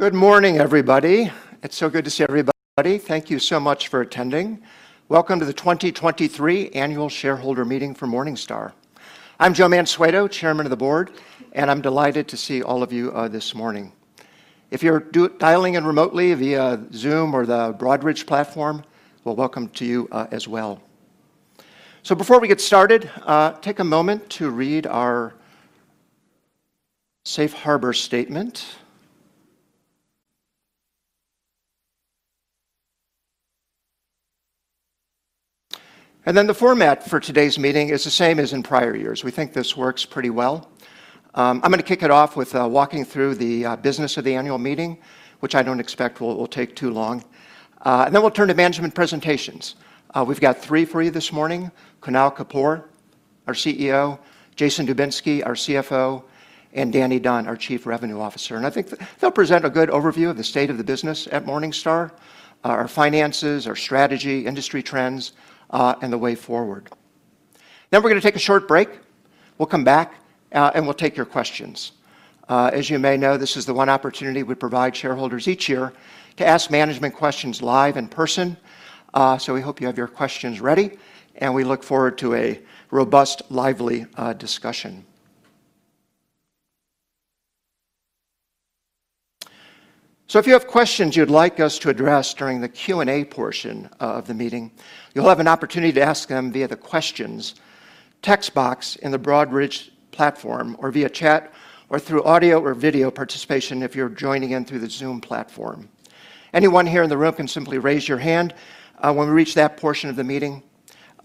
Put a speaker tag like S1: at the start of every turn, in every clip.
S1: Good morning, everybody. It's so good to see everybody. Thank you so much for attending. Welcome to the 2023 Annual Shareholder Meeting for Morningstar. I'm Joe Mansueto, Chairman of the Board, I'm delighted to see all of you this morning. If you're dialing in remotely via Zoom or the Broadridge platform, well, welcome to you as well. Before we get started, take a moment to read our Safe Harbor statement. The format for today's meeting is the same as in prior years. We think this works pretty well. I'm gonna kick it off with walking through the business of the annual meeting, which I don't expect will take too long. We'll turn to management presentations. We've got three for you this morning, Kunal Kapoor, our CEO, Jason Dubinsky, our CFO, and Danny Dunn, our Chief Revenue Officer. I think they'll present a good overview of the state of the business at Morningstar, our finances, our strategy, industry trends, and the way forward. We're gonna take a short break. We'll come back, and we'll take your questions. As you may know, this is the one opportunity we provide shareholders each year to ask management questions live in person, so we hope you have your questions ready, and we look forward to a robust, lively discussion. If you have questions you'd like us to address during the Q&A portion of the meeting, you'll have an opportunity to ask them via the Questions text box in the Broadridge platform or via chat or through audio or video participation if you're joining in through the Zoom platform. Anyone here in the room can simply raise your hand when we reach that portion of the meeting,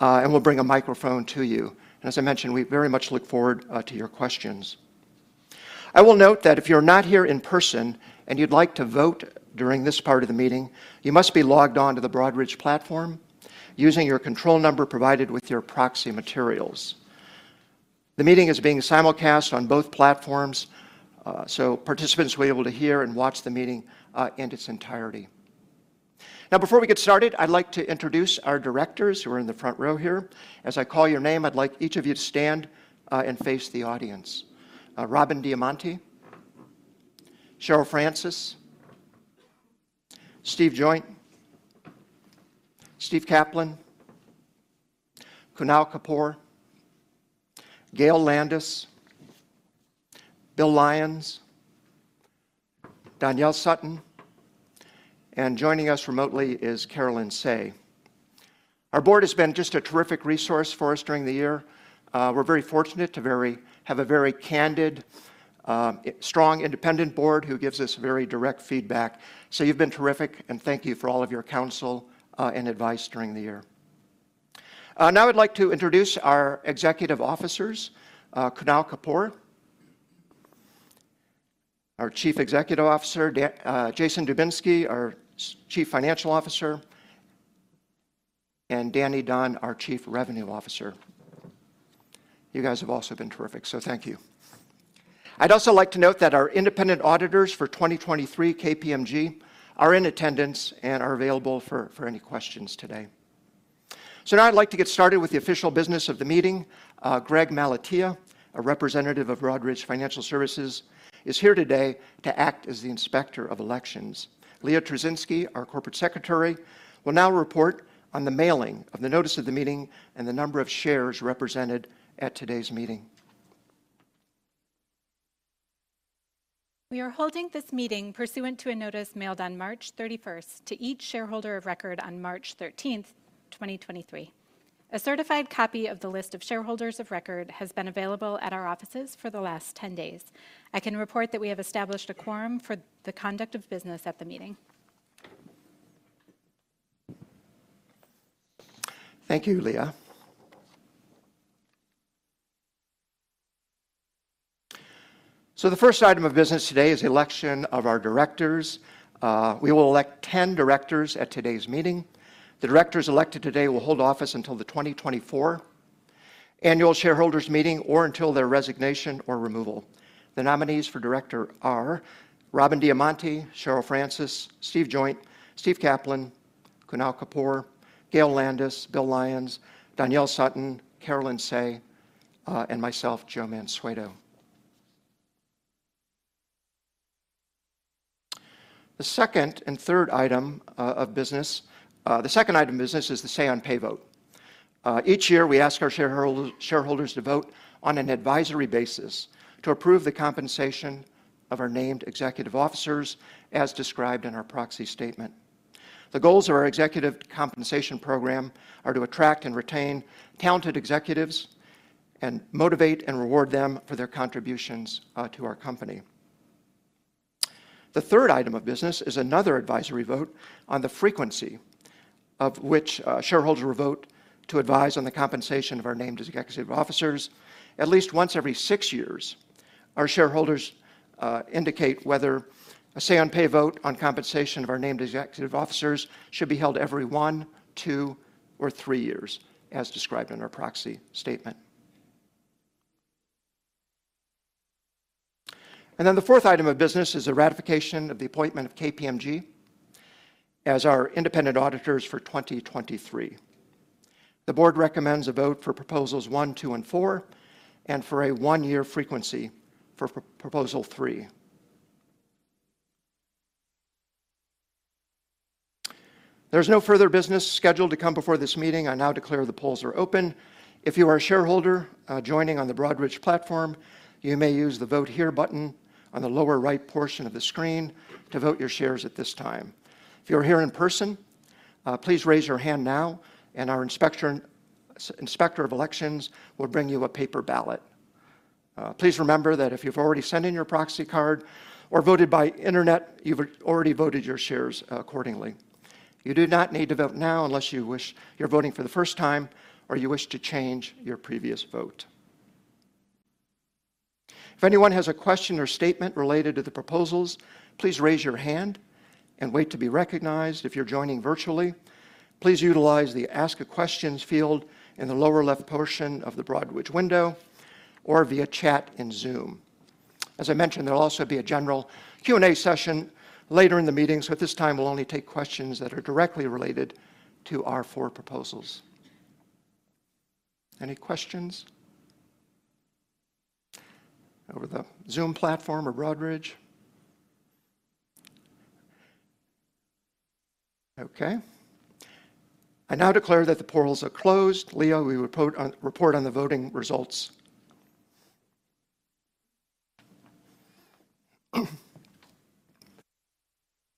S1: and we'll bring a microphone to you. As I mentioned, we very much look forward to your questions. I will note that if you're not here in person and you'd like to vote during this part of the meeting, you must be logged on to the Broadridge platform using your control number provided with your proxy materials. The meeting is being simulcast on both platforms, participants will be able to hear and watch the meeting in its entirety. Before we get started, I'd like to introduce our directors who are in the front row here. As I call your name, I'd like each of you to stand and face the audience. Robin Diamonte, Cheryl Francis, Steve Joynt, Steven Kaplan, Kunal Kapoor, Gail Landis, William Lyons, Doniel Sutton, and joining us remotely is Carolyn Hsieh. Our board has been just a terrific resource for us during the year. We're very fortunate to have a very candid, strong, independent board who gives us very direct feedback. You've been terrific and thank you for all of your counsel and advice during the year. Now I'd like to introduce our executive officers, Kunal Kapoor, our Chief Executive Officer, Jason Dubinsky, our Chief Financial Officer, and Danny Don, our Chief Revenue Officer. You guys have also been terrific, so thank you. I'd also like to note that our independent auditors for 2023, KPMG, are in attendance and are available for any questions today. Now I'd like to get started with the official business of the meeting. Greg Malatia, a representative of Broadridge Financial Services, is here today to act as the Inspector of Elections. Leah Truszynski, our Corporate Secretary, will now report on the mailing of the notice of the meeting and the number of shares represented at today's meeting.
S2: We are holding this meeting pursuant to a notice mailed on March 31st to each shareholder of record on March 13th, 2023. A certified copy of the list of shareholders of record has been available at our offices for the last 10 days. I can report that we have established a quorum for the conduct of business at the meeting.
S1: Thank you, Leah. The first item of business today is election of our directors. We will elect 10 directors at today's meeting. The directors elected today will hold office until the 2024 annual shareholders meeting or until their resignation or removal. The nominees for director are Robin Diamonte, Cheryl Francis, Steve Joynt, Steven Kaplan, Kunal Kapoor, Gail Landis, Bill Lyons, Doniel Sutton, Carolyn Hsieh, and myself, Joe Mansueto. The second item of business is the say-on-pay vote. Each year we ask our shareholders to vote on an advisory basis to approve the compensation of our named executive officers as described in our proxy statement. The goals of our executive compensation program are to attract and retain talented executives and motivate and reward them for their contributions to our company. The third item of business is another advisory vote on the frequency of which shareholders will vote to advise on the compensation of our named executive officers at least once every six years. Our shareholders indicate whether a say-on-pay vote on compensation of our named executive officers should be held every one, two, or three years, as described in our proxy statement. The fourth item of business is a ratification of the appointment of KPMG as our independent auditors for 2023. The board recommends a vote for proposals one, two, and four, and for a one-year frequency for proposal three. There's no further business scheduled to come before this meeting. I now declare the polls are open. If you are a shareholder, joining on the Broadridge platform, you may use the Vote Here button on the lower right portion of the screen to vote your shares at this time. If you're here in person, please raise your hand now and our inspector of elections will bring you a paper ballot. Please remember that if you've already sent in your proxy card or voted by internet, you've already voted your shares accordingly. You do not need to vote now unless you wish you're voting for the first time, or you wish to change your previous vote. If anyone has a question or statement related to the proposals, please raise your hand and wait to be recognized. If you're joining virtually, please utilize the Ask a Questions field in the lower left portion of the Broadridge window or via chat in Zoom. As I mentioned, there'll also be a general Q&A session later in the meeting, at this time we'll only take questions that are directly related to our four proposals. Any questions over the Zoom platform or Broadridge? Okay. I now declare that the polls are closed. Leah will report on the voting results.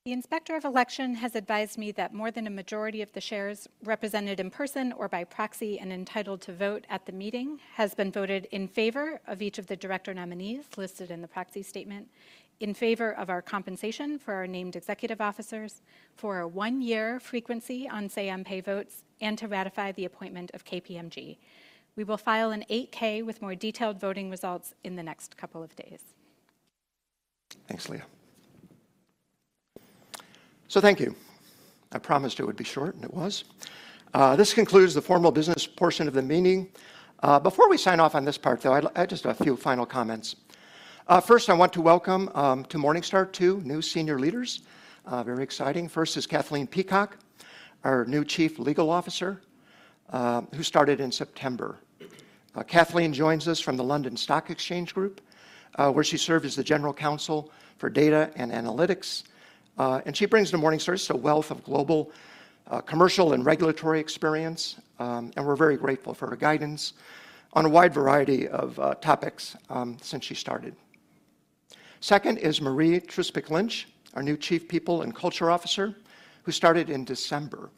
S2: The Inspector of Election has advised me that more than a majority of the shares represented in person or by proxy and entitled to vote at the meeting has been voted in favor of each of the director nominees listed in the proxy statement, in favor of our compensation for our named executive officers for a one-year frequency on say on pay votes and to ratify the appointment of KPMG. We will file an 8-K with more detailed voting results in the next couple of days.
S1: Thanks, Leah. Thank you. I promised it would be short and it was. This concludes the formal business portion of the meeting. Before we sign off on this part though, I just a few final comments. First, I want to welcome to Morningstar two new senior leaders, very exciting. First is Kathleen Peacock, our new Chief Legal Officer, who started in September. Kathleen joins us from the London Stock Exchange Group, where she served as the General Counsel for Data and Analytics, and she brings to Morningstar so wealth of global commercial and regulatory experience, and we're very grateful for her guidance on a wide variety of topics since she started. Second is Marie Trzupek Lynch, our new Chief People and Culture Officer, who started in December.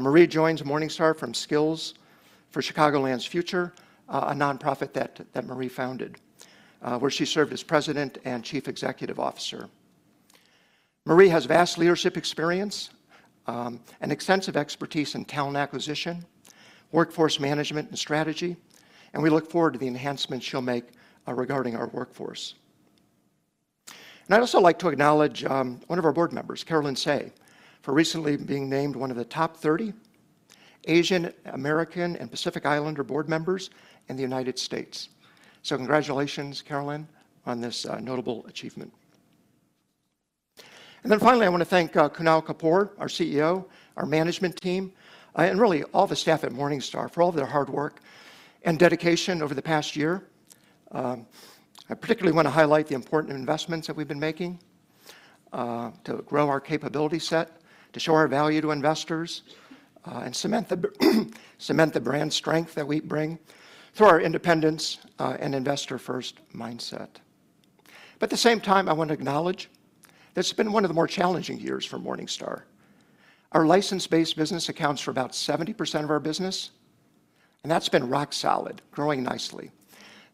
S1: Marie joins Morningstar from Skills for Chicagoland's Future, a nonprofit that Marie founded, where she served as President and Chief Executive Officer. Marie has vast leadership experience, and extensive expertise in talent acquisition, workforce management, and strategy. We look forward to the enhancements she'll make regarding our workforce. I'd also like to acknowledge one of our board members, Carolyn Hseih, for recently being named one of the top 30 Asian American and Pacific Islander board members in the United States. Congratulations, Carolyn, on this notable achievement. Then finally, I wanna thank Kunal Kapoor, our CEO, our management team, and really all the staff at Morningstar for all of their hard work and dedication over the past year. I particularly wanna highlight the important investments that we've been making, to grow our capability set, to show our value to investors, and cement the brand strength that we bring through our independence, and investor-first mindset. At the same time, I wanna acknowledge that it's been one of the more challenging years for Morningstar. Our license-based business accounts for about 70% of our business, and that's been rock solid, growing nicely.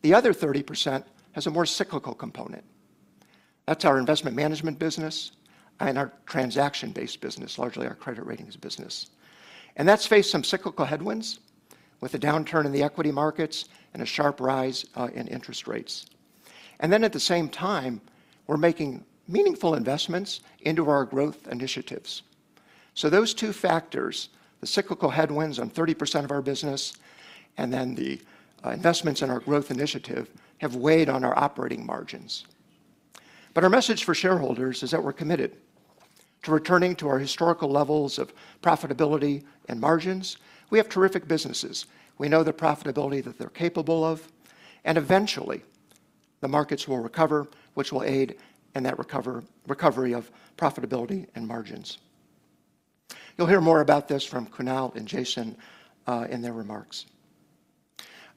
S1: The other 30% has a more cyclical component. That's our investment management business and our transaction-based business, largely our credit ratings business. That's faced some cyclical headwinds with the downturn in the equity markets and a sharp rise in interest rates. At the same time, we're making meaningful investments into our growth initiatives. Those two factors, the cyclical headwinds on 30% of our business and then the investments in our growth initiative, have weighed on our operating margins. Our message for shareholders is that we're committed to returning to our historical levels of profitability and margins. We have terrific businesses. We know the profitability that they're capable of, and eventually the markets will recover, which will aid in that recovery of profitability and margins. You'll hear more about this from Kunal and Jason in their remarks.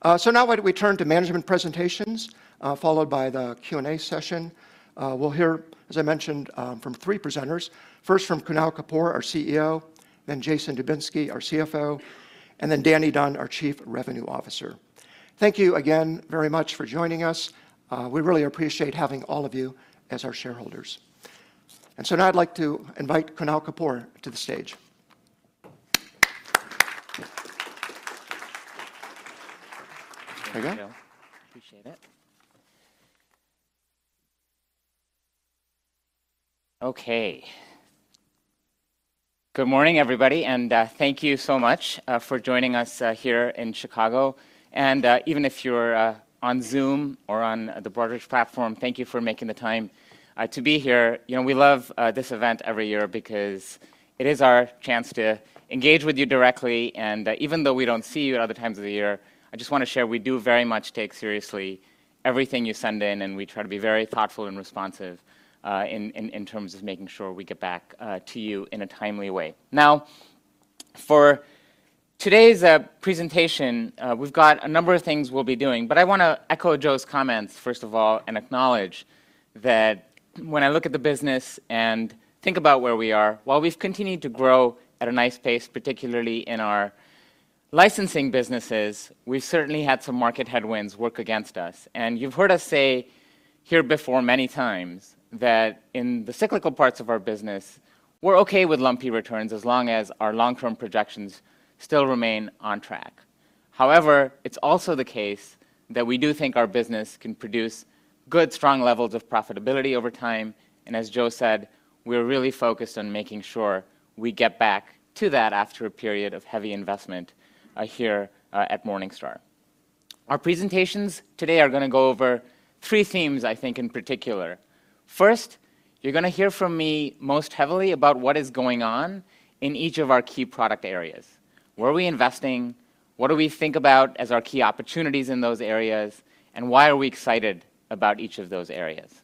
S1: Now why don't we turn to management presentations, followed by the Q&A session. We'll hear, as I mentioned, from three presenters. First from Kunal Kapoor, our CEO, then Jason Dubinsky, our CFO, and then Danny Dunn, our Chief Revenue Officer. Thank you again very much for joining us. We really appreciate having all of you as our shareholders. Now I'd like to invite Kunal Kapoor to the stage. There you go. Appreciate it.
S3: Okay. Good morning, everybody. Thank you so much for joining us here in Chicago. Even if you're on Zoom or on the brokerage platform, thank you for making the time to be here. You know, we love this event every year because it is our chance to engage with you directly. Even though we don't see you at other times of the year, I just wanna share we do very much take seriously everything you send in, and we try to be very thoughtful and responsive in terms of making sure we get back to you in a timely way. Now, for today's presentation, we've got a number of things we'll be doing, but I wanna echo Joe's comments first of all and acknowledge that when I look at the business and think about where we are, while we've continued to grow at a nice pace, particularly in our licensing businesses, we've certainly had some market headwinds work against us. You've heard us say here before many times that in the cyclical parts of our business, we're okay with lumpy returns as long as our long-term projections still remain on track. However, it's also the case that we do think our business can produce good, strong levels of profitability over time, and as Joe said, we're really focused on making sure we get back to that after a period of heavy investment here at Morningstar. Our presentations today are gonna go over three themes, I think, in particular. First, you're gonna hear from me most heavily about what is going on in each of our key product areas. Where are we investing? What do we think about as our key opportunities in those areas? Why are we excited about each of those areas?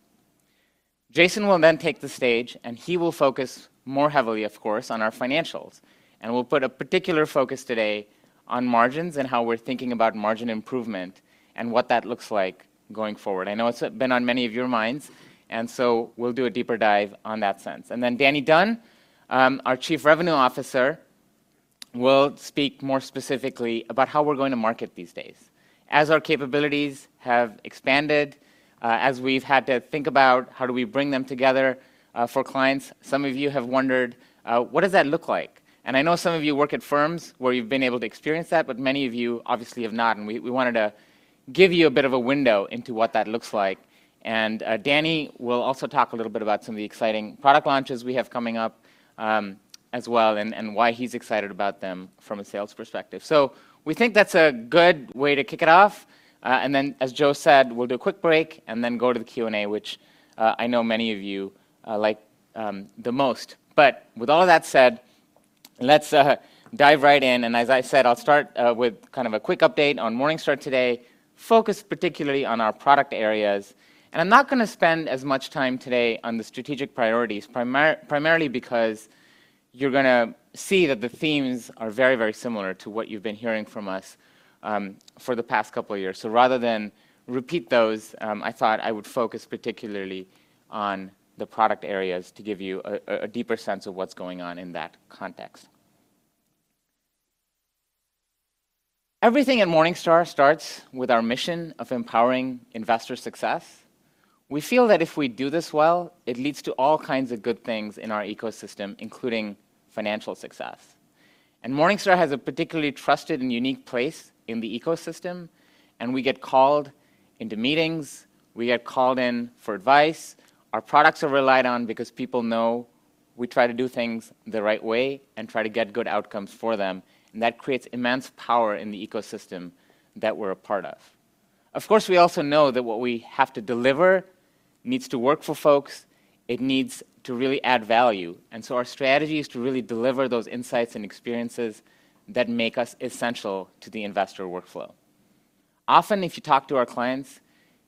S3: Jason will then take the stage, and he will focus more heavily, of course, on our financials. We'll put a particular focus today on margins and how we're thinking about margin improvement and what that looks like going forward. I know it's been on many of your minds, and so we'll do a deeper dive on that sense. Daniel Dunn, our Chief Revenue Officer, will speak more specifically about how we're going to market these days. As our capabilities have expanded, as we've had to think about how do we bring them together, for clients, some of you have wondered, what does that look like? I know some of you work at firms where you've been able to experience that, but many of you obviously have not, and we wanted to give you a bit of a window into what that looks like. Daniel Dunn will also talk a little bit about some of the exciting product launches we have coming up as well and why he's excited about them from a sales perspective. We think that's a good way to kick it off, and then as Joe Mansueto said, we'll do a quick break and then go to the Q&A, which I know many of you like the most. With all of that said, let's dive right in. As I said, I'll start with kind of a quick update on Morningstar today, focus particularly on our product areas. I'm not gonna spend as much time today on the strategic priorities primarily because you're gonna see that the themes are very, very similar to what you've been hearing from us for the past couple of years. Rather than repeat those, I thought I would focus particularly on the product areas to give you a deeper sense of what's going on in that context. Everything at Morningstar starts with our mission of empowering investor success. We feel that if we do this well, it leads to all kinds of good things in our ecosystem, including financial success. Morningstar has a particularly trusted and unique place in the ecosystem, and we get called into meetings, we get called in for advice. Our products are relied on because people know we try to do things the right way and try to get good outcomes for them, and that creates immense power in the ecosystem that we're a part of. Of course, we also know that what we have to deliver needs to work for folks. It needs to really add value. Our strategy is to really deliver those insights and experiences that make us essential to the investor workflow. Often, if you talk to our clients,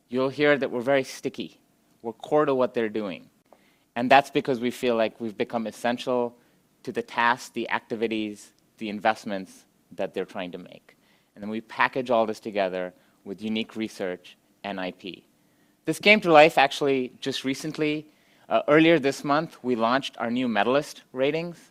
S3: you'll hear that we're very sticky. We're core to what they're doing, and that's because we feel like we've become essential to the tasks, the activities, the investments that they're trying to make. We package all this together with unique research and IP. Earlier this month, we launched our new Medalist Ratings.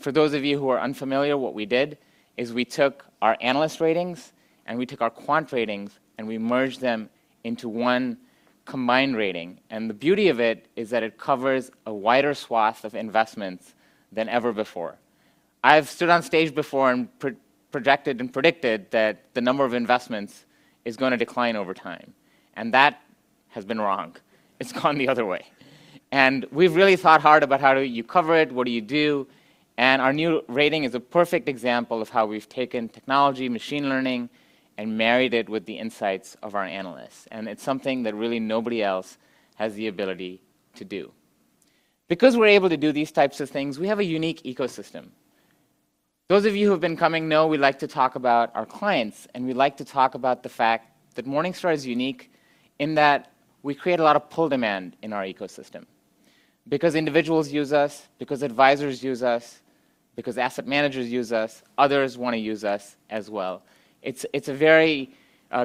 S3: For those of you who are unfamiliar, what we did is we took our analyst ratings, and we took our Quant Ratings, and we merged them into one combined rating. The beauty of it is that it covers a wider swath of investments than ever before. I've stood on stage before and predicted that the number of investments is gonna decline over time, and that has been wrong. It's gone the other way. We've really thought hard about how do you cover it, what do you do, and our new rating is a perfect example of how we've taken technology, machine learning, and married it with the insights of our analysts. It's something that really nobody else has the ability to do. Because we're able to do these types of things, we have a unique ecosystem. Those of you who have been coming know we like to talk about our clients, and we like to talk about the fact that Morningstar is unique in that we create a lot of pull demand in our ecosystem. Because individuals use us, because advisors use us, because asset managers use us, others wanna use us as well. It's a very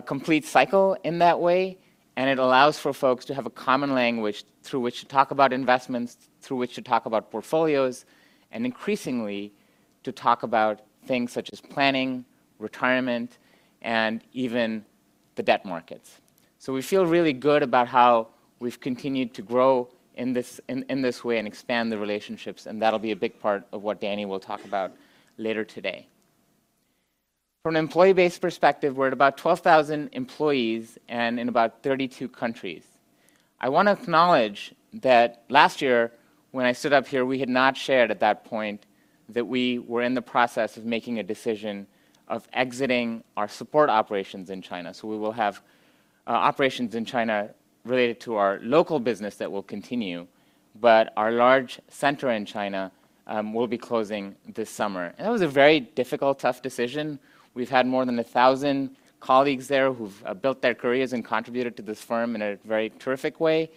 S3: complete cycle in that way, and it allows for folks to have a common language through which to talk about investments, through which to talk about portfolios, and increasingly to talk about things such as planning, retirement, and even the debt markets. We feel really good about how we've continued to grow in this way and expand the relationships, and that'll be a big part of what Danny will talk about later today. From an employee-based perspective, we're at about 12,000 employees and in about 32 countries. I wanna acknowledge that last year when I stood up here, we had not shared at that point that we were in the process of making a decision of exiting our support operations in China. We will have operations in China related to our local business that will continue, but our large center in China will be closing this summer. That was a very difficult, tough decision. We've had more than 1,000 colleagues there who've built their careers and contributed to this firm in a very terrific way.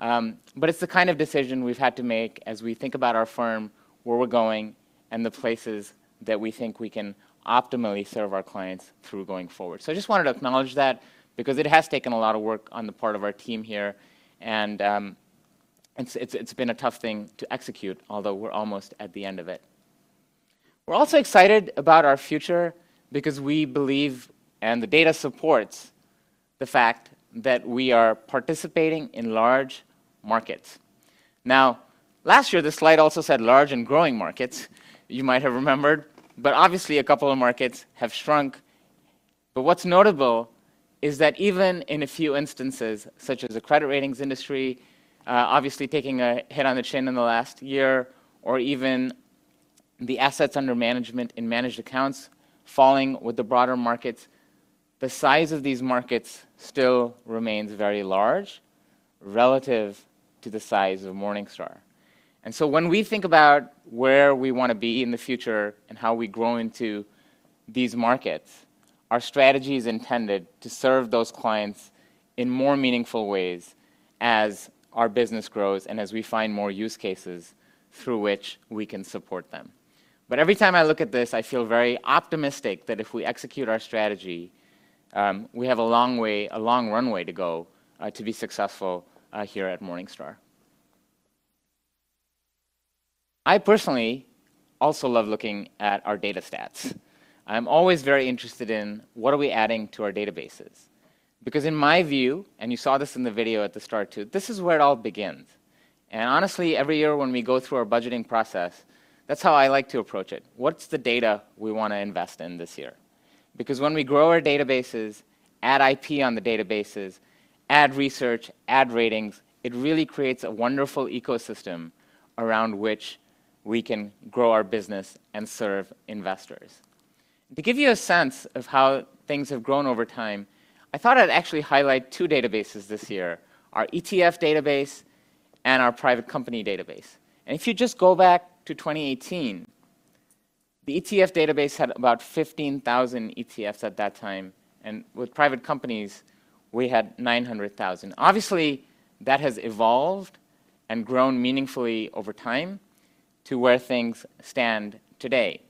S3: It's the kind of decision we've had to make as we think about our firm, where we're going, and the places that we think we can optimally serve our clients through going forward. I just wanted to acknowledge that because it has taken a lot of work on the part of our team here, and it's been a tough thing to execute, although we're almost at the end of it. We're also excited about our future because we believe, and the data supports the fact, that we are participating in large markets. Last year, this slide also said large and growing markets, you might have remembered, but obviously a couple of markets have shrunk. What's notable is that even in a few instances, such as the credit ratings industry, obviously taking a hit on the chin in the last year, or even the assets under management in managed accounts falling with the broader markets, the size of these markets still remains very large relative to the size of Morningstar. When we think about where we wanna be in the future and how we grow into these markets, our strategy is intended to serve those clients in more meaningful ways as our business grows and as we find more use cases through which we can support them. Every time I look at this, I feel very optimistic that if we execute our strategy, we have a long way, a long runway to go, to be successful, here at Morningstar. I personally also love looking at our data stats. I'm always very interested in what are we adding to our databases. In my view, and you saw this in the video at the start too, this is where it all begins. Honestly, every year when we go through our budgeting process, that's how I like to approach it. What's the data we wanna invest in this year? When we grow our databases, add IP on the databases, add research, add ratings, it really creates a wonderful ecosystem around which we can grow our business and serve investors. To give you a sense of how things have grown over time, I thought I'd actually highlight two databases this year, our ETF database and our private company database. If you just go back to 2018, the ETF database had about 15,000 ETFs at that time, with private companies, we had 900,000. Obviously, that has evolved and grown meaningfully over time to where things stand today.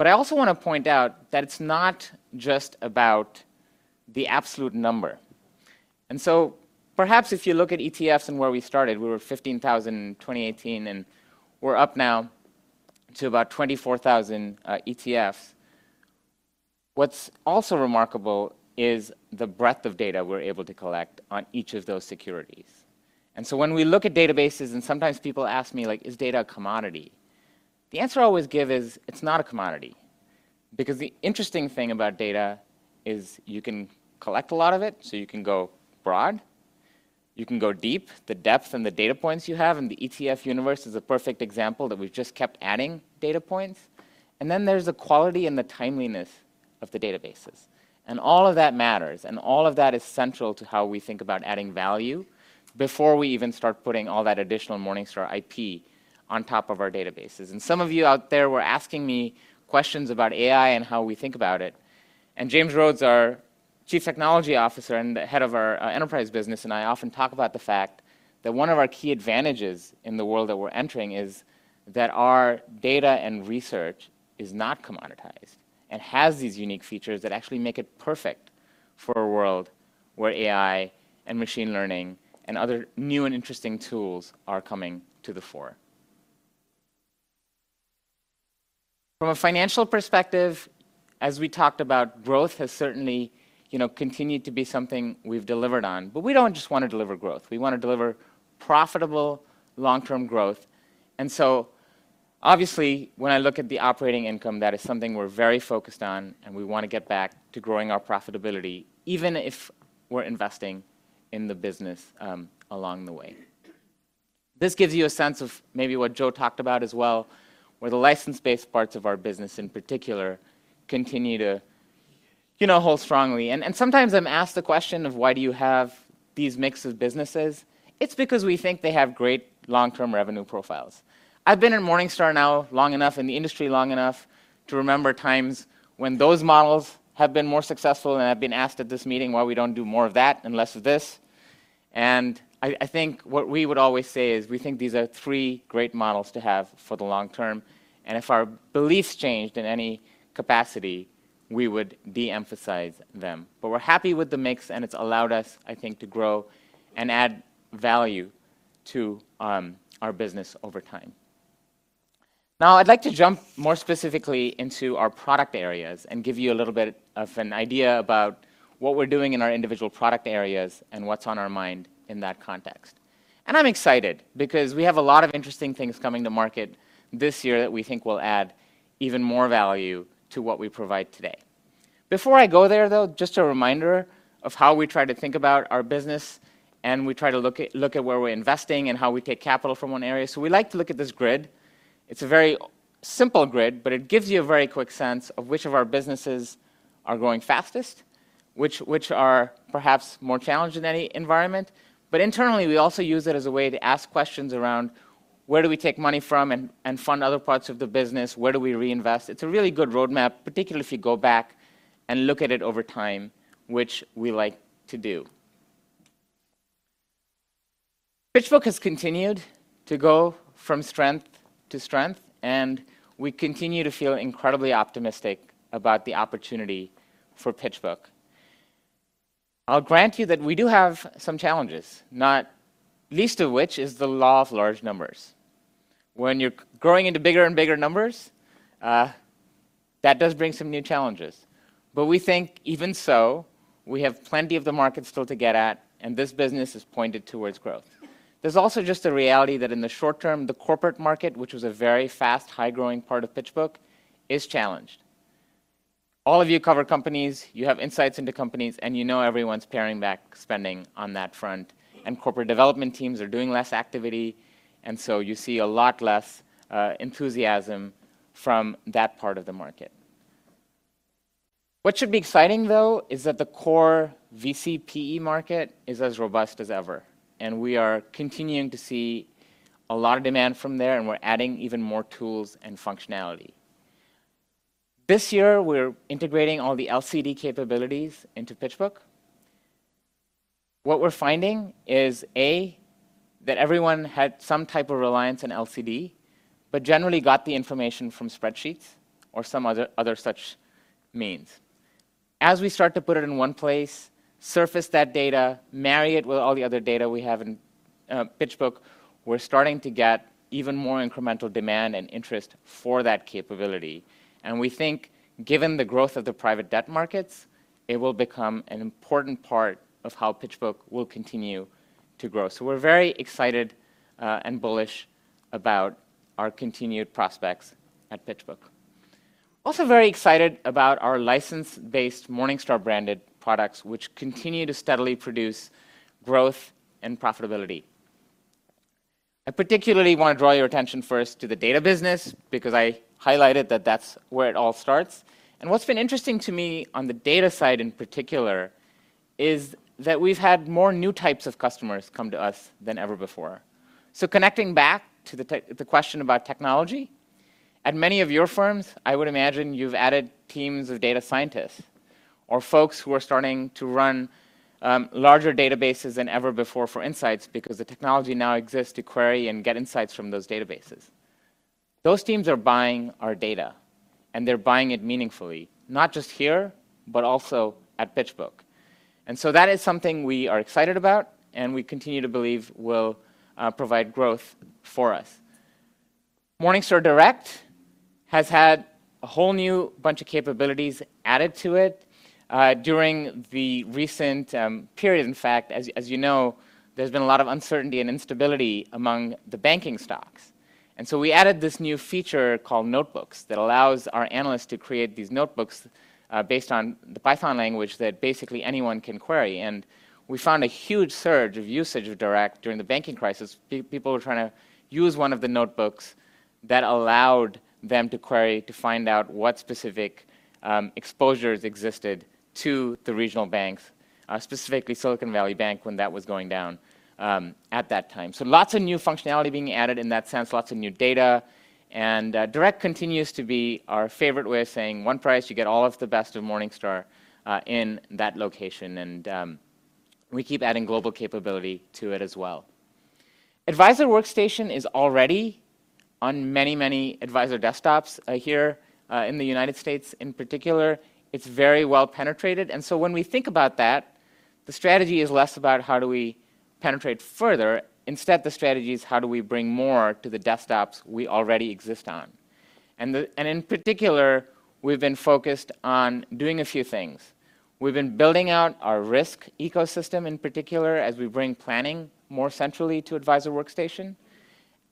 S3: I also wanna point out that it's not just about the absolute number. Perhaps if you look at ETFs and where we started, we were 15,000 in 2018, and we're up now to about 24,000 ETFs. What's also remarkable is the breadth of data we're able to collect on each of those securities. When we look at databases, and sometimes people ask me, like, "Is data a commodity?" The answer I always give is, "It's not a commodity." The interesting thing about data is you can collect a lot of it, so you can go broad. You can go deep. The depth and the data points you have in the ETF universe is a perfect example that we've just kept adding data points. Then there's the quality and the timeliness of the databases. All of that matters, and all of that is central to how we think about adding value before we even start putting all that additional Morningstar IP on top of our databases. Some of you out there were asking me questions about AI and how we think about it. James Rhodes, our Chief Technology Officer and the Head of our enterprise business, and I often talk about the fact that one of our key advantages in the world that we're entering is that our data and research is not commoditized and has these unique features that actually make it perfect for a world where AI and machine learning and other new and interesting tools are coming to the fore. From a financial perspective, as we talked about, growth has certainly, you know, continued to be something we've delivered on. We don't just wanna deliver growth. We wanna deliver profitable long-term growth. Obviously, when I look at the operating income, that is something we're very focused on, and we wanna get back to growing our profitability, even if we're investing in the business along the way. This gives you a sense of maybe what Joe talked about as well, where the license-based parts of our business in particular continue to, you know, hold strongly. Sometimes I'm asked the question of, "Why do you have these mix of businesses?" It's because we think they have great long-term revenue profiles. I've been at Morningstar now long enough, in the industry long enough, to remember times when those models have been more successful, and I've been asked at this meeting why we don't do more of that and less of this. I think what we would always say is we think these are three great models to have for the long term, and if our beliefs changed in any capacity, we would de-emphasize them. We're happy with the mix, and it's allowed us, I think, to grow and add value to our business over time. I'd like to jump more specifically into our product areas and give you a little bit of an idea about what we're doing in our individual product areas and what's on our mind in that context. I'm excited because we have a lot of interesting things coming to market this year that we think will add even more value to what we provide today. Before I go there, though, just a reminder of how we try to think about our business, and we try to look at where we're investing and how we take capital from one area. We like to look at this grid. It's a very simple grid, but it gives you a very quick sense of which of our businesses are growing fastest, which are perhaps more challenged in any environment. Internally, we also use it as a way to ask questions around where do we take money from and fund other parts of the business? Where do we reinvest? It's a really good roadmap, particularly if you go back and look at it over time, which we like to do. PitchBook has continued to go from strength to strength, we continue to feel incredibly optimistic about the opportunity for PitchBook. I'll grant you that we do have some challenges, not least of which is the law of large numbers. When you're growing into bigger and bigger numbers, that does bring some new challenges. We think even so, we have plenty of the market still to get at, and this business is pointed towards growth. There's also just a reality that in the short term, the corporate market, which was a very fast, high-growing part of PitchBook, is challenged. All of you cover companies, you have insights into companies, and you know everyone's paring back spending on that front. Corporate development teams are doing less activity, and so you see a lot less enthusiasm from that part of the market. What should be exciting, though, is that the core VC/PE market is as robust as ever, and we are continuing to see a lot of demand from there, and we're adding even more tools and functionality. This year, we're integrating all the LCD capabilities into PitchBook. What we're finding is, A, that everyone had some type of reliance on LCD, but generally got the information from spreadsheets or some other such means. As we start to put it in one place, surface that data, marry it with all the other data we have in PitchBook, we're starting to get even more incremental demand and interest for that capability. We think given the growth of the private debt markets, it will become an important part of how PitchBook will continue to grow. We're very excited and bullish about our continued prospects at PitchBook. Also very excited about our license-based Morningstar-branded products, which continue to steadily produce growth and profitability. I particularly wanna draw your attention first to the data business because I highlighted that that's where it all starts. What's been interesting to me on the data side, in particular, is that we've had more new types of customers come to us than ever before. Connecting back to the question about technology, at many of your firms, I would imagine you've added teams of data scientists or folks who are starting to run larger databases than ever before for insights because the technology now exists to query and get insights from those databases. Those teams are buying our data, and they're buying it meaningfully, not just here, but also at PitchBook. That is something we are excited about and we continue to believe will provide growth for us. Morningstar Direct has had a whole new bunch of capabilities added to it during the recent period. In fact, as you know, there's been a lot of uncertainty and instability among the banking stocks. We added this new feature called Notebooks that allows our analysts to create these Notebooks, based on the Python language that basically anyone can query. We found a huge surge of usage of Direct during the banking crisis. People were trying to use one of the Notebooks that allowed them to query to find out what specific exposures existed to the regional banks, specifically Silicon Valley Bank when that was going down at that time. Lots of new functionality being added in that sense, lots of new data. Direct continues to be our favorite way of saying one price, you get all of the best of Morningstar in that location. We keep adding global capability to it as well. Advisor Workstation is already on many, many advisor desktops here in the United States in particular. It's very well penetrated. When we think about that, the strategy is less about how do we penetrate further. Instead, the strategy is how do we bring more to the desktops we already exist on. In particular, we've been focused on doing a few things. We've been building out our risk ecosystem, in particular, as we bring planning more centrally to Advisor Workstation.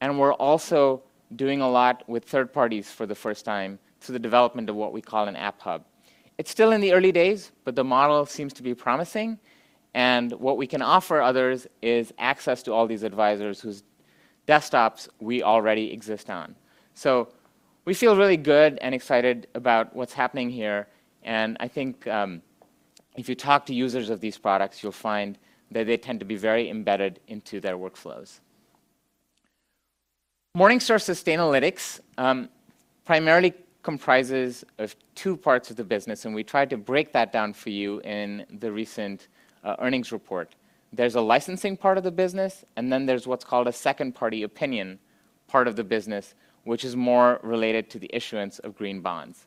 S3: We're also doing a lot with third parties for the first time through the development of what we call an App Hub. It's still in the early days, but the model seems to be promising. What we can offer others is access to all these advisors whose desktops we already exist on. We feel really good and excited about what's happening here. I think, if you talk to users of these products, you'll find that they tend to be very embedded into their workflows. Morningstar Sustainalytics primarily comprises of two parts of the business, and we tried to break that down for you in the recent earnings report. There's a licensing part of the business, and then there's what's called a second-party opinion part of the business, which is more related to the issuance of green bonds.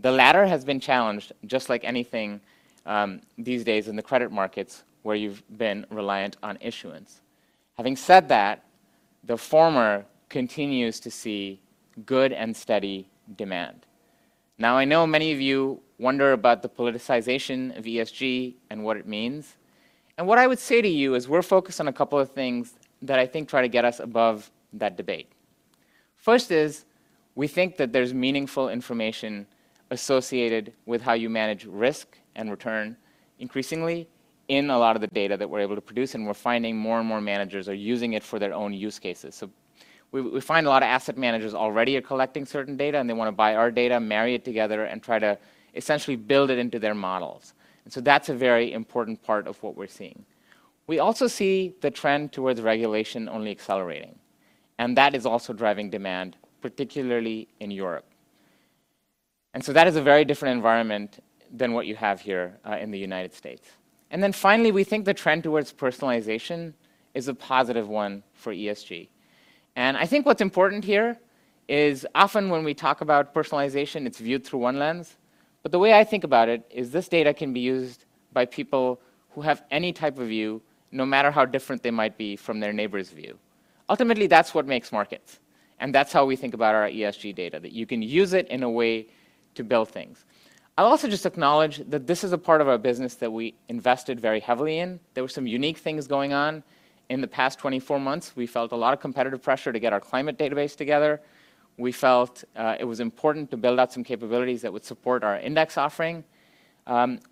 S3: The latter has been challenged, just like anything these days in the credit markets where you've been reliant on issuance. Having said that, the former continues to see good and steady demand. Now, I know many of you wonder about the politicization of ESG and what it means. What I would say to you is we're focused on a couple of things that I think try to get us above that debate. First is we think that there's meaningful information associated with how you manage risk and return increasingly in a lot of the data that we're able to produce, we're finding more and more managers are using it for their own use cases. We, we find a lot of asset managers already are collecting certain data, they wanna buy our data, marry it together, and try to essentially build it into their models. That's a very important part of what we're seeing. We also see the trend towards regulation only accelerating, and that is also driving demand, particularly in Europe. That is a very different environment than what you have here, in the United States. Finally, we think the trend towards personalization is a positive one for ESG. I think what's important here is often when we talk about personalization, it's viewed through one lens, but the way I think about it is this data can be used by people who have any type of view, no matter how different they might be from their neighbor's view. Ultimately, that's what makes markets, and that's how we think about our ESG data, that you can use it in a way to build things. I'll also just acknowledge that this is a part of our business that we invested very heavily in. There were some unique things going on in the past 24 months. We felt a lot of competitive pressure to get our climate database together. We felt it was important to build out some capabilities that would support our index offering.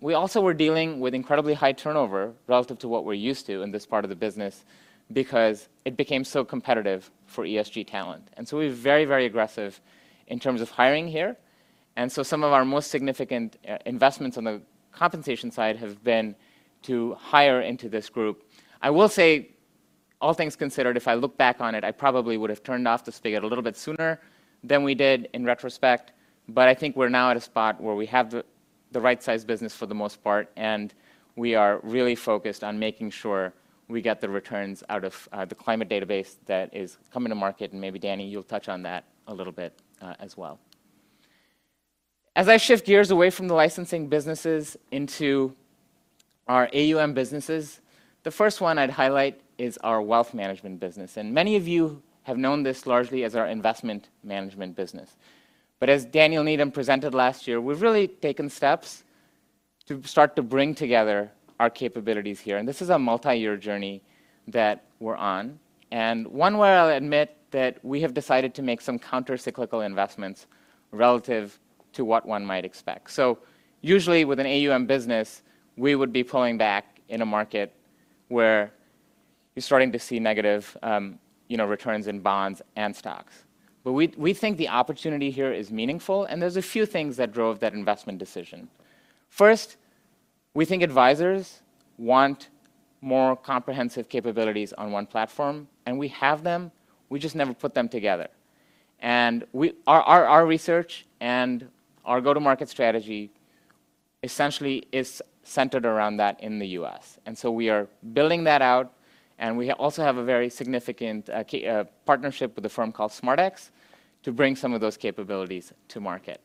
S3: We also were dealing with incredibly high turnover relative to what we're used to in this part of the business because it became so competitive for ESG talent. We were very, very aggressive in terms of hiring here. Some of our most significant investments on the compensation side have been to hire into this group. I will say, all things considered, if I look back on it, I probably would've turned off the spigot a little bit sooner than we did in retrospect. I think we're now at a spot where we have the right-sized business for the most part, and we are really focused on making sure we get the returns out of the climate database that is coming to market. Maybe, Danny, you'll touch on that a little bit as well. As I shift gears away from the licensing businesses into our AUM businesses, the first one I'd highlight is our wealth management business. Many of you have known this largely as our investment management business. As Daniel Needham presented last year, we've really taken steps to start to bring together our capabilities here. This is a multi-year journey that we're on, and one where I'll admit that we have decided to make some countercyclical investments relative to what one might expect. Usually, with an AUM business, we would be pulling back in a market where you're starting to see negative, you know, returns in bonds and stocks. We think the opportunity here is meaningful, and there's a few things that drove that investment decision. First, we think advisors want more comprehensive capabilities on one platform, and we have them, we just never put them together. Our research and our go-to-market strategy essentially is centered around that in the U.S. We are building that out, and we also have a very significant partnership with a firm called SMArtX to bring some of those capabilities to market.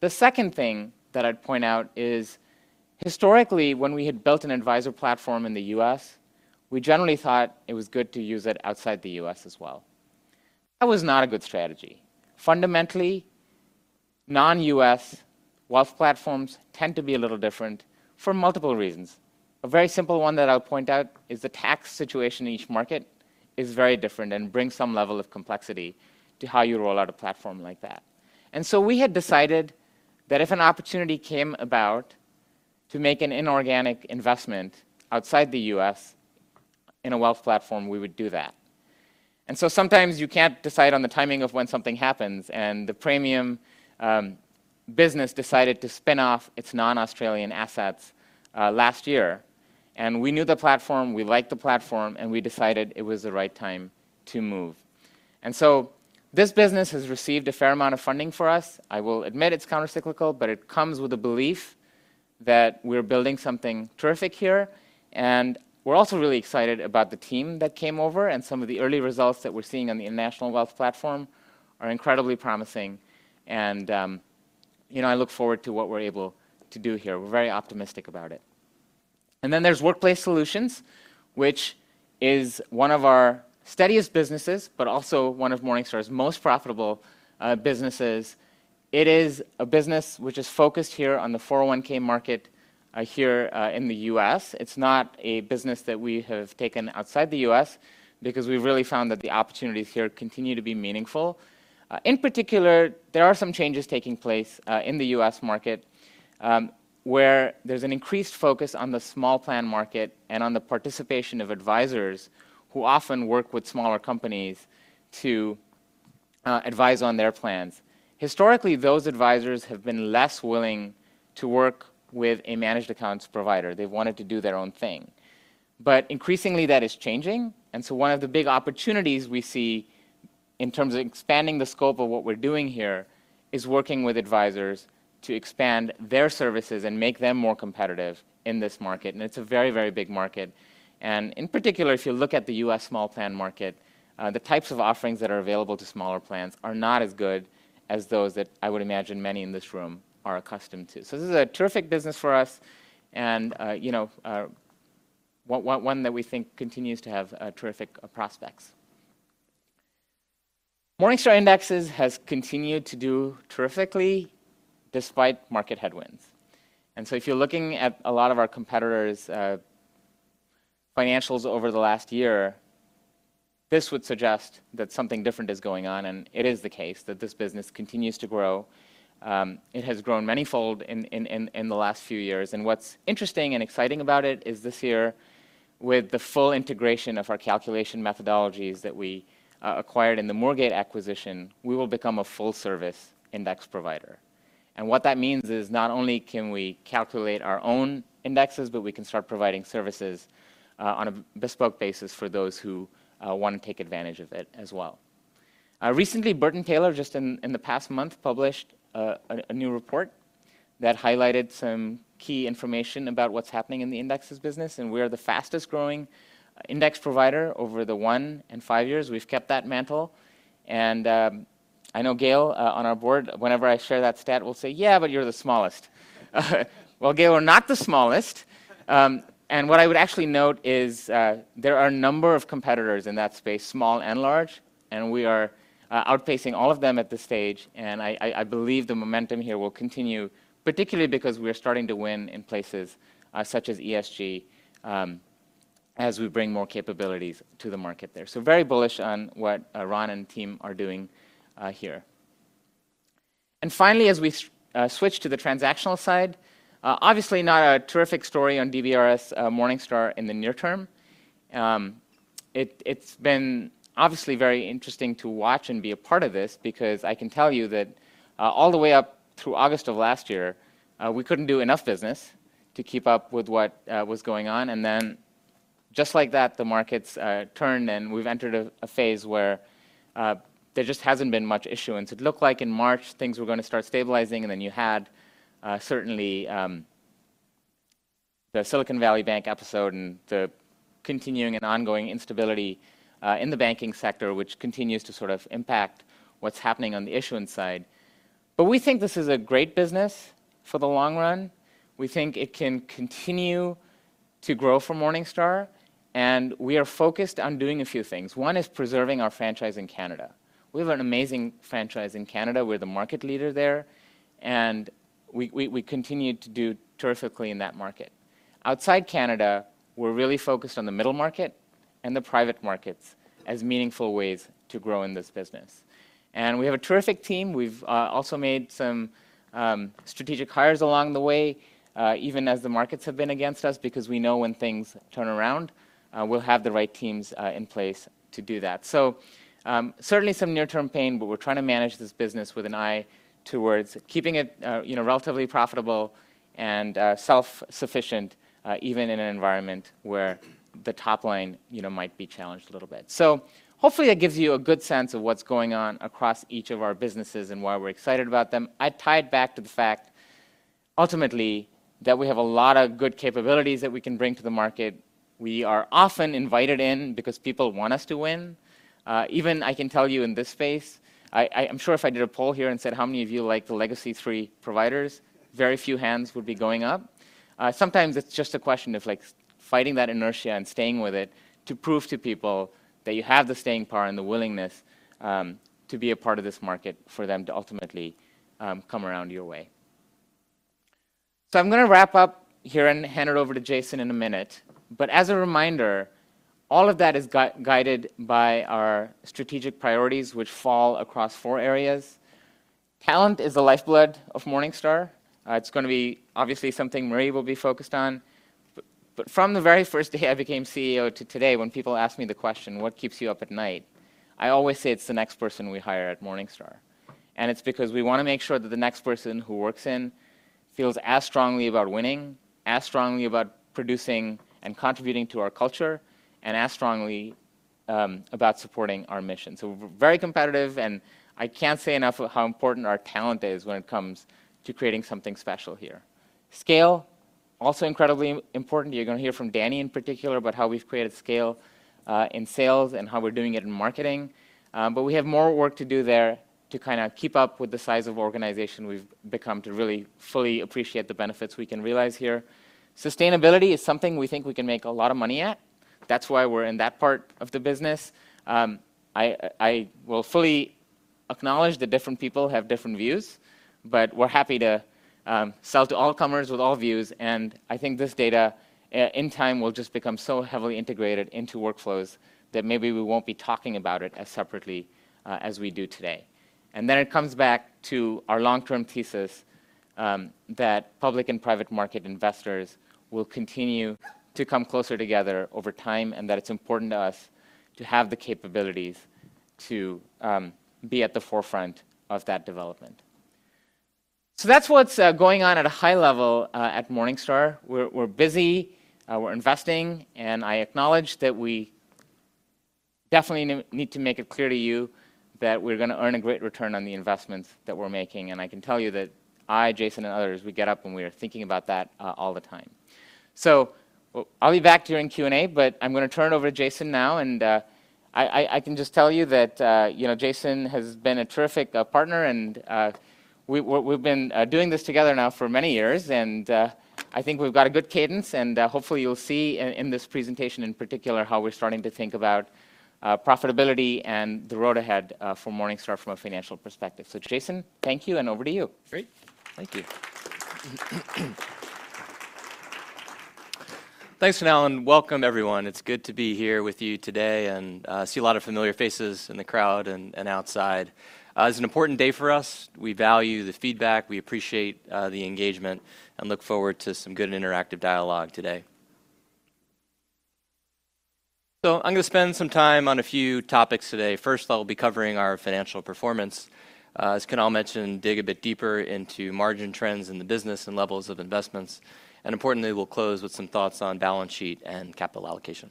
S3: The second thing that I'd point out is, historically, when we had built an advisor platform in the U.S., we generally thought it was good to use it outside the U.S. as well. That was not a good strategy. Fundamentally, non-U.S. wealth platforms tend to be a little different for multiple reasons. A very simple one that I'll point out is the tax situation in each market is very different and brings some level of complexity to how you roll out a platform like that. So, we had decided that if an opportunity came about to make an inorganic investment outside the U.S. in a wealth platform, we would do that. So sometimes you can't decide on the timing of when something happens, the Praemium business decided to spin off its non-Australian assets last year. We knew the platform, we liked the platform, and we decided it was the right time to move. This business has received a fair amount of funding for us. I will admit it's countercyclical, but it comes with a belief that we're building something terrific here. We're also really excited about the team that came over and some of the early results that we're seeing on the international wealth platform are incredibly promising. you know, I look forward to what we're able to do here. We're very optimistic about it. There's Workplace Solutions, which is one of our steadiest businesses, but also one of Morningstar's most profitable businesses. It is a business which is focused here on the 401 market here in the U.S. It's not a business that we have taken outside the U.S. because we've really found that the opportunities here continue to be meaningful. In particular, there are some changes taking place in the U.S. market, where there's an increased focus on the small plan market and on the participation of advisors who often work with smaller companies to advise on their plans. Historically, those advisors have been less willing to work with a managed accounts provider. They've wanted to do their own thing. Increasingly, that is changing. One of the big opportunities we see in terms of expanding the scope of what we're doing here is working with advisors to expand their services and make them more competitive in this market, and it's a very, very big market. In particular, if you look at the U.S. small plan market, the types of offerings that are available to smaller plans are not as good as those that I would imagine many in this room are accustomed to. This is a terrific business for us and, you know, one that we think continues to have terrific prospects. Morningstar Indexes has continued to do terrifically despite market headwinds. If you're looking at a lot of our competitors', financials over the last year, this would suggest that something different is going on, and it is the case that this business continues to grow. It has grown manyfold in the last few years. What's interesting and exciting about it is this year, with the full integration of our calculation methodologies that we acquired in the Moorgate acquisition, we will become a full-service index provider. What that means is not only can we calculate our own indexes, but we can start providing services on a bespoke basis for those who wanna take advantage of it as well. Recently, Burton Taylor, just in the past month, published a new report that highlighted some key information about what's happening in the indexes business, and we are the fastest-growing index provider over the one and five years. We've kept that mantle. I knowGail on our board, whenever I share that stat, will say, "Yeah, but you're the smallest." Well, Gail, we're not the smallest. What I would actually note is, there are a number of competitors in that space, small and large, and we are outpacing all of them at this stage, and I believe the momentum here will continue, particularly because we are starting to win in places, such as ESG, as we bring more capabilities to the market there. Very bullish on what Ron and team are doing here. Finally, as we switch to the transactional side, obviously not a terrific story on DBRS Morningstar in the near term. It's been obviously very interesting to watch and be a part of this because I can tell you that all the way up through August of last year, we couldn't do enough business to keep up with what was going on. Just like that, the markets turned, and we've entered a phase where there just hasn't been much issuance. It looked like in March things were gonna start stabilizing, then you had certainly the Silicon Valley Bank episode and the continuing and ongoing instability in the banking sector, which continues to sort of impact what's happening on the issuance side. We think this is a great business for the long run. We think it can continue to grow for Morningstar, and we are focused on doing a few things. One is preserving our franchise in Canada. We have an amazing franchise in Canada. We're the market leader there, and we continue to do terrifically in that market. Outside Canada, we're really focused on the middle market and the private markets as meaningful ways to grow in this business. We have a terrific team. We've also made some strategic hires along the way, even as the markets have been against us, because we know when things turn around, we'll have the right teams in place to do that. Certainly, some near-term pain, but we're trying to manage this business with an eye towards keeping it, you know, relatively profitable and self-sufficient, even in an environment where the top line, you know, might be challenged a little bit. Hopefully that gives you a good sense of what's going on across each of our businesses and why we're excited about them. I tie it back to the fact, ultimately, that we have a lot of good capabilities that we can bring to the market. We are often invited in because people want us to win. Even I can tell you in this space, I'm sure if I did a poll here and said, "How many of you like the legacy three providers?" Very few hands would be going up. Sometimes it's just a question of, like, fighting that inertia and staying with it to prove to people that you have the staying power and the willingness to be a part of this market for them to ultimately come around your way. I'm going to wrap up here and hand it over to Jason in a minute. As a reminder, all of that is guided by our strategic priorities, which fall across 4 areas. Talent is the lifeblood of Morningstar. It's going to be obviously something Marie will be focused on. from the very first day I became CEO to today, when people ask me the question, "What keeps you up at night?" I always say it's the next person we hire at Morningstar, and it's because we wanna make sure that the next person who works in feels as strongly about winning, as strongly about producing and contributing to our culture, and as strongly about supporting our mission. Very competitive, I can't say enough how important our talent is when it comes to creating something special here. Scale, also incredibly important. You're gonna hear from Danny in particular about how we've created scale in sales and how we're doing it in marketing. We have more work to do there to kinda keep up with the size of organization we've become to really fully appreciate the benefits we can realize here. Sustainability is something we think we can make a lot of money at. That's why we're in that part of the business. I will fully acknowledge that different people have different views, but we're happy to sell to all comers with all views, and I think this data in time will just become so heavily integrated into workflows that maybe we won't be talking about it as separately as we do today. It comes back to our long-term thesis that public and private market investors will continue to come closer together over time, and that it's important to us to have the capabilities to be at the forefront of that development. That's what's going on at a high level at Morningstar. We're busy, we're investing, I acknowledge that we definitely need to make it clear to you that we're gonna earn a great return on the investments that we're making. I can tell you that I, Jason, and others, we get up and we are thinking about that all the time. I'll be back during Q&A, but I'm gonna turn it over to Jason now, and I can just tell you that, you know, Jason has been a terrific partner, and we're, we've been doing this together now for many years and I think we've got a good cadence and hopefully you'll see in this presentation in particular how we're starting to think about profitability and the road ahead for Morningstar from a financial perspective. Jason, thank you and over to you.
S4: Great. Thank you. Thanks, Kunal, and welcome everyone. It's good to be here with you today and see a lot of familiar faces in the crowd and outside. It's an important day for us. We value the feedback; we appreciate the engagement and look forward to some good interactive dialogue today. I'm gonna spend some time on a few topics today. First, I'll be covering our financial performance. As Kunal mentioned, dig a bit deeper into margin trends in the business and levels of investments. Importantly, we'll close with some thoughts on balance sheet and capital allocation.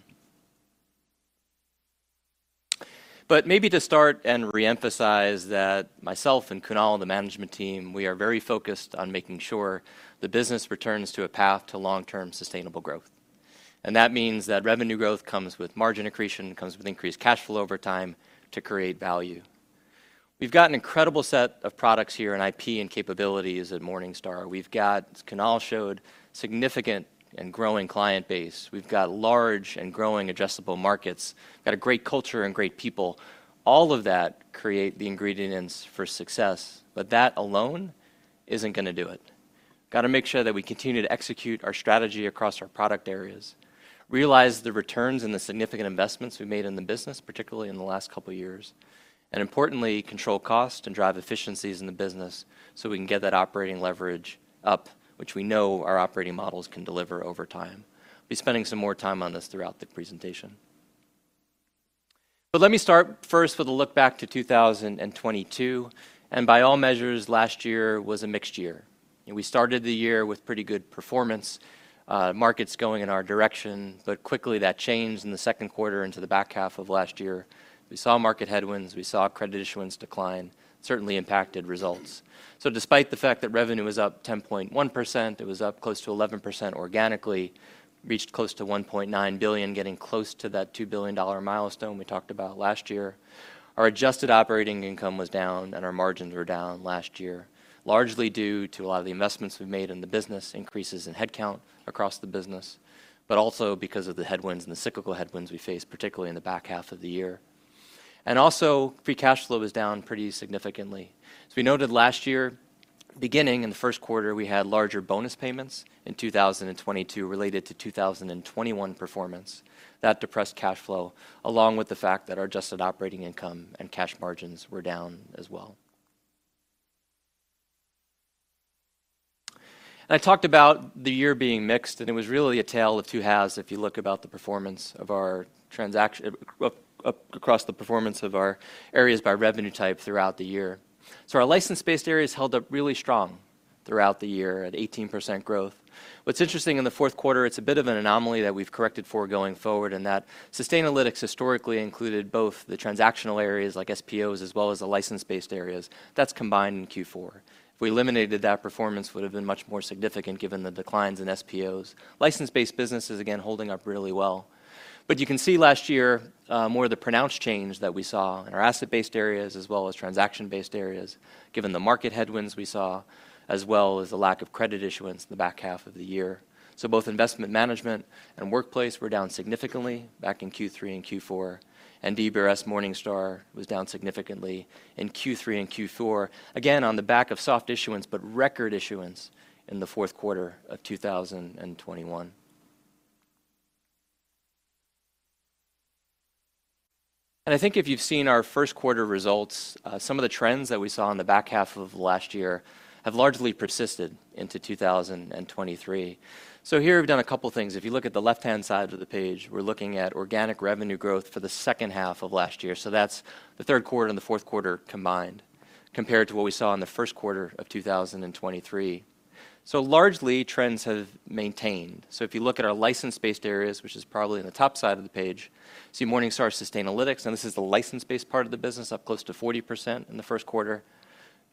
S4: Maybe to start and reemphasize that myself and Kunal and the management team, we are very focused on making sure the business returns to a path to long-term sustainable growth. That means that revenue growth comes with margin accretion, comes with increased cash flow over time to create value. We've got an incredible set of products here and IP and capabilities at Morningstar. We've got, as Kunal showed, significant and growing client base. We've got large and growing addressable markets, got a great culture and great people. All of that create the ingredients for success, but that alone isn't gonna do it. Gotta make sure that we continue to execute our strategy across our product areas, realize the returns and the significant investments we've made in the business, particularly in the last couple years, and importantly, control cost and drive efficiencies in the business so we can get that operating leverage up, which we know our operating models can deliver over time. I'll be spending some more time on this throughout the presentation. Let me start first with a look back to 2022, and by all measures, last year was a mixed year. We started the year with pretty good performance, markets going in our direction, but quickly that changed in the second quarter into the back half of last year. We saw market headwinds, we saw credit issuance decline, certainly impacted results. Despite the fact that revenue was up 10.1%, it was up close to 11% organically, reached close to $1.9 billion, getting close to that $2 billion milestone we talked about last year. Our adjusted operating income was down and our margins were down last year, largely due to a lot of the investments we've made in the business, increases in headcount across the business, but also because of the headwinds and the cyclical headwinds we faced, particularly in the back half of the year. Also, free cash flow was down pretty significantly. As we noted last year, beginning in the first quarter, we had larger bonus payments in 2022 related to 2021 performance. That depressed cash flow, along with the fact that our adjusted operating income and cash margins were down as well. I talked about the year being mixed, and it was really a tale of two halves if you look about the performance of our across the performance of our areas by revenue type throughout the year. Our license-based areas held up really strong throughout the year at 18% growth. What's interesting in the fourth quarter, it's a bit of an anomaly that we've corrected for going forward in that Sustainalytics historically included both the transactional areas like SPOs as well as the license-based areas. That's combined in Q4. If we eliminated that, performance would have been much more significant given the declines in SPOs. License-based business is again holding up really well. You can see last year, more of the pronounced change that we saw in our asset-based areas as well as transaction-based areas, given the market headwinds we saw, as well as the lack of credit issuance in the back half of the year. Both investment management and Workplace were down significantly back in Q3 and Q4, and DBRS Morningstar was down significantly in Q3 and Q4, again on the back of soft issuance, but record issuance in the fourth quarter of 2021. I think if you've seen our first quarter results, some of the trends that we saw in the back half of last year have largely persisted into 2023. Here we've done a couple things. If you look at the left-hand side of the page, we're looking at organic revenue growth for the second half of last year. That's the third quarter and the fourth quarter combined, compared to what we saw in the first quarter of 2023. Largely, trends have maintained. If you look at our license-based areas, which is probably on the top side of the page, see Morningstar Sustainalytics, and this is the license-based part of the business, up close to 40% in the first quarter.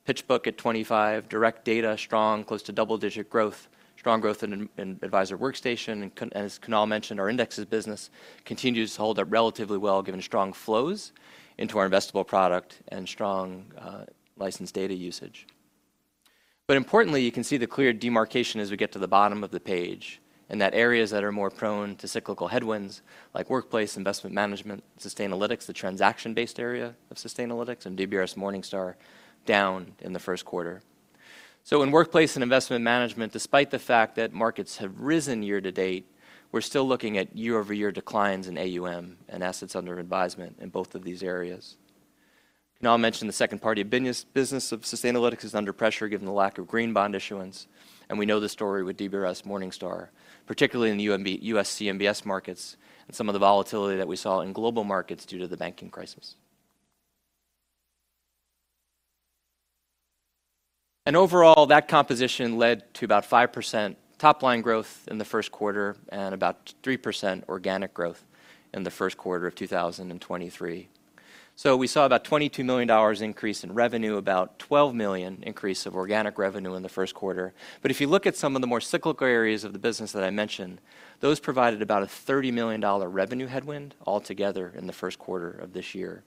S4: PitchBook at 25%, Direct Data strong, close to double-digit growth, strong growth in Advisor Workstation, as Kunal mentioned, our Indexes business continues to hold up relatively well given strong flows into our investable product and strong license data usage. Importantly, you can see the clear demarcation as we get to the bottom of the page in that areas that are more prone to cyclical headwinds, like Workplace, Investment Management, Sustainalytics, the transaction-based area of Sustainalytics, and DBRS Morningstar, down in the first quarter. In Workplace and Investment Management, despite the fact that markets have risen year to date, we're still looking at year-over-year declines in AUM and assets under advisement in both of these areas. Kunal Kapoor mentioned the second party of business of Sustainalytics is under pressure given the lack of green bond issuance, we know the story with DBRS Morningstar, particularly in the US CMBS markets and some of the volatility that we saw in global markets due to the banking crisis. Overall, that composition led to about 5% top-line growth in the first quarter and about 3% organic growth in the first quarter of 2023. We saw about $22 million increase in revenue, about $12 million increase of organic revenue in the first quarter. If you look at some of the more cyclical areas of the business that I mentioned, those provided about a $30 million revenue headwind altogether in the first quarter of this year.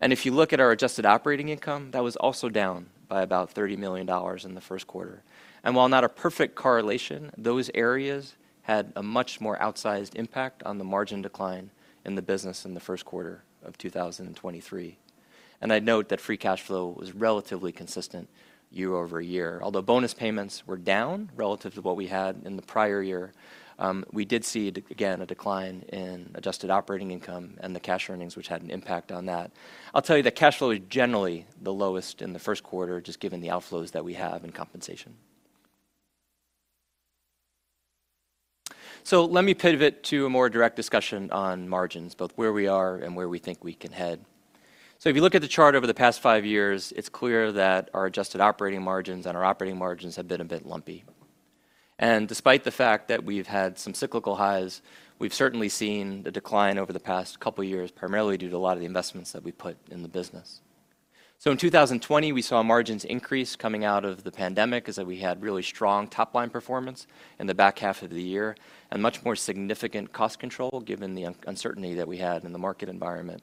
S4: If you look at our adjusted operating income, that was also down by about $30 million in the first quarter. While not a perfect correlation, those areas had a much more outsized impact on the margin decline in the business in the first quarter of 2023. I'd note that free cash flow was relatively consistent year-over-year, although bonus payments were down relative to what we had in the prior year. We did see, again, a decline in adjusted operating income and the cash earnings, which had an impact on that. I'll tell you that cash flow is generally the lowest in the first quarter, just given the outflows that we have in compensation. Let me pivot to a more direct discussion on margins, both where we are and where we think we can head. If you look at the chart over the past five years, it's clear that our adjusted operating margins and our operating margins have been a bit lumpy. Despite the fact that we've had some cyclical highs, we've certainly seen the decline over the past couple years, primarily due to a lot of the investments that we put in the business. In 2020, we saw margins increase coming out of the pandemic as we had really strong top-line performance in the back half of the year and much more significant cost control given the uncertainty that we had in the market environment.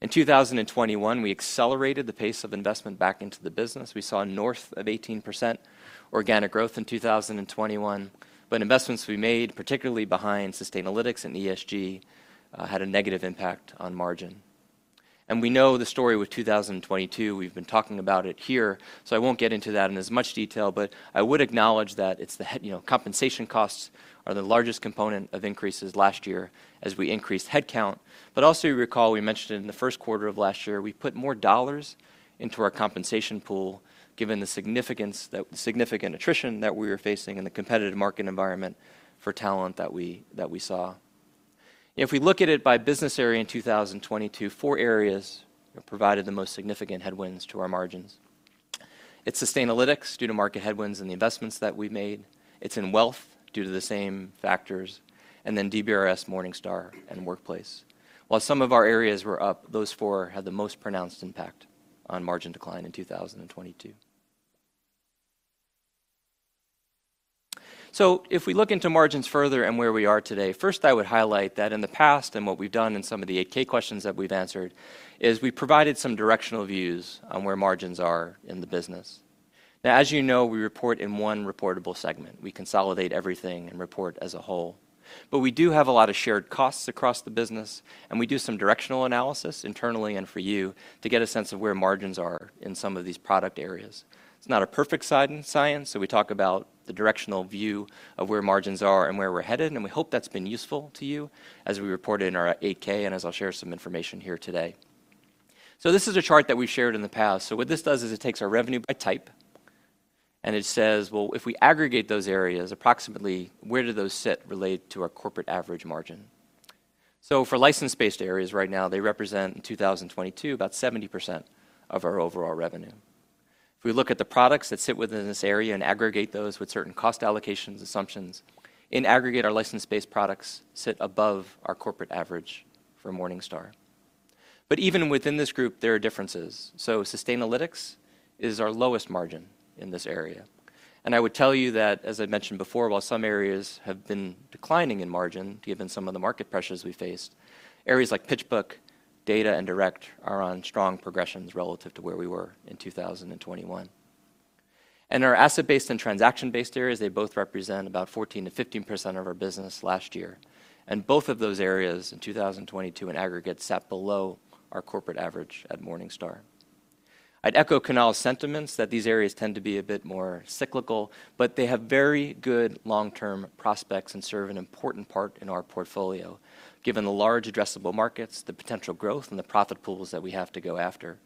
S4: In 2021, we accelerated the pace of investment back into the business. We saw north of 18% organic growth in 2021, but investments we made, particularly behind Sustainalytics and ESG, had a negative impact on margin. We know the story with 2022. We've been talking about it here; I won't get into that in as much detail. I would acknowledge that it's the head, you know, compensation costs are the largest component of increases last year as we increased headcount. Also you recall, we mentioned in the first quarter of last year, we put more dollars into our compensation pool given the significant attrition that we were facing in the competitive market environment for talent that we saw. We look at it by business area in 2022, four areas provided the most significant headwinds to our margins. It's Sustainalytics due to market headwinds and the investments that we made. It's in wealth due to the same factors, and then DBRS Morningstar and workplace. While some of our areas were up, those four had the most pronounced impact on margin decline in 2022. If we look into margins further and where we are today, first I would highlight that in the past and what we've done in some of the 8-K questions that we've answered is we provided some directional views on where margins are in the business. As you know, we report in one reportable segment. We consolidate everything and report as a whole. We do have a lot of shared costs across the business, and we do some directional analysis internally and for you to get a sense of where margins are in some of these product areas. It's not a perfect sci-science, so we talk about the directional view of where margins are and where we're headed, and we hope that's been useful to you as we reported in our 8-K and as I'll share some information here today. This is a chart that we've shared in the past. What this does is it takes our revenue by type, and it says, well, if we aggregate those areas, approximately where do those sit related to our corporate average margin? For license-based areas right now, they represent in 2022 about 70% of our overall revenue. If we look at the products that sit within this area and aggregate those with certain cost allocations assumptions, in aggregate, our license-based products sit above our corporate average for Morningstar. Even within this group, there are differences. Sustainalytics is our lowest margin in this area. I would tell you that, as I mentioned before, while some areas have been declining in margin, given some of the market pressures we faced, areas like PitchBook, data, and Direct are on strong progressions relative to where we were in 2021. Our asset-based and transaction-based areas, they both represent about 14%-15% of our business last year. Both of those areas in 2022 in aggregate sat below our corporate average at Morningstar. I'd echo Kunal's sentiments that these areas tend to be a bit more cyclical, but they have very good long-term prospects and serve an important part in our portfolio, given the large addressable markets, the potential growth, and the profit pools that we have to go after.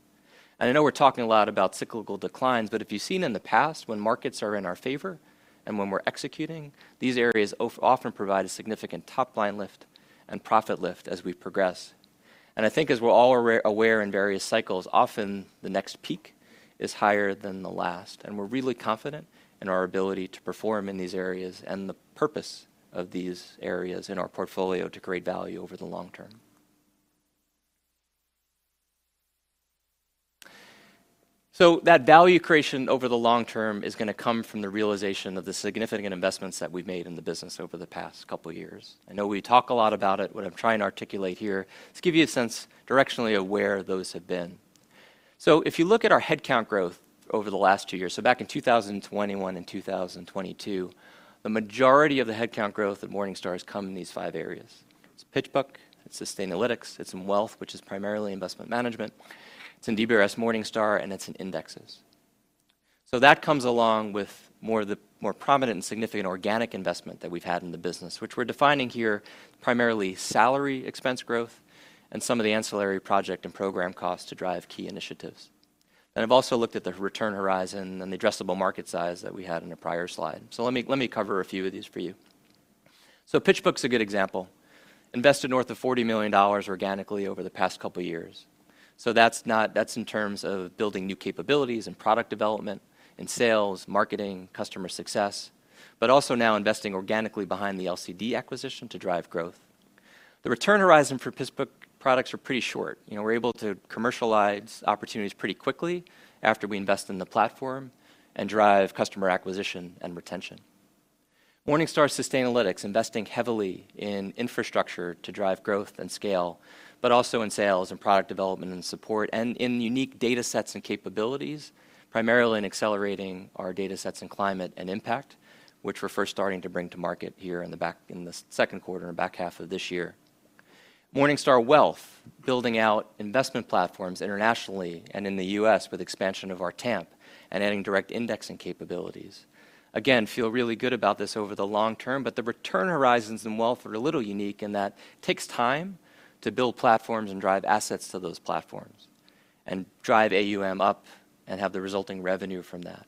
S4: I know we're talking a lot about cyclical declines, but if you've seen in the past when markets are in our favor and when we're executing, these areas often provide a significant top-line lift and profit lift as we progress. I think as we're all aware in various cycles, often the next peak is higher than the last, and we're really confident in our ability to perform in these areas and the purpose of these areas in our portfolio to create value over the long term. That value creation over the long term is gonna come from the realization of the significant investments that we've made in the business over the past couple years. I know we talk a lot about it. What I'm trying to articulate here is give you a sense directionally of where those have been. If you look at our headcount growth over the last 2 years, back in 2021 and 2022, the majority of the headcount growth at Morningstar has come in these 5 areas. It's PitchBook, it's Sustainalytics, it's in Wealth, which is primarily investment management, it's in DBRS Morningstar, and it's in Indexes. That comes along with more of the more prominent and significant organic investment that we've had in the business, which we're defining here primarily salary expense growth and some of the ancillary project and program costs to drive key initiatives. I've also looked at the return horizon and the addressable market size that we had in the prior slide. Let me cover a few of these for you. PitchBook's a good example. Invested north of $40 million organically over the past couple years. That's in terms of building new capabilities and product development in sales, marketing, customer success, but also now investing organically behind the LCD acquisition to drive growth. The return horizon for PitchBook products are pretty short. You know, we're able to commercialize opportunities pretty quickly after we invest in the platform and drive customer acquisition and retention. Morningstar Sustainalytics investing heavily in infrastructure to drive growth and scale, but also in sales and product development and support and in unique data sets and capabilities, primarily in accelerating our data sets in climate and impact, which we're first starting to bring to market here in the second quarter and back half of this year. Morningstar Wealth, building out investment platforms internationally and in the U.S. with expansion of our TAMP and adding direct indexing capabilities. Feel really good about this over the long term, but the return horizons in wealth are a little unique in that takes time to build platforms and drive assets to those platforms and drive AUM up and have the resulting revenue from that.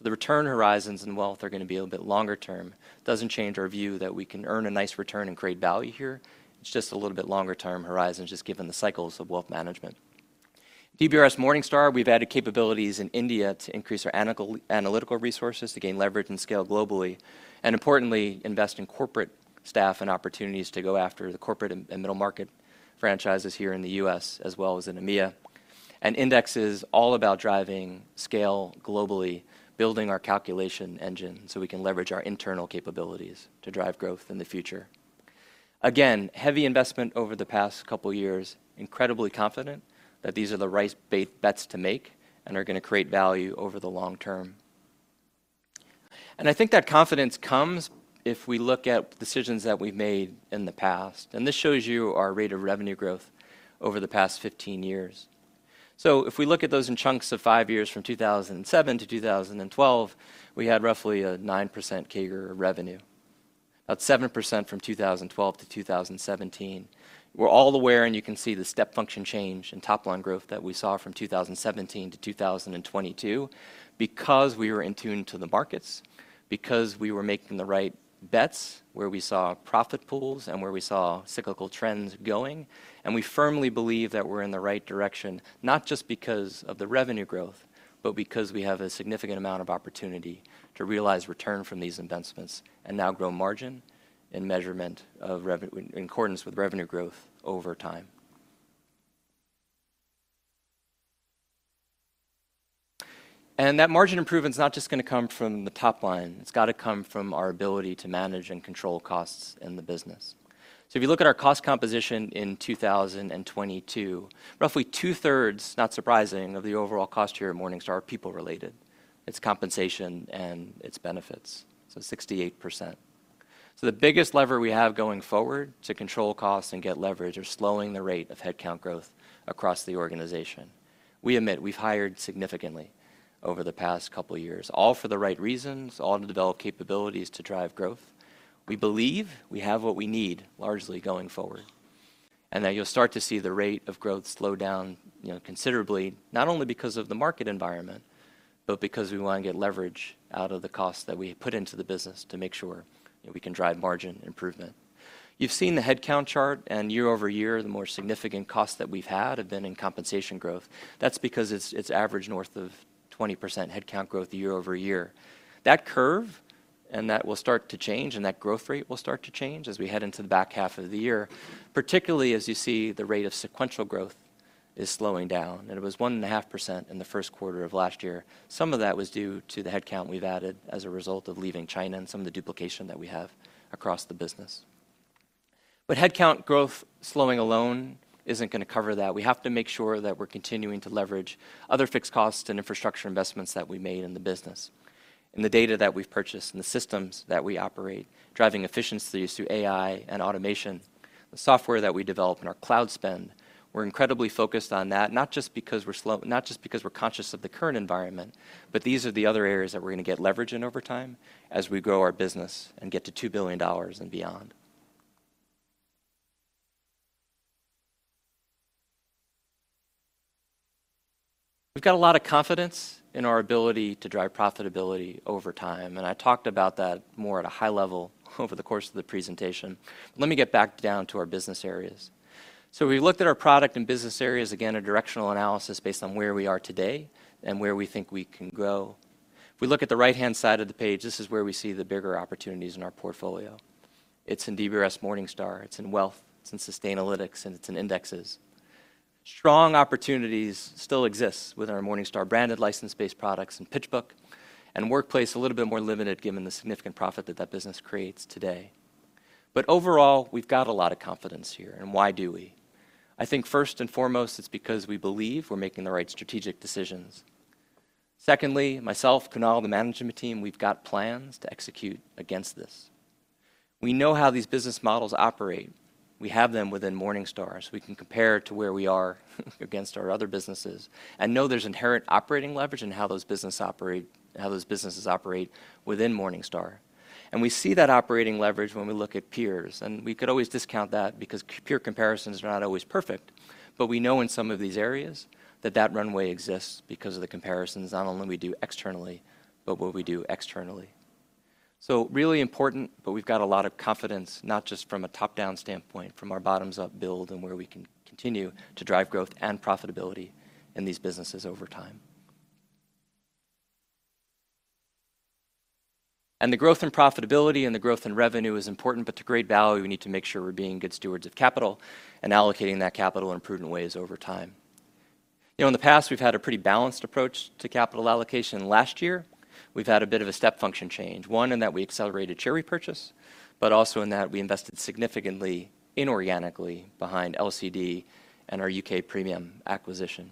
S4: The return horizons in wealth are gonna be a little bit longer term. Doesn't change our view that we can earn a nice return and create value here. It's just a little bit longer-term horizon just given the cycles of wealth management. DBRS Morningstar, we've added capabilities in India to increase our analytical resources to gain leverage and scale globally, and importantly, invest in corporate staff and opportunities to go after the corporate and middle market franchises here in the U.S. as well as in EMEA. Indexes all about driving scale globally, building our calculation engine so we can leverage our internal capabilities to drive growth in the future. Again, heavy investment over the past couple years, incredibly confident that these are the right bets to make and are gonna create value over the long term. I think that confidence comes if we look at decisions that we've made in the past, and this shows you our rate of revenue growth over the past 15 years. If we look at those in chunks of five years from 2007 to 2012, we had roughly a 9% CAGR revenue. About 7% from 2012 to 2017. We're all aware, and you can see the step function change in top-line growth that we saw from 2017 to 2022 because we were in tune to the markets, because we were making the right bets where we saw profit pools and where we saw cyclical trends going. We firmly believe that we're in the right direction, not just because of the revenue growth, but because we have a significant amount of opportunity to realize return from these investments and now grow margin in measurement of in accordance with revenue growth over time. That margin improvement's not just gonna come from the top line. It's gotta come from our ability to manage and control costs in the business. If you look at our cost composition in 2022, roughly two-thirds, not surprising, of the overall cost here at Morningstar are people-related. It's compensation and it's benefits, so 68%. The biggest lever we have going forward to control costs and get leverage are slowing the rate of headcount growth across the organization. We admit we've hired significantly over the past couple years, all for the right reasons, all to develop capabilities to drive growth. We believe we have what we need largely going forward, and that you'll start to see the rate of growth slow down, you know, considerably, not only because of the market environment, but because we wanna get leverage out of the costs that we put into the business to make sure, you know, we can drive margin improvement. You've seen the headcount chart, and year-over-year, the more significant costs that we've had have been in compensation growth. That's because it's averaged north of 20% headcount growth year-over-year. That curve, and that will start to change, and that growth rate will start to change as we head into the back half of the year, particularly as you see the rate of sequential growth is slowing down, and it was 1.5% in the first quarter of last year. Some of that was due to the headcount we've added as a result of leaving China and some of the duplication that we have across the business. Headcount growth slowing alone isn't gonna cover that. We have to make sure that we're continuing to leverage other fixed costs and infrastructure investments that we made in the business, in the data that we've purchased and the systems that we operate, driving efficiencies through AI and automation, the software that we develop, and our cloud spend. We're incredibly focused on that, not just because we're conscious of the current environment, but these are the other areas that we're gonna get leverage in overtime as we grow our business and get to $2 billion and beyond. We've got a lot of confidence in our ability to drive profitability over time, and I talked about that more at a high level over the course of the presentation. Let me get back down to our business areas. We looked at our product and business areas, again, a directional analysis based on where we are today and where we think we can go. If we look at the right-hand side of the page, this is where we see the bigger opportunities in our portfolio. It's in DBRS Morningstar, it's in Wealth, it's in Sustainalytics, and it's in Indexes. Strong opportunities still exist with our Morningstar-branded license-based products in PitchBook, and Workplace a little bit more limited given the significant profit that that business creates today. Overall, we've got a lot of confidence here, and why do we? I think first and foremost, it's because we believe we're making the right strategic decisions. Secondly, myself, Kunal, the management team, we've got plans to execute against this. We know how these business models operate. We have them within Morningstar, so we can compare to where we are against our other businesses and know there's inherent operating leverage in how those businesses operate within Morningstar. We see that operating leverage when we look at peers, and we could always discount that because peer comparisons are not always perfect, but we know in some of these areas that that runway exists because of the comparisons not only we do externally, but what we do externally. Really important, but we've got a lot of confidence, not just from a top-down standpoint, from our bottoms-up build and where we can continue to drive growth and profitability in these businesses over time. The growth and profitability and the growth in revenue is important, but to create value, we need to make sure we're being good stewards of capital and allocating that capital in prudent ways over time. You know, in the past, we've had a pretty balanced approach to capital allocation. Last year, we've had a bit of a step function change, one, in that we accelerated share repurchase. Also in that we invested significantly inorganically behind LCD and our U.K. Praemium acquisition.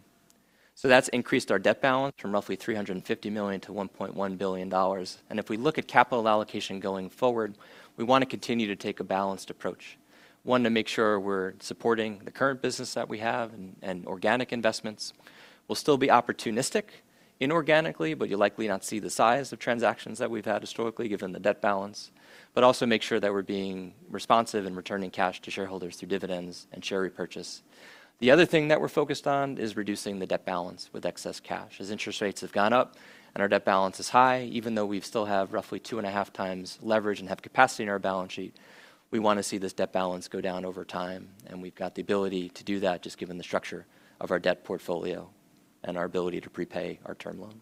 S4: That's increased our debt balance from roughly $350 million to $1.1 billion. If we look at capital allocation going forward, we wanna continue to take a balanced approach. One, to make sure we're supporting the current business that we have and organic investments. We'll still be opportunistic inorganically, you'll likely not see the size of transactions that we've had historically given the debt balance. Also make sure that we're being responsive in returning cash to shareholders through dividends and share repurchase. The other thing that we're focused on is reducing the debt balance with excess cash. As interest rates have gone up and our debt balance is high, even though we still have roughly 2.5 times leverage and have capacity in our balance sheet, we wanna see this debt balance go down over time, and we've got the ability to do that just given the structure of our debt portfolio and our ability to prepay our term loan.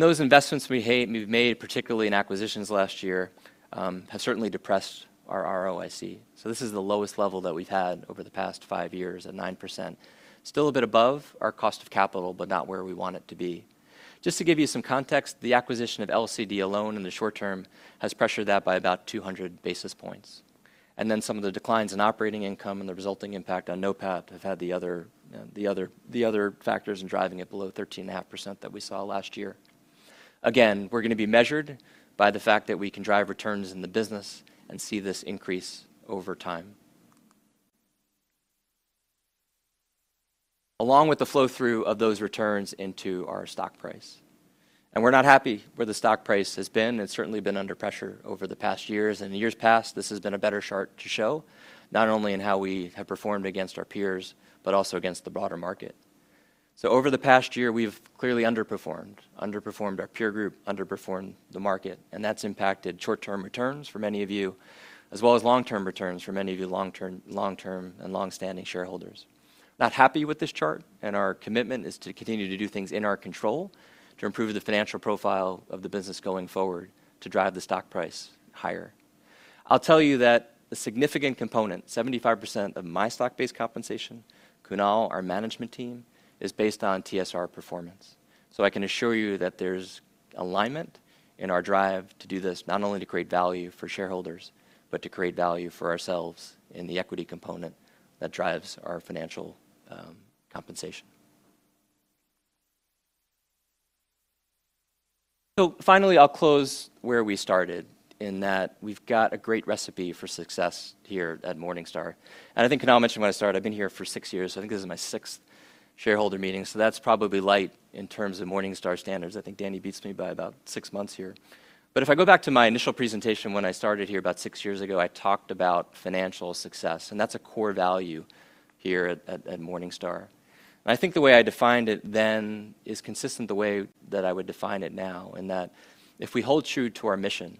S4: Those investments we've made, particularly in acquisitions last year, have certainly depressed our ROIC. This is the lowest level that we've had over the past five years at 9%. Still a bit above our cost of capital, but not where we want it to be. Just to give you some context, the acquisition of LCD alone in the short term has pressured that by about 200 basis points. Some of the declines in operating income and the resulting impact on NOPAT have had the other, you know, the other factors in driving it below 13.5% that we saw last year. Again, we're gonna be measured by the fact that we can drive returns in the business and see this increase over time. Along with the flow-through of those returns into our stock price. We're not happy where the stock price has been. It's certainly been under pressure over the past years. In years past, this has been a better chart to show, not only in how we have performed against our peers, but also against the broader market. Over the past year, we've clearly underperformed. Underperformed our peer group, underperformed the market, and that's impacted short-term returns for many of you, as well as long-term returns for many of you long-term and longstanding shareholders. Not happy with this chart, and our commitment is to continue to do things in our control to improve the financial profile of the business going forward to drive the stock price higher. I'll tell you that a significant component, 75% of my stock-based compensation, Kunal, our management team, is based on TSR performance. I can assure you that there's alignment in our drive to do this, not only to create value for shareholders, but to create value for ourselves in the equity component that drives our financial compensation. Finally, I'll close where we started, in that we've got a great recipe for success here at Morningstar. I think Kunal mentioned when I started, I've been here for six years. I think this is my sixth shareholder meeting, so that's probably light in terms of Morningstar standards. I think Danny beats me by about six months here. If I go back to my initial presentation when I started here about six years ago, I talked about financial success, and that's a core value here at Morningstar. I think the way I defined it then is consistent the way that I would define it now, in that if we hold true to our mission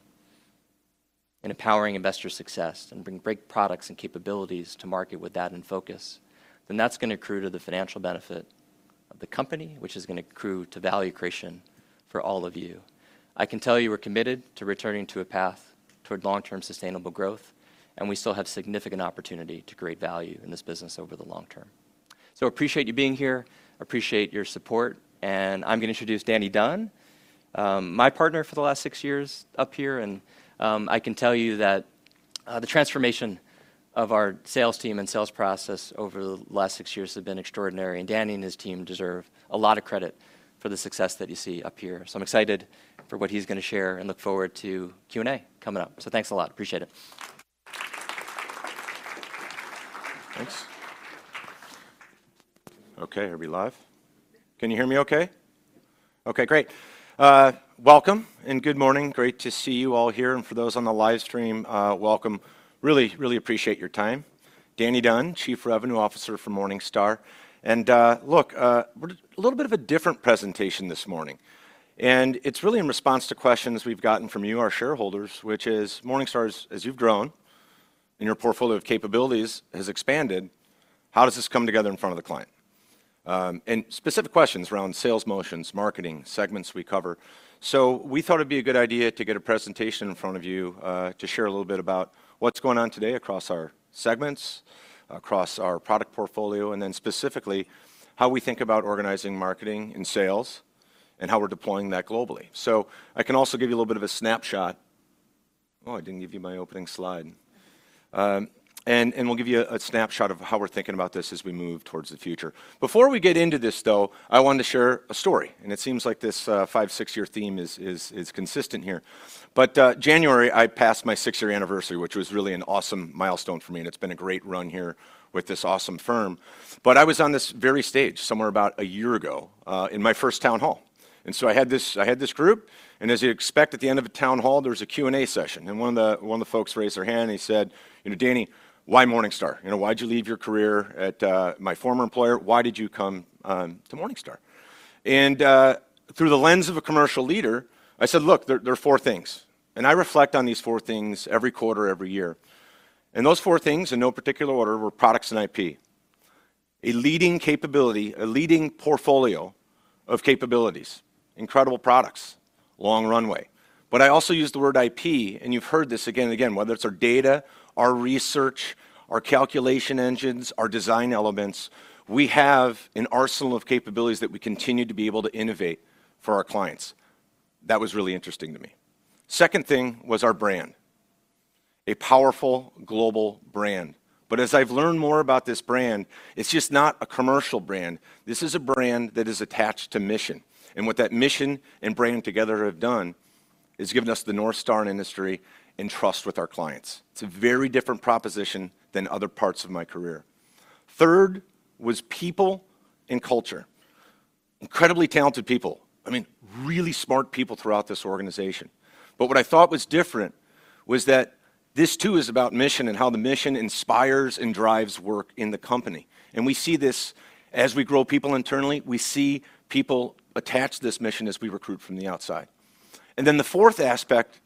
S4: in empowering investor success and bring great products and capabilities to market with that in focus, then that's gonna accrue to the financial benefit of the company, which is gonna accrue to value creation for all of you. I can tell you we're committed to returning to a path toward long-term sustainable growth, we still have significant opportunity to create value in this business over the long term. Appreciate you being here, appreciate your support, I'm gonna introduce Danny Dunn, my partner for the last six years up here, I can tell you that the transformation of our sales team and sales process over the last six years have been extraordinary, Danny and his team deserve a lot of credit for the success that you see up here. I'm excited for what he's gonna share and look forward to Q&A coming up. Thanks a lot. Appreciate it.
S5: Thanks. Okay, are we live? Can you hear me okay? Okay, great. Welcome, good morning. Great to see you all here. For those on the live stream, welcome. Really appreciate your time. Daniel Dunn, Chief Revenue Officer for Morningstar. Look, a little bit of a different presentation this morning, it's really in response to questions we've gotten from you, our shareholders, which is Morningstar as you've grown and your portfolio of capabilities has expanded, how does this come together in front of the client? Specific questions around sales motions, marketing, segments we cover. We thought it'd be a good idea to get a presentation in front of you, to share a little bit about what's going on today across our segments, across our product portfolio, and then specifically how we think about organizing marketing and sales and how we're deploying that globally. I can also give you a little bit of a snapshot. Oh, I didn't give you my opening slide. We'll give you a snapshot of how we're thinking about this as we move towards the future. Before we get into this though, I wanted to share a story, and it seems like this, five, six-year theme is consistent here. January, I passed my six-year anniversary, which was really an awesome milestone for me, and it's been a great run here with this awesome firm. I was on this very stage somewhere about a year ago, in my first town hall. I had this group, and as you expect at the end of a town hall, there was a Q&A session. One of the folks raised their hand, and he said, "You know, Danny, why Morningstar? You know, why'd you leave your career at my former employer? Why did you come to Morningstar?" Through the lens of a commercial leader, I said, "Look, there are four things, and I reflect on these four things every quarter, every year. Those four things, in no particular order, were products and IP, a leading capability, a leading portfolio of capabilities, incredible products, long runway. I also used the word IP, and you've heard this again and again, whether it's our data, our research, our calculation engines, our design elements, we have an arsenal of capabilities that we continue to be able to innovate for our clients. That was really interesting to me. Second thing was our brand, a powerful global brand. As I've learned more about this brand, it's just not a commercial brand. This is a brand that is attached to mission, and what that mission and brand together have done is given us the North Star in industry and trust with our clients. It's a very different proposition than other parts of my career. Third was people and culture. Incredibly talented people, I mean, really smart people throughout this organization. What I thought was different was that this too is about mission and how the mission inspires and drives work in the company. We see this as we grow people internally, we see people attach to this mission as we recruit from the outside. Then the fourth aspect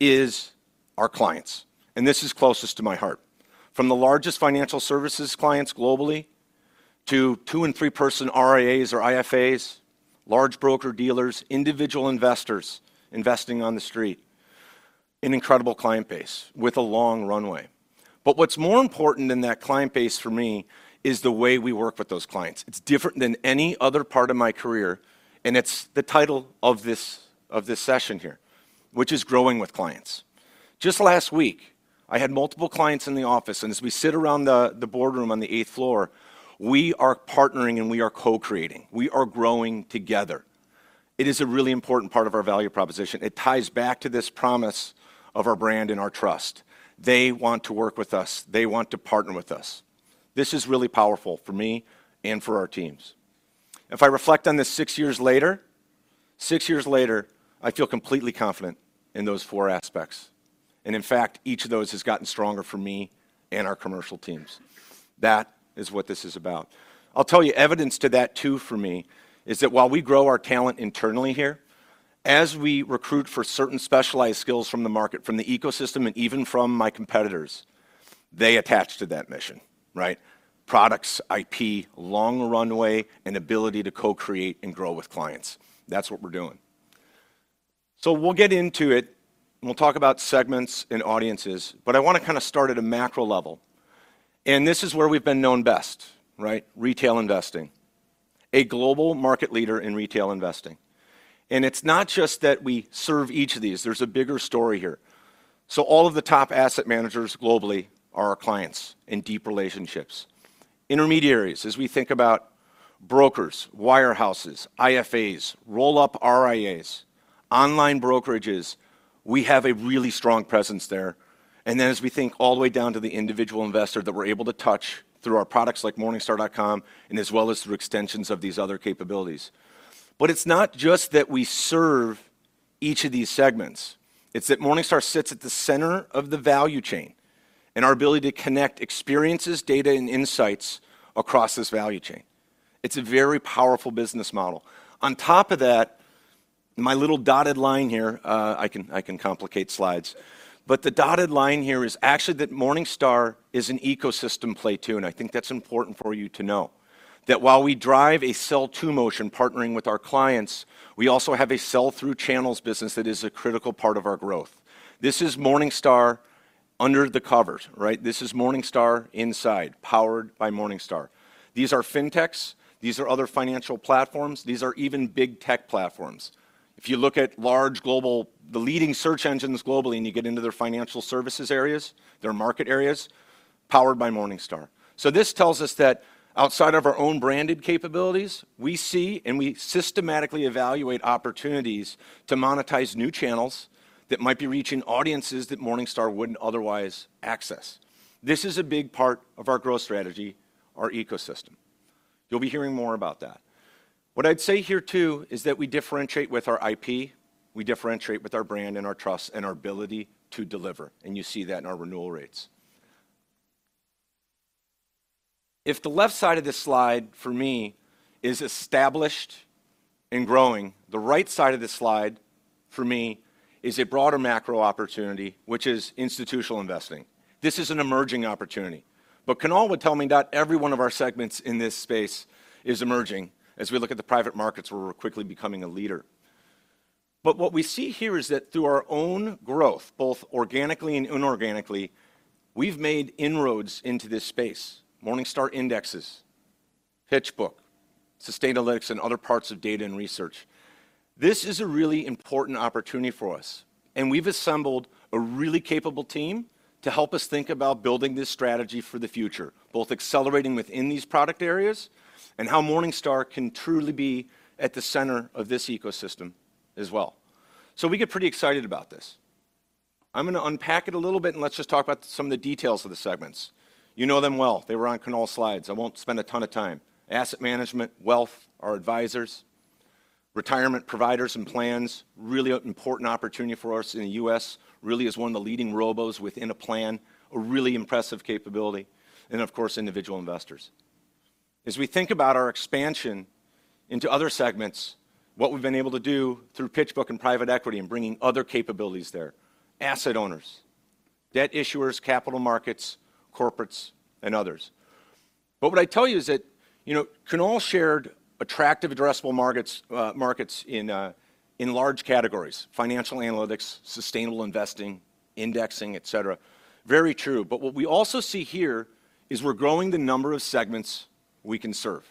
S5: is our clients, and this is closest to my heart. From the largest financial services clients globally to two- and three-person RIAs or IFAs, large broker-dealers, individual investors investing on the street, an incredible client base with a long runway. What's more important than that client base for me is the way we work with those clients. It's different than any other part of my career, and it's the title of this session here, which is growing with clients. Just last week, I had multiple clients in the office, and as we sit around the boardroom on the eighth floor, we are partnering and we are co-creating. We are growing together. It is a really important part of our value proposition. It ties back to this promise of our brand and our trust. They want to work with us. They want to partner with us. This is really powerful for me and for our teams. If I reflect on this six years later, I feel completely confident in those four aspects. In fact, each of those has gotten stronger for me and our commercial teams. That is what this is about. I'll tell you, evidence to that too for me is that while we grow our talent internally here, as we recruit for certain specialized skills from the market, from the ecosystem, and even from my competitors, they attach to that mission, right? Products, IP, long runway, and ability to co-create and grow with clients. That's what we're doing. We'll get into it, and we'll talk about segments and audiences, but I wanna kinda start at a macro level. This is where we've been known best, right? Retail investing, a global market leader in retail investing. It's not just that we serve each of these. There's a bigger story here. All of the top asset managers globally are our clients in deep relationships. Intermediaries, as we think about brokers, wirehouses, IFAs, roll-up RIAs, online brokerages, we have a really strong presence there. As we think all the way down to the individual investor that we're able to touch through our products like Morningstar.com and as well as through extensions of these other capabilities. It's not just that we serve each of these segments. It's that Morningstar sits at the center of the value chain and our ability to connect experiences, data, and insights across this value chain. It's a very powerful business model. On top of that, my little dotted line here, I can complicate slides, but the dotted line here is actually that Morningstar is an ecosystem play too, and I think that's important for you to know. That while we drive a sell to motion partnering with our clients, we also have a sell through channels business that is a critical part of our growth. This is Morningstar under the covers, right? This is Morningstar inside, powered by Morningstar. These are fintechs. These are other financial platforms. These are even big tech platforms. If you look at large global, the leading search engines globally, and you get into their financial services areas, their market areas, powered by Morningstar. This tells us that outside of our own branded capabilities, we see and we systematically evaluate opportunities to monetize new channels that might be reaching audiences that Morningstar wouldn't otherwise access. This is a big part of our growth strategy, our ecosystem. You'll be hearing more about that. What I'd say here too is that we differentiate with our IP, we differentiate with our brand and our trust and our ability to deliver, and you see that in our renewal rates. If the left side of this slide for me is established and growing, the right side of this slide for me is a broader macro-opportunity, which is institutional investing. This is an emerging opportunity. Kunal would tell me not every one of our segments in this space is emerging as we look at the private markets where we're quickly becoming a leader. What we see here is that through our own growth, both organically and inorganically, we've made inroads into this space, Morningstar Indexes, PitchBook, Sustainalytics, and other parts of data and research. This is a really important opportunity for us. We've assembled a really capable team to help us think about building this strategy for the future, both accelerating within these product areas and how Morningstar can truly be at the center of this ecosystem as well. We get pretty excited about this. I'm going to unpack it a little bit, and let's just talk about some of the details of the segments. You know them well. They were on Kunal's slides. I won't spend a ton of time. Asset Management, Wealth, our advisors, retirement providers and plans, really an important opportunity for us in the U.S., really as one of the leading robos within a plan, a really impressive capability, and of course, individual investors. As we think about our expansion into other segments, what we've been able to do through PitchBook and private equity and bringing other capabilities there, asset owners, debt issuers, capital markets, corporates and others. What I tell you is that, you know, Kunal shared attractive addressable markets in large categories, financial analytics, sustainable investing, indexing, et cetera. Very true. What we also see here is we're growing the number of segments we can serve.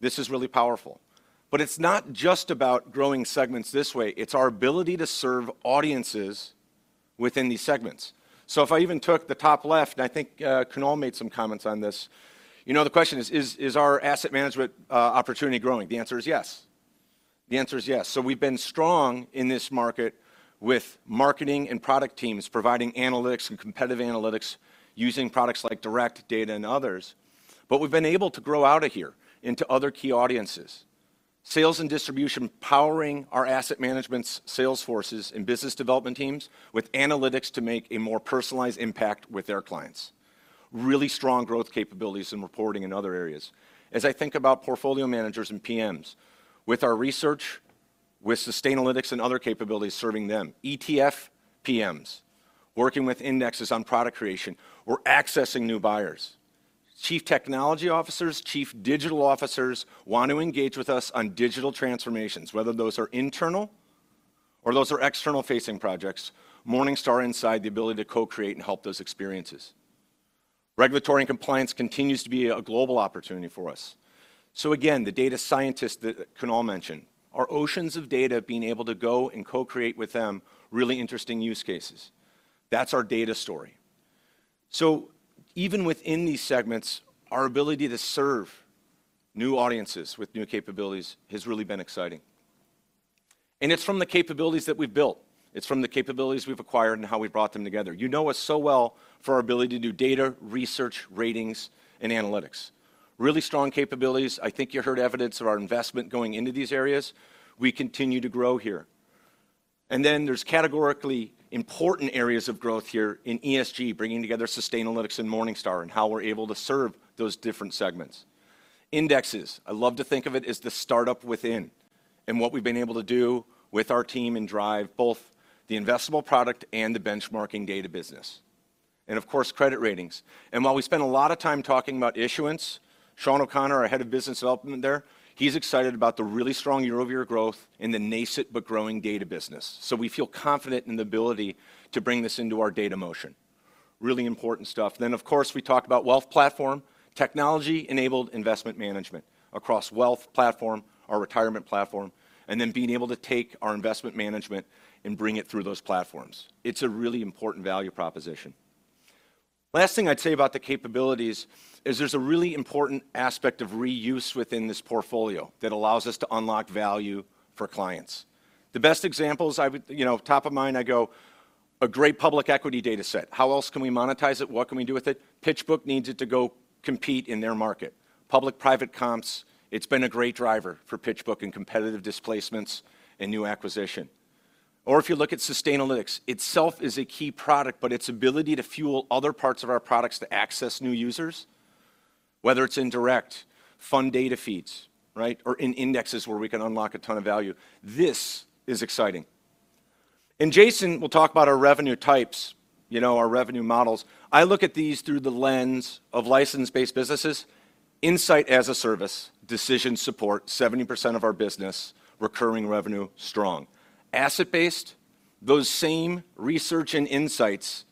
S5: This is really powerful. It's not just about growing segments this way, it's our ability to serve audiences within these segments. If I even took the top left, and I think, Kunal made some comments on this, you know, the question is our asset management opportunity growing? The answer is yes. The answer is yes. We've been strong in this market with marketing and product teams providing analytics and competitive analytics using products like Direct, Data and others. We've been able to grow out of here into other key audiences. Sales and distribution powering our asset management sales forces and business development teams with analytics to make a more personalized impact with their clients. Really strong growth capabilities in reporting in other areas. As I think about portfolio managers and PMs, with our research, with Sustainalytics and other capabilities serving them, ETF PMs working with indexes on product creation. We're accessing new buyers. Chief technology officers, chief digital officers want to engage with us on digital transformations, whether those are internal or those are external-facing projects, Morningstar inside the ability to co-create and help those experiences. Regulatory and compliance continues to be a global opportunity for us. Again, the data scientists that Kunal mentioned, our oceans of data being able to go and co-create with them really interesting use cases. That's our data story. Even within these segments, our ability to serve new audiences with new capabilities has really been exciting. It's from the capabilities that we've built. It's from the capabilities we've acquired and how we've brought them together. You know us so well for our ability to do data, research, ratings and analytics. Really strong capabilities. I think you heard evidence of our investment going into these areas. We continue to grow here. There's categorically important areas of growth here in ESG, bringing together Sustainalytics and Morningstar and how we're able to serve those different segments. Indexes, I love to think of it as the startup within, and what we've been able to do with our team and drive both the investable product and the benchmarking data business, and of course, credit ratings. While we spend a lot of time talking about issuance, Sean O'Connor, our head of business development there, he's excited about the really strong year-over-year growth in the nascent but growing data business. We feel confident in the ability to bring this into our data motion. Really important stuff. Of course, we talk about wealth platform, technology-enabled investment management across wealth platform, our retirement platform, and being able to take our investment management and bring it through those platforms. It's a really important value proposition. Last thing I'd say about the capabilities is there's a really important aspect of reuse within this portfolio that allows us to unlock value for clients. The best examples I would, you know, top of mind, I go, a great public equity dataset. How else can we monetize it? What can we do with it? PitchBook needs it to go compete in their market. Public-private comps, it's been a great driver for PitchBook and competitive displacements and new acquisition. If you look at Sustainalytics, itself is a key product, but its ability to fuel other parts of our products to access new users, whether it's in Direct, fund data feeds, right? In indexes where we can unlock a ton of value. This is exciting. Jason will talk about our revenue types, you know, our revenue models. I look at these through the lens of license-based businesses, insight-as-a-service, decision support, 70% of our business, recurring revenue, strong. Asset-based, those same research and insights,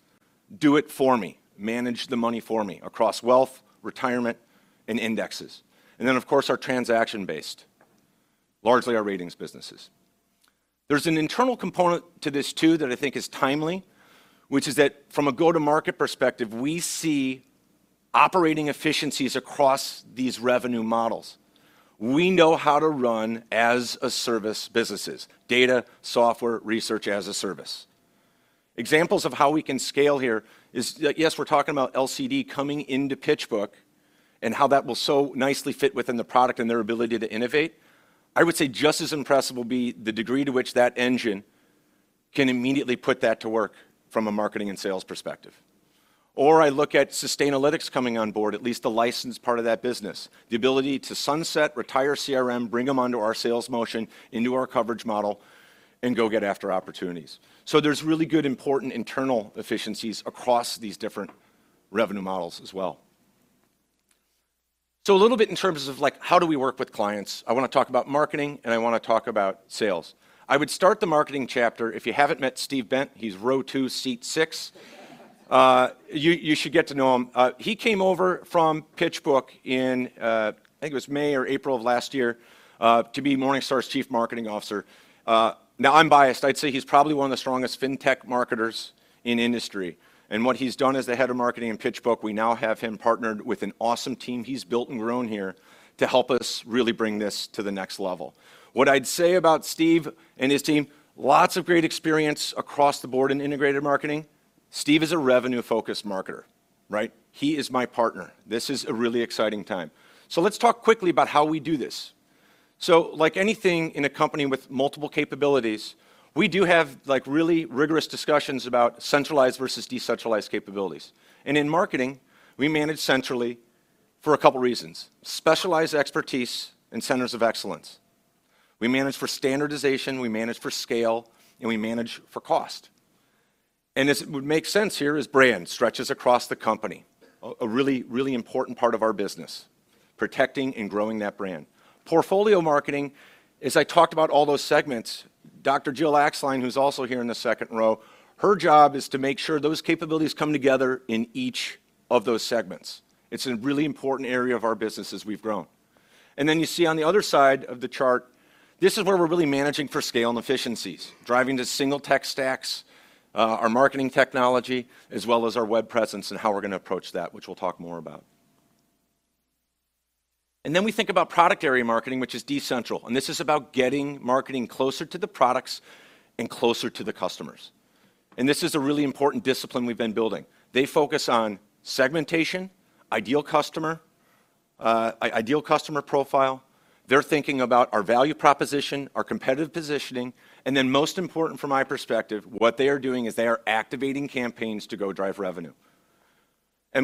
S5: do it for me. Manage the money for me across wealth, retirement and indexes. Of course, our transaction-based, largely our ratings businesses. There's an internal component to this too that I think is timely, which is that from a go-to-market perspective, we see operating efficiencies across these revenue models. We know how to run as-a-service businesses, data, software, research-as-a-service. Examples of how we can scale here is, yes, we're talking about LCD coming into PitchBook and how that will so nicely fit within the product and their ability to innovate. I would say just as impressive will be the degree to which that engine can immediately put that to work from a marketing and sales perspective. I look at Sustainalytics coming on board, at least the licensed part of that business, the ability to sunset, retire CRM, bring them onto our sales motion, into our coverage model, and go get after opportunities. There's really good, important internal efficiencies across these different revenue models as well. A little bit in terms of, like, how do we work with clients. I wanna talk about marketing, and I wanna talk about sales. I would start the marketing chapter. If you haven't met Steve Bent, he's row two, seat six. You should get to know him. He came over from PitchBook in, I think it was May or April of last year, to be Morningstar's chief marketing officer. Now I'm biased. I'd say he's probably one of the strongest fintech marketers in industry. What he's done as the head of marketing in PitchBook, we now have him partnered with an awesome team he's built and grown here to help us really bring this to the next level. What I'd say about Steve and his team, lots of great experience across the board in integrated marketing. Steve is a revenue-focused marketer, right? He is my partner. This is a really exciting time. Let's talk quickly about how we do this. Like anything in a company with multiple capabilities, we do have like really rigorous discussions about centralized versus decentralized capabilities. In marketing, we manage centrally for a couple reasons. Specialized expertise and centers of excellence. We manage for standardization, we manage for scale, and we manage for cost. As would make sense here is brand stretches across the company, a really, really important part of our business, protecting and growing that brand. Portfolio marketing, as I talked about all those segments, Dr. Jill Axline, who's also here in the second row, her job is to make sure those capabilities come together in each of those segments. It's a really important area of our business as we've grown. Then you see on the other side of the chart, this is where we're really managing for scale and efficiencies, driving to single tech stacks, our marketing technology, as well as our web presence and how we're gonna approach that, which we'll talk more about. Then we think about product area marketing, which is decentral. This is about getting marketing closer to the products and closer to the customers. This is a really important discipline we've been building. They focus on segmentation, ideal customer, ideal customer profile. They're thinking about our value proposition, our competitive positioning, and then most important from my perspective, what they are doing is they are activating campaigns to go drive revenue.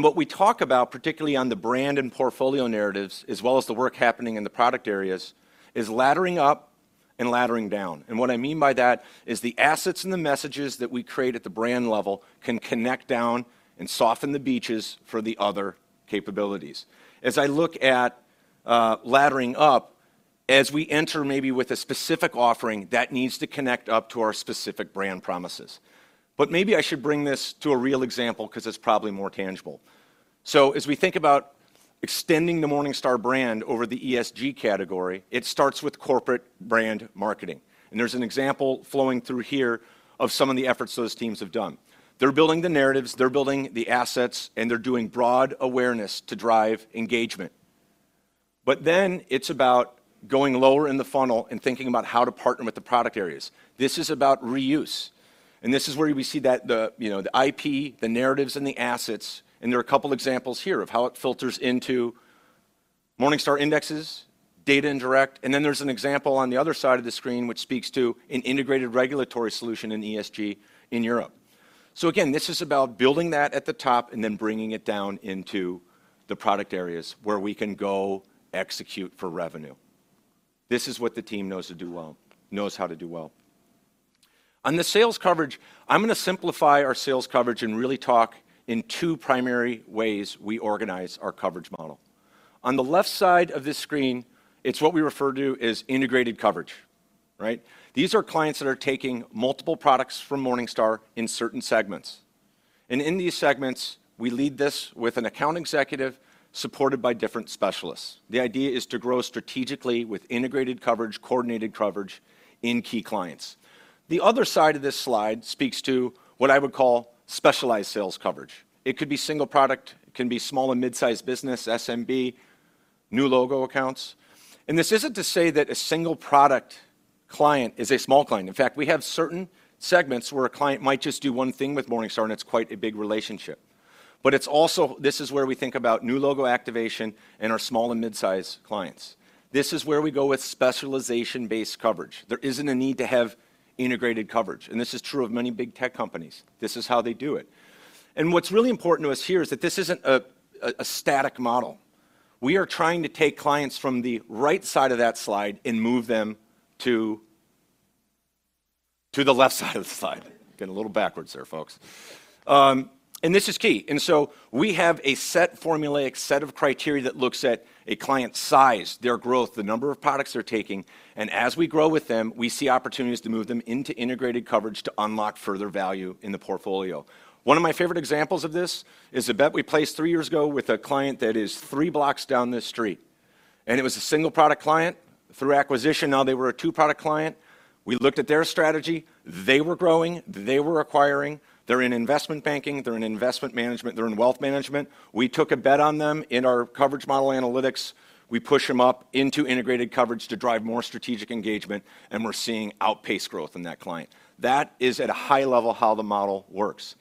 S5: What we talk about, particularly on the brand and portfolio narratives, as well as the work happening in the product areas, is laddering up and laddering down. What I mean by that is the assets and the messages that we create at the brand level can connect down and soften the beaches for the other capabilities. As I look at, laddering up, as we enter maybe with a specific offering, that needs to connect up to our specific brand promises. Maybe I should bring this to a real example 'cause it's probably more tangible. As we think about extending the Morningstar brand over the ESG category, it starts with corporate brand marketing. There's an example flowing through here of some of the efforts those teams have done. They're building the narratives, they're building the assets, and they're doing broad awareness to drive engagement. It's about going lower in the funnel and thinking about how to partner with the product areas. This is about reuse, and this is where we see that the, you know, the IP, the narratives, and the assets, and there are a couple examples here of how it filters into Morningstar Indexes, data and Direct, and then there's an example on the other side of the screen which speaks to an integrated regulatory solution in ESG in Europe. Again, this is about building that at the top and then bringing it down into the product areas where we can go execute for revenue. This is what the team knows how to do well. On the sales coverage, I'm going to simplify our sales coverage and really talk in 2 primary ways we organize our coverage model. On the left side of this screen, it's what we refer to as integrated coverage, right? These are clients that are taking multiple products from Morningstar in certain segments. In these segments, we lead this with an account executive supported by different specialists. The idea is to grow strategically with integrated coverage, coordinated coverage in key clients. The other side of this slide speaks to what I would call specialized sales coverage. It could be single product, it can be small and mid-size business, SMB, new logo accounts. This isn't to say that a single product client is a small client. In fact, we have certain segments where a client might just do one thing with Morningstar, and it's quite a big relationship. It's also, this is where we think about new logo activation and our small and mid-size clients. This is where we go with specialization-based coverage. There isn't a need to have integrated coverage, and this is true of many big tech companies. This is how they do it. What's really important to us here is that this isn't a static model. We are trying to take clients from the right side of that slide and move them to the left side of the slide. Getting a little backwards there, folks. This is key. We have a set formulaic set of criteria that looks at a client's size, their growth, the number of products they're taking, and as we grow with them, we see opportunities to move them into integrated coverage to unlock further value in the portfolio. One of my favorite examples of this is a bet we placed 3 years ago with a client that is 3 blocks down this street, and it was a single-product client. Through acquisition, now they were a two-product client. We looked at their strategy. They were growing, they were acquiring, they're in investment banking, they're in investment management, they're in wealth management. We took a bet on them in our coverage model analytics. We push them up into integrated coverage to drive more strategic engagement, and we're seeing outpaced growth in that client. That is at a high level how the model works.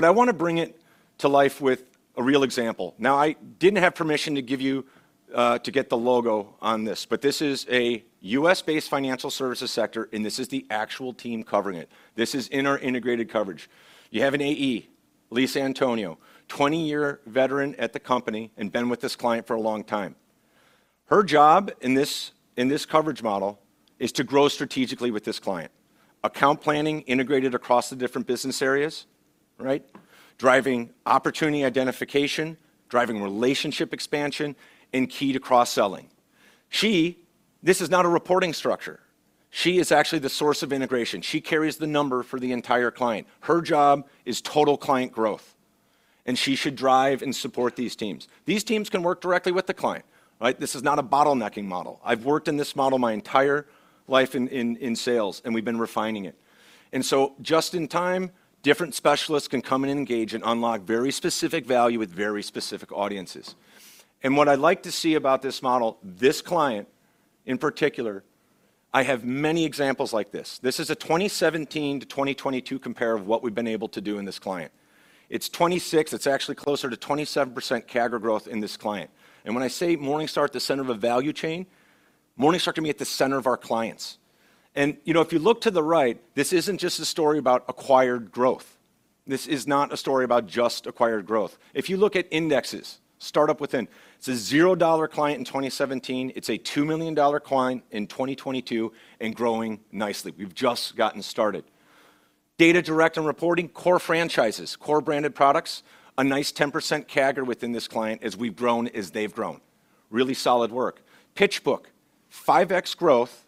S5: I wanna bring it to life with a real example. I didn't have permission to give you to get the logo on this, but this is a U.S.-based financial services sector, and this is the actual team covering it. This is in our integrated coverage. You have an AE, Lisa Antonio, 20-year veteran at the company and been with this client for a long time. Her job in this coverage model is to grow strategically with this client. Account planning integrated across the different business areas, right? Driving opportunity identification, driving relationship expansion, and key to cross-selling. This is not a reporting structure. She is actually the source of integration. She carries the number for the entire client. Her job is total client growth, and she should drive and support these teams. These teams can work directly with the client, right? This is not a bottlenecking model. I've worked in this model my entire life in sales, and we've been refining it. Just in time, different specialists can come and engage and unlock very specific value with very specific audiences. What I like to see about this model, this client in particular, I have many examples like this. This is a 2017 to 2022 compare of what we've been able to do in this client. It's 26, it's actually closer to 27% CAGR growth in this client. When I say Morningstar at the center of a value chain, Morningstar can be at the center of our clients. You know, if you look to the right, this isn't just a story about acquired growth. This is not a story about just acquired growth. If you look at indexes, start up within. It's a $0 client in 2017. It's a $2 million client in 2022 and growing nicely. We've just gotten started. Data direct and reporting, core franchises, core branded products, a nice 10% CAGR within this client as we've grown, as they've grown. Really solid work. PitchBook, 5x growth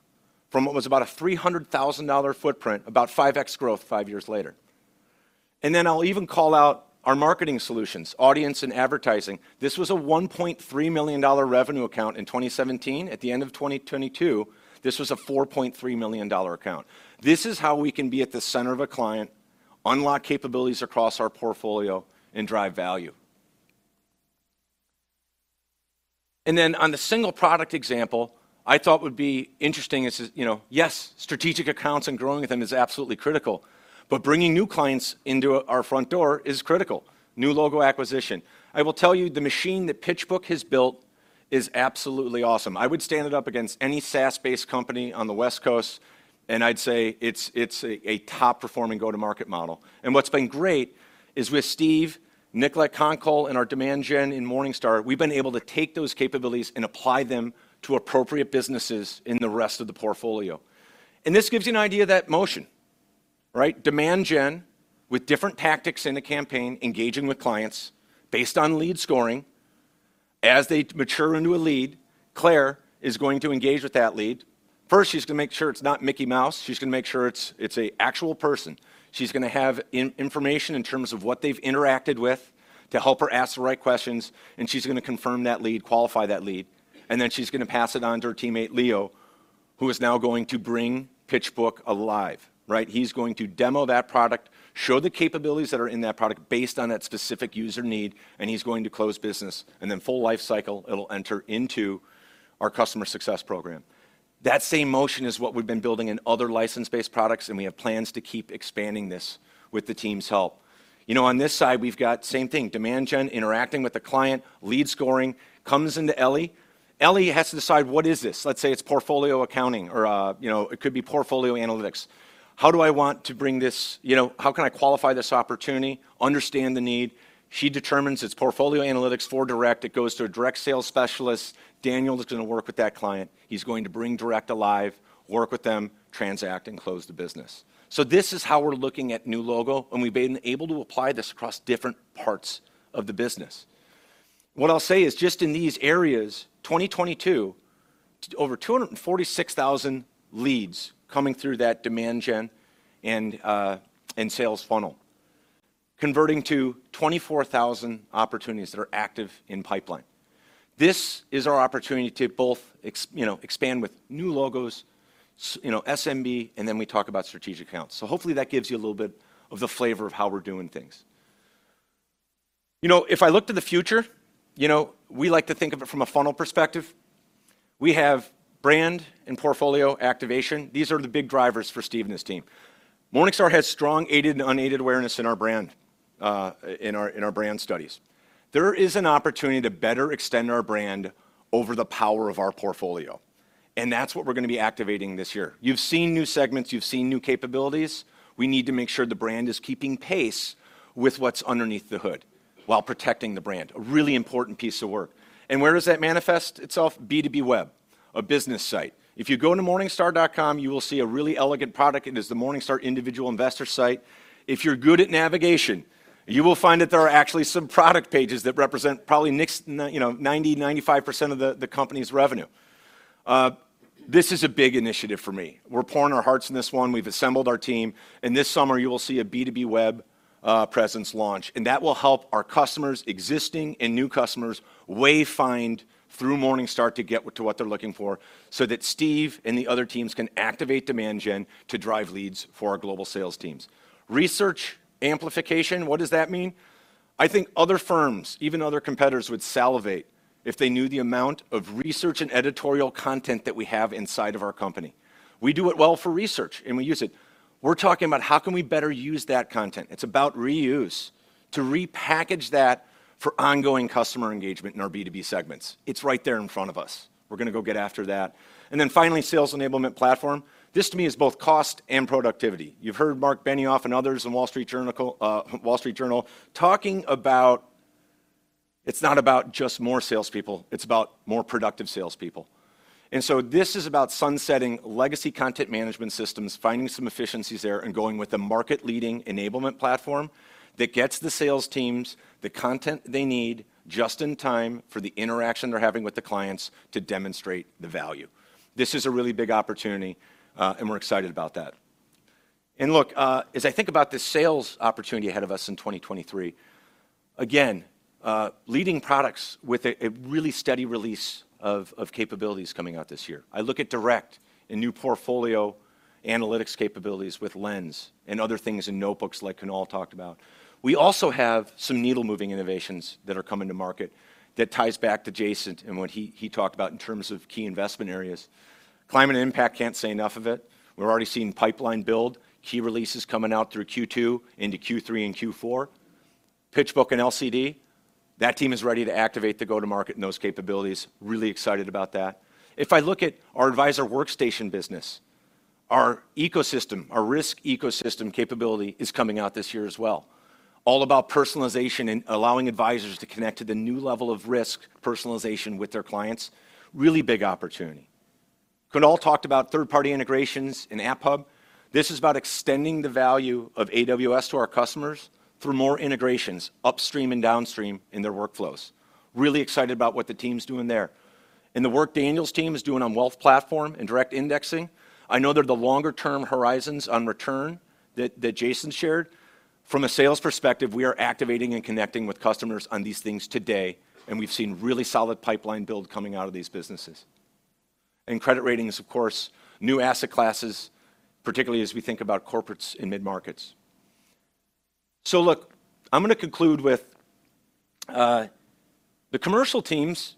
S5: from what was about a $300,000 footprint, about 5x growth five years later. I'll even call out our marketing solutions, audience and advertising. This was a $1.3 million revenue account in 2017. At the end of 2022, this was a $4.3 million account. This is how we can be at the center of a client, unlock capabilities across our portfolio, and drive value. Then on the single product example, I thought would be interesting is, you know, yes, strategic accounts and growing with them is absolutely critical, but bringing new clients into our front door is critical. New logo acquisition. I will tell you, the machine that PitchBook has built is absolutely awesome. I would stand it up against any SaaS-based company on the West Coast, and I'd say it's a top-performing go-to-market model. What's been great is with Steve, Nicolette Konkol, and our demand gen in Morningstar, we've been able to take those capabilities and apply them to appropriate businesses in the rest of the portfolio. This gives you an idea of that motion, right? Demand gen with different tactics in a campaign, engaging with clients based on lead scoring. As they mature into a lead, Claire is going to engage with that lead. First, she's gonna make sure it's not Mickey Mouse. She's gonna make sure it's a actual person. She's gonna have information in terms of what they've interacted with to help her ask the right questions. She's gonna confirm that lead, qualify that lead, and then she's gonna pass it on to her teammate, Leo, who is now going to bring PitchBook alive, right? He's going to demo that product, show the capabilities that are in that product based on that specific user need, and he's going to close business, and then full life cycle, it'll enter into our customer success program. That same motion is what we've been building in other license-based products. We have plans to keep expanding this with the team's help. You know, on this side, we've got same thing, demand gen interacting with the client, lead scoring, comes into Ellie. Ellie has to decide what is this. Let's say it's portfolio accounting or, you know, it could be portfolio analytics. How do I want to bring this, you know, how can I qualify this opportunity, understand the need? She determines it's portfolio analytics for Morningstar Direct. It goes to a direct sales specialist. Daniel is gonna work with that client. He's going to bring Morningstar Direct alive, work with them, transact, and close the business. This is how we're looking at new logo, and we've been able to apply this across different parts of the business. What I'll say is just in these areas, 2022, over 246,000 leads coming through that demand gen and sales funnel, converting to 24,000 opportunities that are active in pipeline. This is our opportunity to both you know, expand with new logos, you know, SMB, and then we talk about strategic accounts. Hopefully that gives you a little bit of the flavor of how we're doing things. You know, if I look to the future, you know, we like to think of it from a funnel perspective. We have brand and portfolio activation. These are the big drivers for Steve and his team. Morningstar has strong aided and unaided awareness in our brand, in our, in our brand studies. There is an opportunity to better extend our brand over the power of our portfolio, and that's what we're gonna be activating this year. You've seen new segments. You've seen new capabilities. We need to make sure the brand is keeping pace with what's underneath the hood while protecting the brand. A really important piece of work. Where does that manifest itself? B2B web, a business site. If you go into Morningstar.com, you will see a really elegant product. It is the Morningstar individual investor site. If you're good at navigation, you will find that there are actually some product pages that represent probably you know, 90%, 95% of the company's revenue. This is a big initiative for me. We're pouring our hearts in this one. We've assembled our team. This summer, you will see a B2B web presence launch, and that will help our customers, existing and new customers, wayfind through Morningstar to get to what they're looking for, so that Steve and the other teams can activate demand gen to drive leads for our global sales teams. Research amplification, what does that mean? I think other firms, even other competitors, would salivate if they knew the amount of research and editorial content that we have inside of our company. We do it well for research, and we use it. We're talking about how can we better use that content. It's about reuse, to repackage that for ongoing customer engagement in our B2B segments. It's right there in front of us. We're gonna go get after that. Then finally, sales enablement platform. This to me is both cost and productivity. You've heard Marc Benioff and others in Wall Street Journal talking about it's not about just more salespeople; it's about more productive salespeople. This is about sunsetting legacy content management systems, finding some efficiencies there, and going with a market-leading enablement platform that gets the sales teams the content they need just in time for the interaction they're having with the clients to demonstrate the value. This is a really big opportunity, and we're excited about that. Look, as I think about the sales opportunity ahead of us in 2023, again, leading products with a really steady release of capabilities coming out this year. I look at Direct and new PortfolioAnalytics capabilities with Lens and other things in Notebooks like Kunal talked about. We also have some needle-moving innovations that are coming to market that ties back to Jason and what he talked about in terms of key investment areas. Climate impact can't say enough of it. We're already seeing pipeline build, key releases coming out through Q2 into Q3 and Q4. PitchBook and LCD, that team is ready to activate the go-to-market and those capabilities. Really excited about that. If I look at our Advisor Workstation business, our ecosystem, our risk ecosystem capability is coming out this year as well. All about personalization and allowing advisors to connect to the new level of risk personalization with their clients. Really big opportunity. Kunal talked about third-party integrations in App Hub. This is about extending the value of AWS to our customers through more integrations upstream and downstream in their workflows. Really excited about what the team's doing there. The work Daniel's team is doing on wealth platform and direct indexing, I know they're the longer-term horizons on return that Jason shared. From a sales perspective, we are activating and connecting with customers on these things today, and we've seen really solid pipeline build coming out of these businesses. Credit ratings, of course, new asset classes, particularly as we think about corporates in mid-markets. Look, I'm gonna conclude with the commercial teams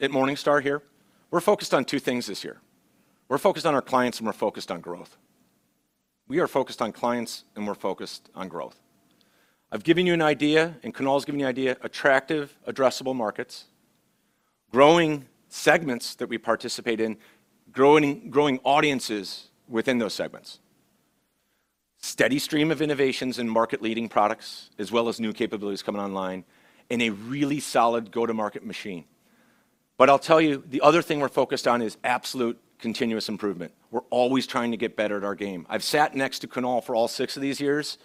S5: at Morningstar here, we're focused on two things this year. We're focused on our clients, and we're focused on growth. We are focused on clients, and we're focused on growth. I've given you an idea, and Kunal's given you an idea, attractive addressable markets, growing segments that we participate in, growing audiences within those segments. Steady stream of innovations and market-leading products, as well as new capabilities coming online in a really solid go-to-market machine. I'll tell you, the other thing we're focused on is absolute continuous improvement. We're always trying to get better at our game. I've sat next to Kunal for all six of these years,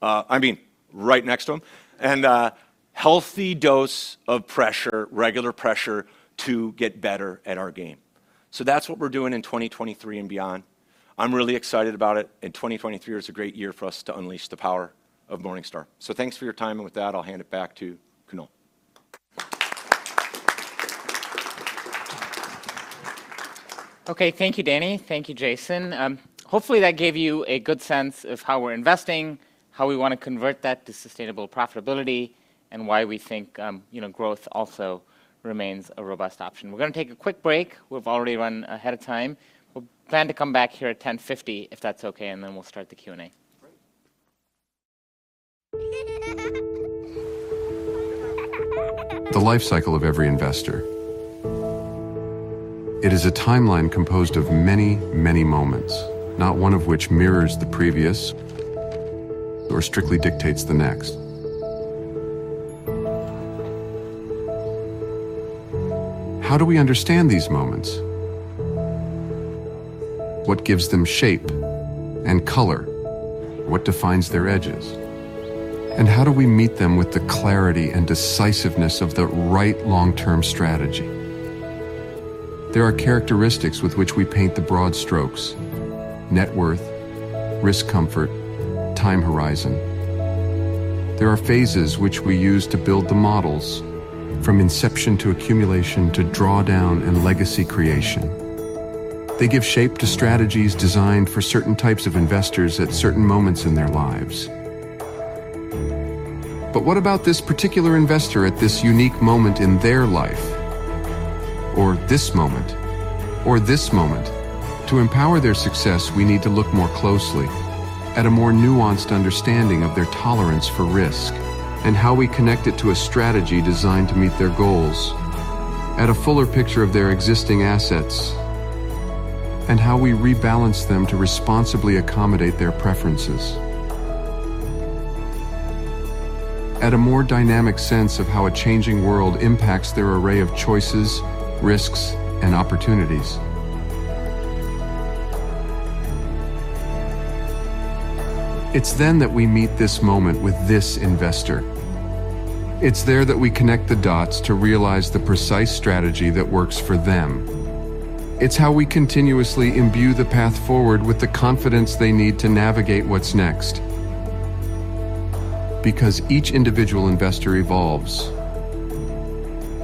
S5: I mean, right next to him, and healthy dose of pressure, regular pressure to get better at our game. That's what we're doing in 2023 and beyond. I'm really excited about it, 2023 is a great year for us to unleash the power of Morningstar. Thanks for your time, with that, I'll hand it back to Kunal.
S3: Okay. Thank you, Danny. Thank you, Jason. Hopefully that gave you a good sense of how we're investing, how we wanna convert that to sustainable profitability, and why we think, you know, growth also remains a robust option. We're gonna take a quick break. We've already run ahead of time. We'll plan to come back here at 10:50 A.M., if that's okay, then we'll start the Q&A.
S6: The life cycle of every investor. It is a timeline composed of many, many moments, not one of which mirrors the previous or strictly dictates the next. How do we understand these moments? What gives them shape and color? What defines their edges? How do we meet them with the clarity and decisiveness of the right long-term strategy? There are characteristics with which we paint the broad strokes: net worth, risk comfort, time horizon. There are phases which we use to build the models from inception to accumulation to draw down and legacy creation. They give shape to strategies designed for certain types of investors at certain moments in their lives. What about this particular investor at this unique moment in their life, or this moment, or this moment? To empower their success, we need to look more closely at a more nuanced understanding of their tolerance for risk and how we connect it to a strategy designed to meet their goals, at a fuller picture of their existing assets and how we rebalance them to responsibly accommodate their preferences. At a more dynamic sense of how a changing world impacts their array of choices, risks, and opportunities. It's that we meet this moment with this investor. It's there that we connect the dots to realize the precise strategy that works for them. It's how we continuously imbue the path forward with the confidence they need to navigate what's next, because each individual investor evolves,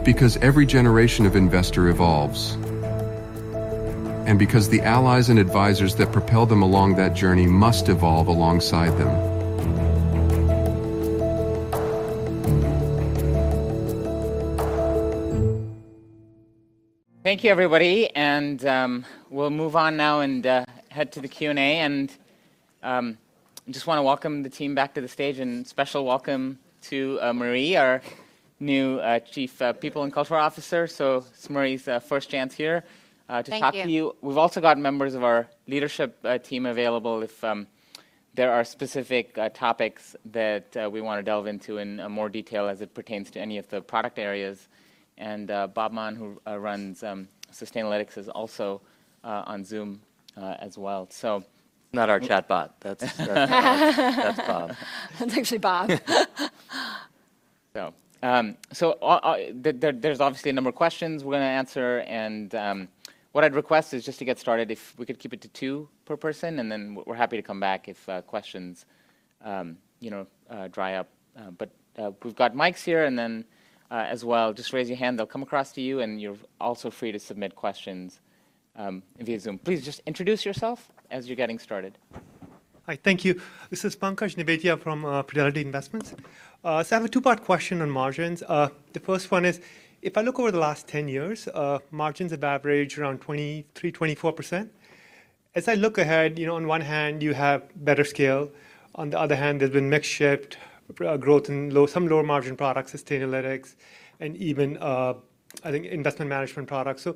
S6: because every generation of investor evolves, and because the allies and advisors that propel them along that journey must evolve alongside them.
S3: Thank you, everybody, we'll move on now and head to the Q&A. Just wanna welcome the team back to the stage, and special welcome to Marie, our new Chief People and Culture Officer. This is Marie's first chance here.
S7: Thank you.
S3: to talk to you. We've also got members of our leadership team available if there are specific topics that we wanna delve into in more detail as it pertains to any of the product areas. Bob Mann, who runs Sustainalytics is also on Zoom as well.
S5: Not our chatbot. That's Bob. That's Bob.
S3: That's actually Bob. All, there's obviously a number of questions we're gonna answer, and what I'd request is just to get started, if we could keep it to 2 per person, and then we're happy to come back if, questions, you know, dry up. We've got mics here, and then, as well, just raise your hand. They'll come across to you, and you're also free to submit questions, via Zoom. Please just introduce yourself as you're getting started.
S8: Hi, thank you. This is Pankaj Nevatia from Fidelity Investments. I have a two-part question on margins. The first one is, if I look over the last 10 years, margins have averaged around 23%-24%. As I look ahead, you know, on one hand you have better scale. On the other hand, there's been mix shift, growth in some lower margin products, Sustainalytics, and even, I think investment management products.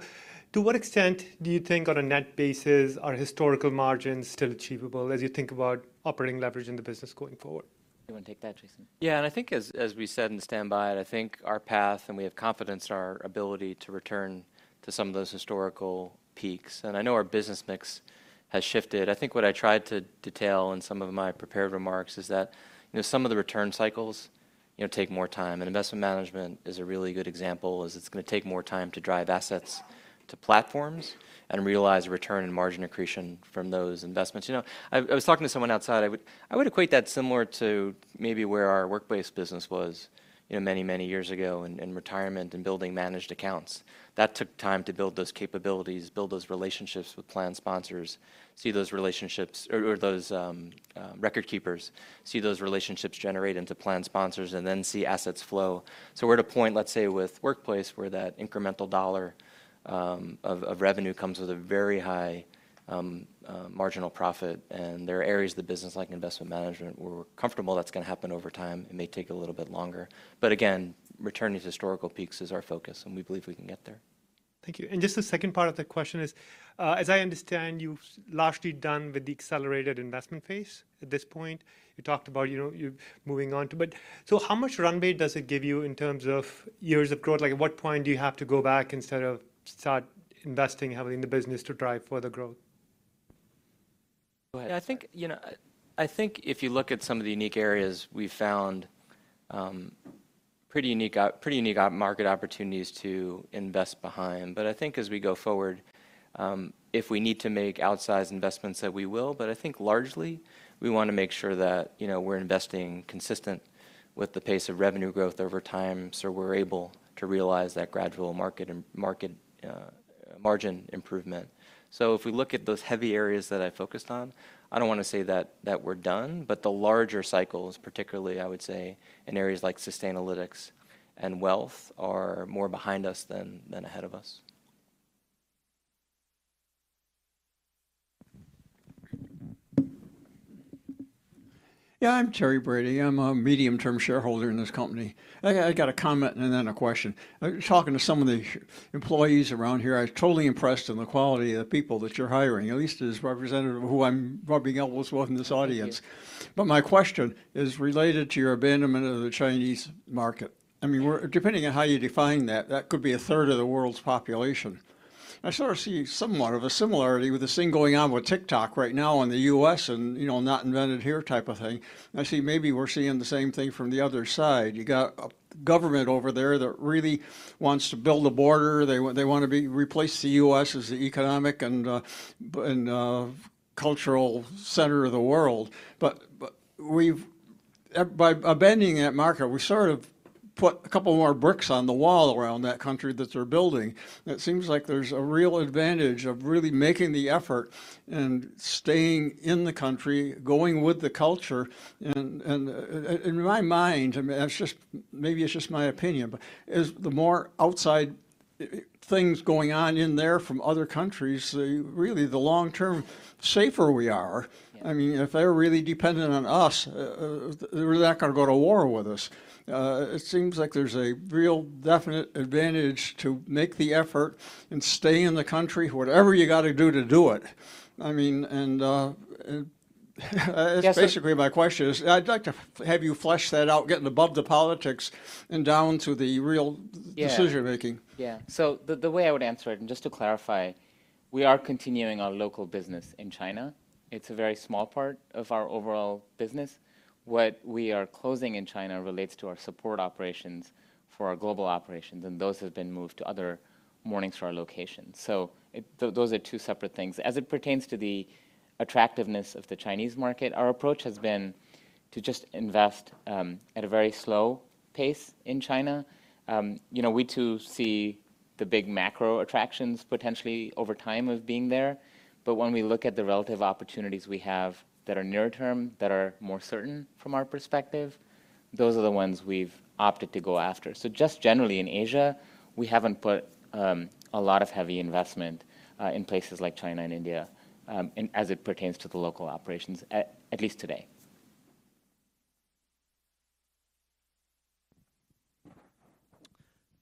S8: To what extent do you think on a net basis are historical margins still achievable as you think about operating leverage in the business going forward?
S3: Do you wanna take that, Jason?
S4: I think as we said in the standby, I think our path, we have confidence in our ability to return to some of those historical peaks. I know our business mix has shifted. I think what I tried to detail in some of my prepared remarks is that, you know, some of the return cycles, you know, take more time, and investment management is a really good example, as it's gonna take more time to drive assets to platforms and realize return and margin accretion from those investments. You know, I was talking to someone outside. I would equate that similar to maybe where our Workplace Solutions was, you know, many, many years ago in retirement and building managed accounts. That took time to build those capabilities, build those relationships with plan sponsors, see those relationships... or those record keepers, see those relationships generate into plan sponsors, and then see assets flow. We're at a point, let's say with workplace, where that incremental dollar of revenue comes with a very high marginal profit, and there are areas of the business-like investment management where we're comfortable that's gonna happen over time. It may take a little bit longer. Again, returning to historical peaks is our focus, and we believe we can get there.
S8: Thank you. Just the second part of the question is, as I understand, you've largely done with the accelerated investment phase at this point. You talked about, you know, you moving on to... How much runway does it give you in terms of years of growth? Like, at what point do you have to go back instead of start investing, having the business to drive further growth?
S3: Go ahead.
S4: Yeah, I think, you know, I think if you look at some of the unique areas, we've found pretty unique market opportunities to invest behind. I think as we go forward, if we need to make outsized investments that we will, but I think largely, we wanna make sure that, you know, we're investing consistent with the pace of revenue growth over time, so we're able to realize that gradual market and margin improvement. If we look at those heavy areas that I focused on, I don't wanna say that we're done, but the larger cycles, particularly, I would say in areas like Sustainalytics and wealth, are more behind us than ahead of us.
S9: Yeah, I'm Terry Brady. I'm a medium-term shareholder in this company. I got a comment and then a question. Talking to some of the employees around here, I was totally impressed in the quality of the people that you're hiring, at least as representative of who I'm rubbing elbows with in this audience.
S3: Thank you.
S9: My question is related to your abandonment of the Chinese market. Depending on how you define that could be a third of the world's population. I sort of see somewhat of a similarity with this thing going on with TikTok right now in the U.S. and, you know, not invented here type of thing. I see maybe we're seeing the same thing from the other side. You got a government over there that really wants to build a border. They want to replace the U.S. as the economic and cultural center of the world. By abandoning that market, we sort of put a couple more bricks on the wall around that country that they're building. It seems like there's a real advantage of really making the effort and staying in the country, going with the culture. In my mind, I mean, it's just, maybe it's just my opinion, but as the more outside things going on in there from other countries, the really the long-term safer we are.
S3: Yeah.
S9: I mean, if they're really dependent on us, they're not gonna go to war with us. It seems like there's a real definite advantage to make the effort and stay in the country, whatever you gotta do to do it. I mean, that's basically my question is I'd like to have you flesh that out, getting above the politics and down to the real-.
S3: Yeah...
S9: decision making.
S3: Yeah. The way I would answer it, and just to clarify, we are continuing our local business in China. It's a very small part of our overall business. What we are closing in China relates to our support operations for our global operations, and those have been moved to other Morningstar locations. Those are two separate things. As it pertains to the attractiveness of the Chinese market, our approach has been to just invest at a very slow pace in China. You know, we too see the big macro attractions potentially over time of being there, but when we look at the relative opportunities we have that are near term, that are more certain from our perspective, those are the ones we've opted to go after. Just generally in Asia, we haven't put a lot of heavy investment in places like China and India, as it pertains to the local operations at least today.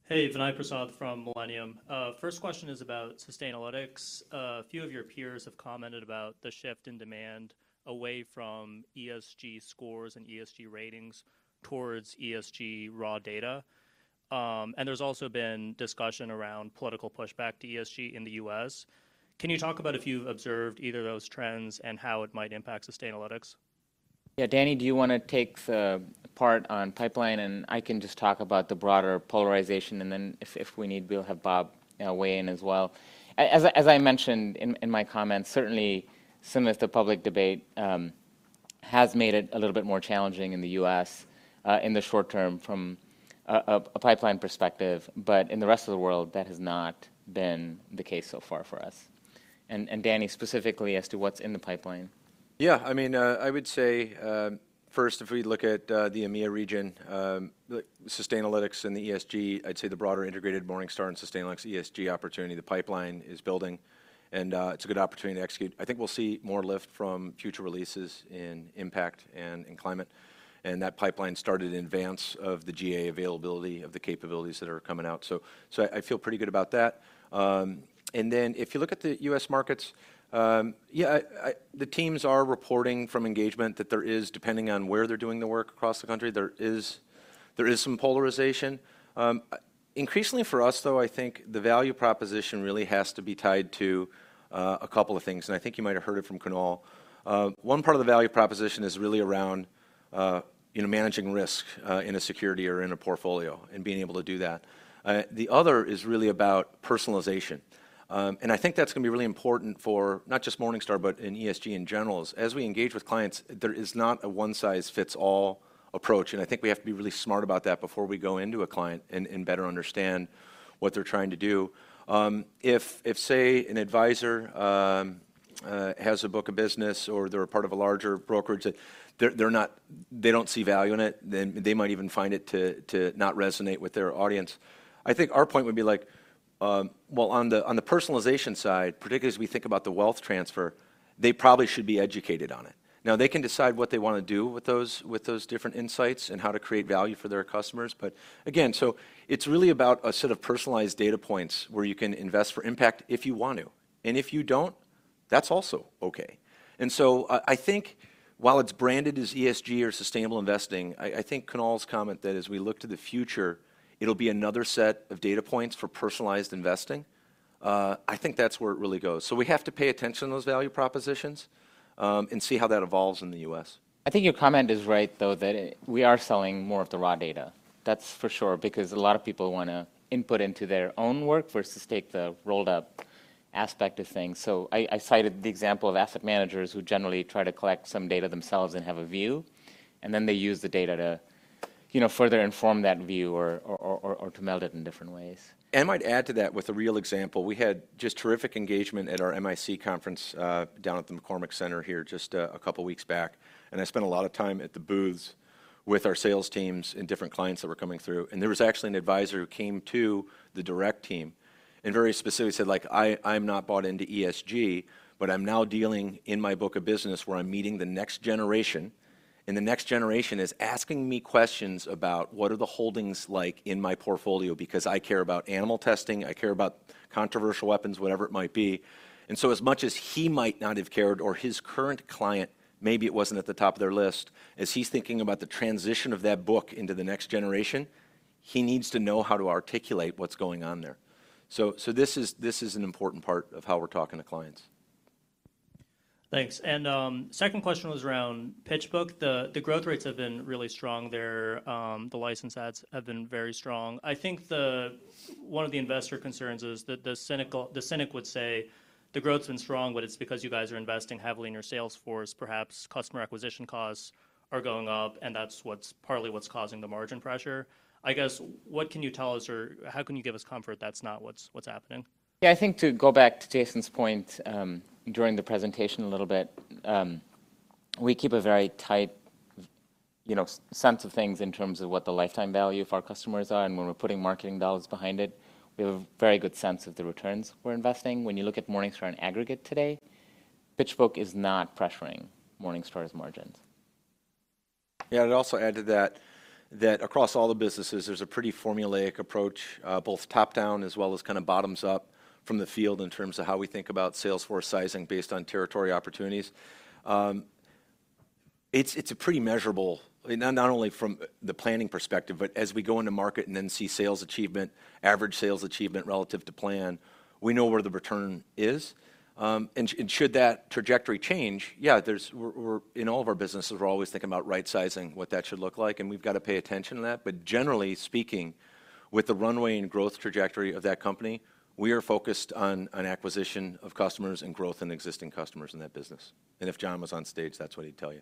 S10: Hey, Vinay Prasad from Millennium. First question is about Sustainalytics. A few of your peers have commented about the shift in demand away from ESG scores and ESG ratings towards ESG raw data. There's also been discussion around political pushback to ESG in the U.S. Can you talk about if you've observed either of those trends and how it might impact Sustainalytics?
S3: Yeah, Danny, do you wanna take the part on pipeline, and I can just talk about the broader polarization, and then if we need, we'll have Bob, you know, weigh in as well. As I mentioned in my comments, certainly some of the public debate has made it a little bit more challenging in the U.S., in the short term from a pipeline perspective, but in the rest of the world, that has not been the case so far for us. Danny, specifically as to what's in the pipeline.
S5: I mean, I would say, first, if we look at the EMEA region, the Sustainalytics and the ESG, I'd say the broader integrated Morningstar and Sustainalytics ESG opportunity, the pipeline is building, it's a good opportunity to execute. I think we'll see more lift from future releases in impact and in climate. That pipeline started in advance of the GA availability of the capabilities that are coming out. I feel pretty good about that. If you look at the U.S. markets, I the teams are reporting from engagement that there is, depending on where they're doing the work across the country, there is some polarization. Increasingly for us, though, I think the value proposition really has to be tied to a couple of things, and I think you might have heard it from Kunal. One part of the value proposition is really around, you know, managing risk in a security or in a portfolio and being able to do that. The other is really about personalization. I think that's gonna be really important for not just Morningstar, but in ESG in general, is as we engage with clients, there is not a one-size-fits-all approach, and I think we have to be really smart about that before we go into a client and better understand what they're trying to do. If, if, say, an advisor has a book of business or they're a part of a larger brokerage that they don't see value in it, then they might even find it to not resonate with their audience. I think our point would be like, well, on the, on the personalization side, particularly as we think about the wealth transfer, they probably should be educated on it. Now, they can decide what they wanna do with those, with those different insights and how to create value for their customers. Again, so it's really about a set of personalized data points where you can invest for impact if you want to, and if you don't, that's also okay. I think while it's branded as ESG or sustainable investing, I think Kunal's comment that as we look to the future, it'll be another set of data points for personalized investing, I think that's where it really goes. We have to pay attention to those value propositions, and see how that evolves in the U.S.
S3: I think your comment is right, though, that we are selling more of the raw data. That's for sure, because a lot of people wanna input into their own work versus take the rolled-up aspect of things. I cited the example of asset managers who generally try to collect some data themselves and have a view, and then they use the data to, you know, further inform that view or to meld it in different ways.
S5: I might add to that with a real example. We had just terrific engagement at our MIC conference, down at the McCormick Center here just a couple weeks back, and I spent a lot of time at the booths with our sales teams and different clients that were coming through. There was actually an advisor who came to the Direct team and very specifically said, like, "I'm not bought into ESG, but I'm now dealing in my book of business where I'm meeting the next generation, and the next generation is asking me questions about what are the holdings like in my portfolio because I care about animal testing, I care about controversial weapons," whatever it might be. As much as he might not have cared or his current client, maybe it wasn't at the top of their list, as he's thinking about the transition of that book into the next generation, he needs to know how to articulate what's going on there. This is an important part of how we're talking to clients.
S10: Thanks. Second question was around PitchBook. The growth rates have been really strong there. The license adds have been very strong. I think one of the investor concerns is that the cynic would say the growth's been strong, but it's because you guys are investing heavily in your sales force. Perhaps customer acquisition costs are going up, and that's what's partly what's causing the margin pressure. I guess, what can you tell us or how can you give us comfort that's not what's happening?
S3: Yeah, I think to go back to Jason's point, during the presentation a little bit, we keep a very tight, you know, sense of things in terms of what the lifetime value of our customers are and when we're putting marketing dollars behind it. We have a very good sense of the returns we're investing. When you look at Morningstar in aggregate today, PitchBook is not pressuring Morningstar's margins.
S5: Yeah, I'd also add to that across all the businesses, there's a pretty formulaic approach, both top-down as well as kinda bottoms-up from the field in terms of how we think about sales force sizing based on territory opportunities. It's a pretty measurable, I mean, not only from the planning perspective, but as we go into market and then see sales achievement, average sales achievement relative to plan, we know where the return is. Should that trajectory change, yeah, we're in all of our businesses, we're always thinking about right-sizing, what that should look like, and we've gotta pay attention to that. Generally speaking, with the runway and growth trajectory of that company, we are focused on an acquisition of customers and growth in existing customers in that business. If John was on stage, that's what he'd tell you.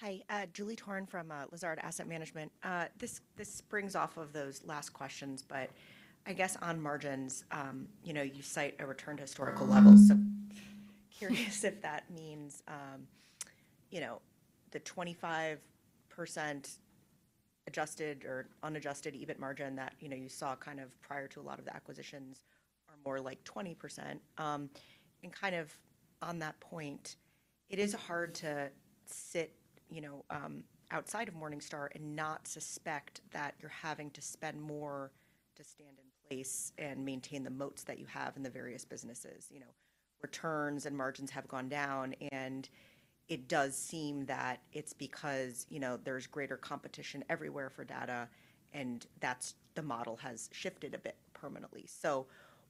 S11: Hi. Julie Toran from Lazard Asset Management. This springs off of those last questions, I guess on margins, you know, you cite a return to historical levels. Curious if that means, you know, the 25% adjusted or unadjusted EBIT margin that, you know, you saw kind of prior to a lot of the acquisitions are more like 20%. Kind of on that point, it is hard to sit, you know, outside of Morningstar and not suspect that you're having to spend more to stand in place and maintain the moats that you have in the various businesses. You know, returns and margins have gone down, it does seem that it's because, you know, there's greater competition everywhere for data and the model has shifted a bit permanently.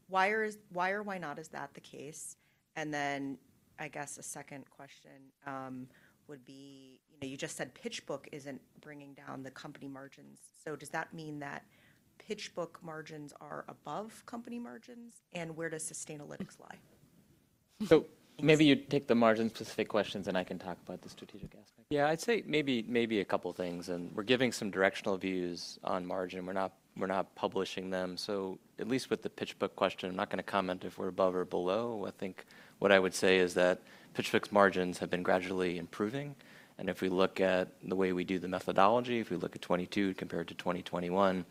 S11: Why or why not is that the case? I guess a second question, would be. You know, you just said PitchBook isn't bringing down the company margins. Does that mean that PitchBook margins are above company margins? Where does Sustainalytics lie?
S3: Maybe you take the margin-specific questions, and I can talk about the strategic aspect. I'd say maybe a couple things, and we're giving some directional views on margin. We're not, we're not publishing them. At least with the PitchBook question, I'm not gonna comment if we're above or below. I think what I would say is that PitchBook's margins have been gradually improving. If we look at the way we do the methodology, if we look at 22 compared to 2021,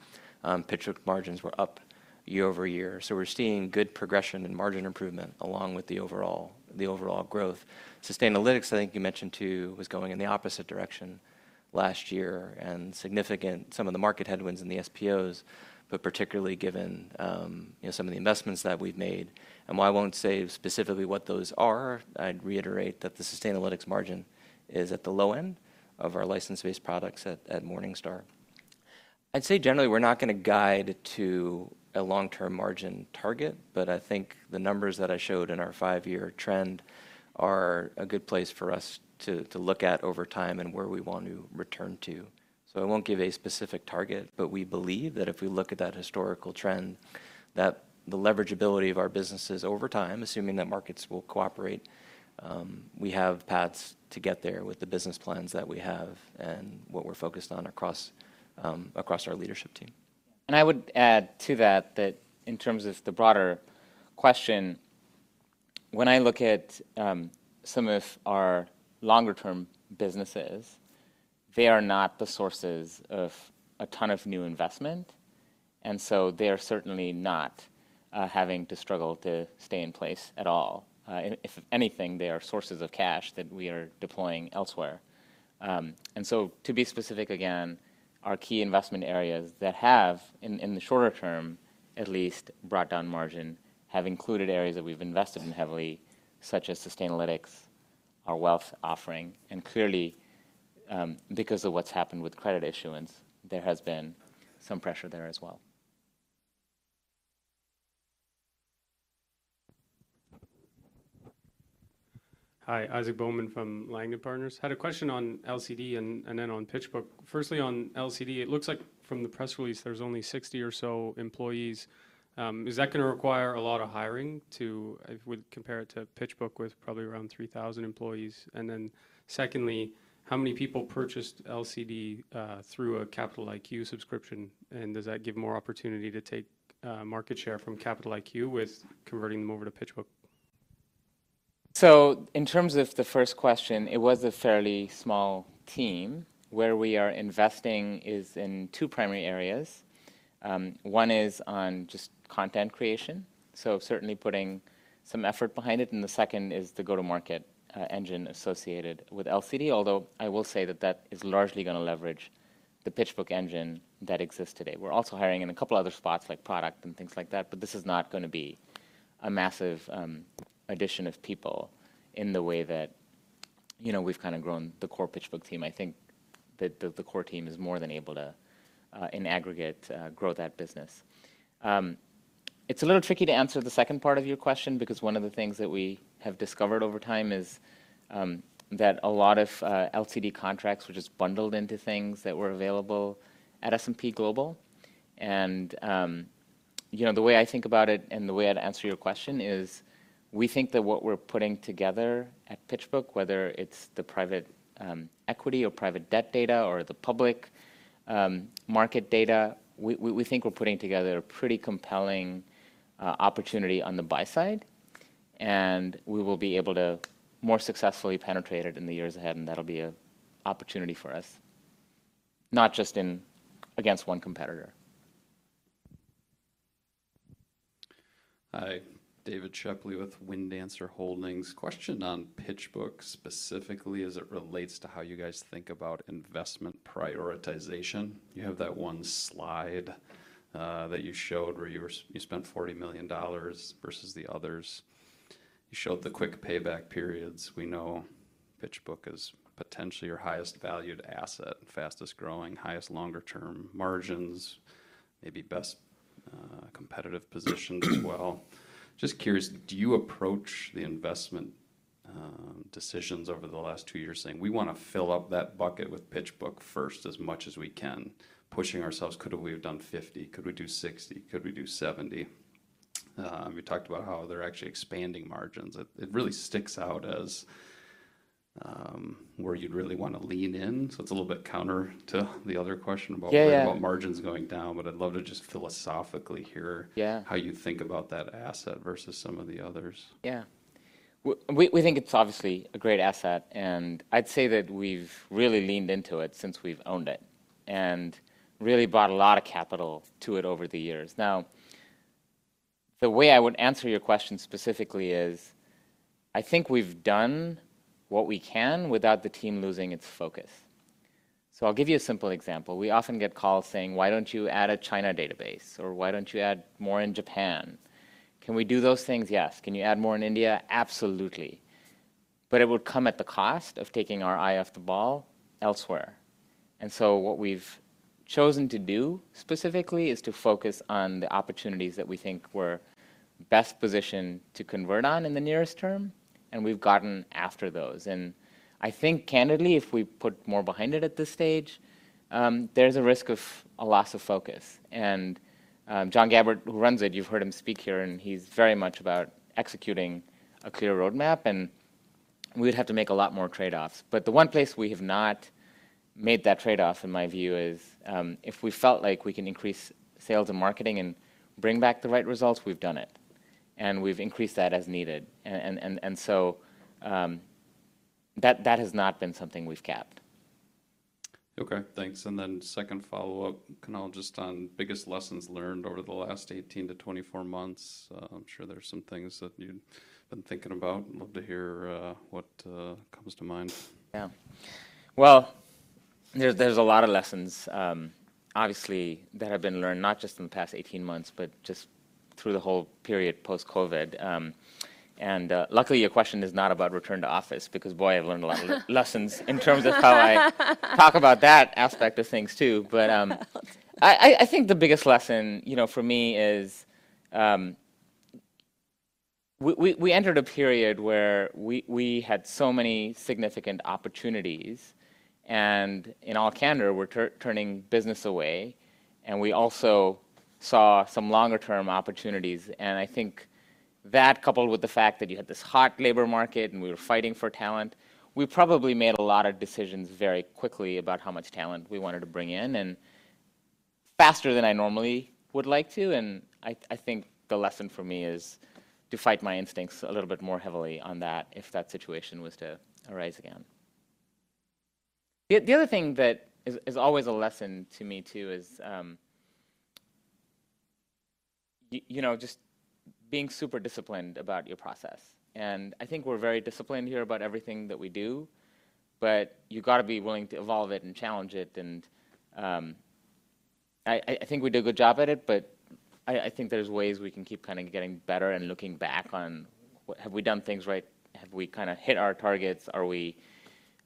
S3: PitchBook margins were up year-over-year. We're seeing good progression and margin improvement along with the overall growth. Sustainalytics, I think you mentioned too, was going in the opposite direction last year and significant. Some of the market headwinds in the SPOs, but particularly given, you know, some of the investments that we've made. While I won't say specifically what those are, I'd reiterate that the Morningstar Sustainalytics margin is at the low end of our license-based products at Morningstar. I'd say generally, we're not gonna guide to a long-term margin target, but I think the numbers that I showed in our five-year trend are a good place for us to look at over time and where we want to return to. I won't give a specific target, but we believe that if we look at that historical trend, that the leverage ability of our businesses over time, assuming that markets will cooperate, we have paths to get there with the business plans that we have and what we're focused on across our leadership team. I would add to that in terms of the broader question, when I look at some of our longer-term businesses, they are not the sources of a ton of new investment. They are certainly not having to struggle to stay in place at all. If anything, they are sources of cash that we are deploying elsewhere. To be specific again, our key investment areas that have in the shorter term, at least brought down margin, have included areas that we've invested in heavily, such as Sustainalytics, our wealth offering, and clearly, because of what's happened with credit issuance, there has been some pressure there as well.
S12: Hi, Isaac Bowman from Langham Partners. Had a question on LCD and then on PitchBook. Firstly, on LCD, it looks like from the press release, there's only 60 or so employees. Is that gonna require a lot of hiring if we compare it to PitchBook with probably around 3,000 employees? Secondly, how many people purchased LCD through a Capital IQ subscription? Does that give more opportunity to take market share from Capital IQ with converting them over to PitchBook?
S3: In terms of the first question, it was a fairly small team. Where we are investing is in two primary areas. One is on just content creation, so certainly putting some effort behind it, and the second is the go-to-market engine associated with LCD. Although, I will say that that is largely gonna leverage the PitchBook engine that exists today. We're also hiring in a couple other spots like product and things like that, but this is not gonna be a massive addition of people in the way that, you know, we've kinda grown the core PitchBook team. I think that the core team is more than able to, in aggregate, grow that business. It's a little tricky to answer the second part of your question because one of the things that we have discovered over time is that a lot of LCD contracts were just bundled into things that were available at S&P Global. The way I think about it and the way I'd answer your question is, we think that what we're putting together at PitchBook, whether it's the private equity or private debt data or the public market data, we think we're putting together a pretty compelling opportunity on the buy side, and we will be able to more successfully penetrate it in the years ahead, and that'll be a opportunity for us, not just in against one competitor.
S13: Hi. David Shepley with Windancer Holdings. Question on PitchBook specifically as it relates to how you guys think about investment prioritization. You have that one slide that you showed where you spent $40 million versus the others. You showed the quick payback periods. We know PitchBook is potentially your highest valued asset and fastest-growing, highest longer-term margins, maybe best competitive positions as well. Just curious, do you approach the investment decisions over the last two years saying, "We wanna fill up that bucket with PitchBook first as much as we can, pushing ourselves, could we have done 50? Could we do 60? Could we do 70?" You talked about how they're actually expanding margins. It really sticks out as where you'd really wanna lean in. It's a little bit counter to the other question about.
S3: Yeah, yeah....
S13: margins going down, but I'd love to just philosophically hear-
S3: Yeah...
S13: how you think about that asset versus some of the others.
S3: Yeah. We think it's obviously a great asset, and I'd say that we've really leaned into it since we've owned it and really brought a lot of capital to it over the years. The way I would answer your question specifically is, I think we've done what we can without the team losing its focus. I'll give you a simple example. We often get calls saying, "Why don't you add a China database?" "Why don't you add more in Japan?" Can we do those things? Yes. Can you add more in India? Absolutely. It would come at the cost of taking our eye off the ball elsewhere. What we've chosen to do specifically is to focus on the opportunities that we think we're best positioned to convert on in the nearest term, and we've gotten after those. I think candidly, if we put more behind it at this stage, there's a risk of a loss of focus. John Gabbert, who runs it, you've heard him speak here, and he's very much about executing a clear roadmap, and we would have to make a lot more trade-offs. The one place we have not made that trade-off, in my view, is, if we felt like we can increase sales and marketing and bring back the right results, we've done it. We've increased that as needed. And so, that has not been something we've capped.
S13: Okay. Thanks. Second follow-up, Kunal, just on biggest lessons learned over the last 18-24 months. I'm sure there's some things that you've been thinking about. Love to hear what comes to mind.
S3: Yeah. Well, there's a lot of lessons, obviously that have been learned, not just in the past 18 months, but just through the whole period post-COVID. Luckily, your question is not about return to office because, boy, I've learned a lot of lessons in terms of how I talk about that aspect of things too. I think the biggest lesson, you know, for me is, we entered a period where we had so many significant opportunities, in all candor, we're turning business away, we also saw some longer term opportunities. I think that coupled with the fact that you had this hot labor market and we were fighting for talent, we probably made a lot of decisions very quickly about how much talent we wanted to bring in and faster than I normally would like to. I think the lesson for me is to fight my instincts a little bit more heavily on that if that situation was to arise again. The other thing that is always a lesson to me too is, you know, just being super disciplined about your process. I think we're very disciplined here about everything that we do, but you gotta be willing to evolve it and challenge it. I think we did a good job at it, but I think there's ways we can keep kinda getting better and looking back on have we done things right? Have we kinda hit our targets? Are we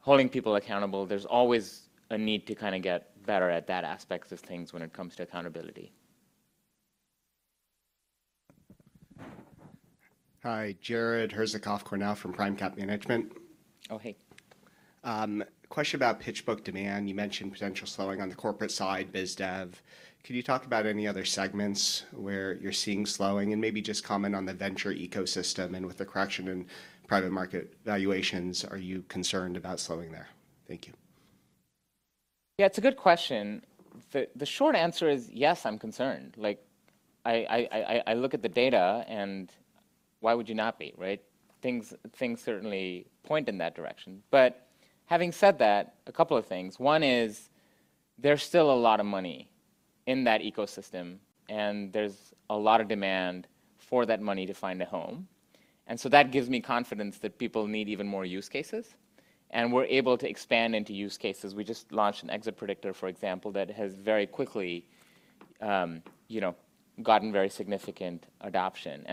S3: holding people accountable? There's always a need to kinda get better at that aspect of things when it comes to accountability.
S14: Hi, Jared Herzikoff-Cornell from PRIMECAP Management.
S3: Oh, hey.
S14: Question about PitchBook demand. You mentioned potential slowing on the corporate side, biz dev. Can you talk about any other segments where you're seeing slowing? Maybe just comment on the venture ecosystem and with the correction in private market valuations, are you concerned about slowing there? Thank you.
S3: Yeah, it's a good question. The short answer is, yes, I'm concerned. Like, I look at the data, and why would you not be, right? Things certainly point in that direction. Having said that, a couple of things. One is there's still a lot of money in that ecosystem, and there's a lot of demand for that money to find a home. That gives me confidence that people need even more use cases, and we're able to expand into use cases. We just launched an Exit Predictor, for example, that has very quickly, you know, gotten very significant adoption.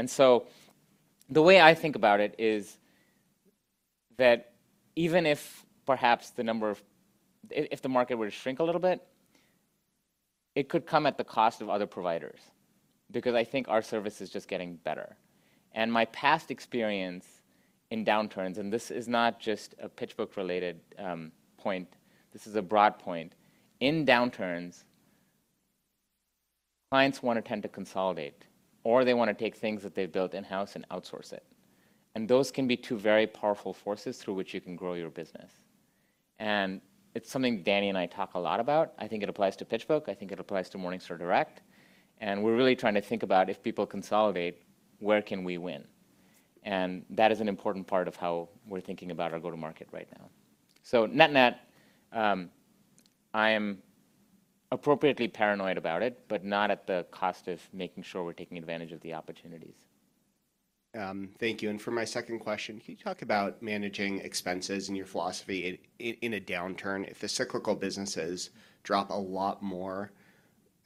S3: The way I think about it is that even if perhaps if the market were to shrink a little bit, it could come at the cost of other providers because I think our service is just getting better. My past experience in downturns, and this is not just a PitchBook related point, this is a broad point. In downturns, clients wanna tend to consolidate, or they wanna take things that they've built in-house and outsource it. Those can be two very powerful forces through which you can grow your business. It's something Danny and I talk a lot about. I think it applies to PitchBook. I think it applies to Morningstar Direct. We're really trying to think about if people consolidate, where can we win? That is an important part of how we're thinking about our go-to-market right now. Net-net, I am appropriately paranoid about it, but not at the cost of making sure we're taking advantage of the opportunities.
S14: Thank you. For my second question, can you talk about managing expenses and your philosophy in a downturn? If the cyclical businesses drop a lot more,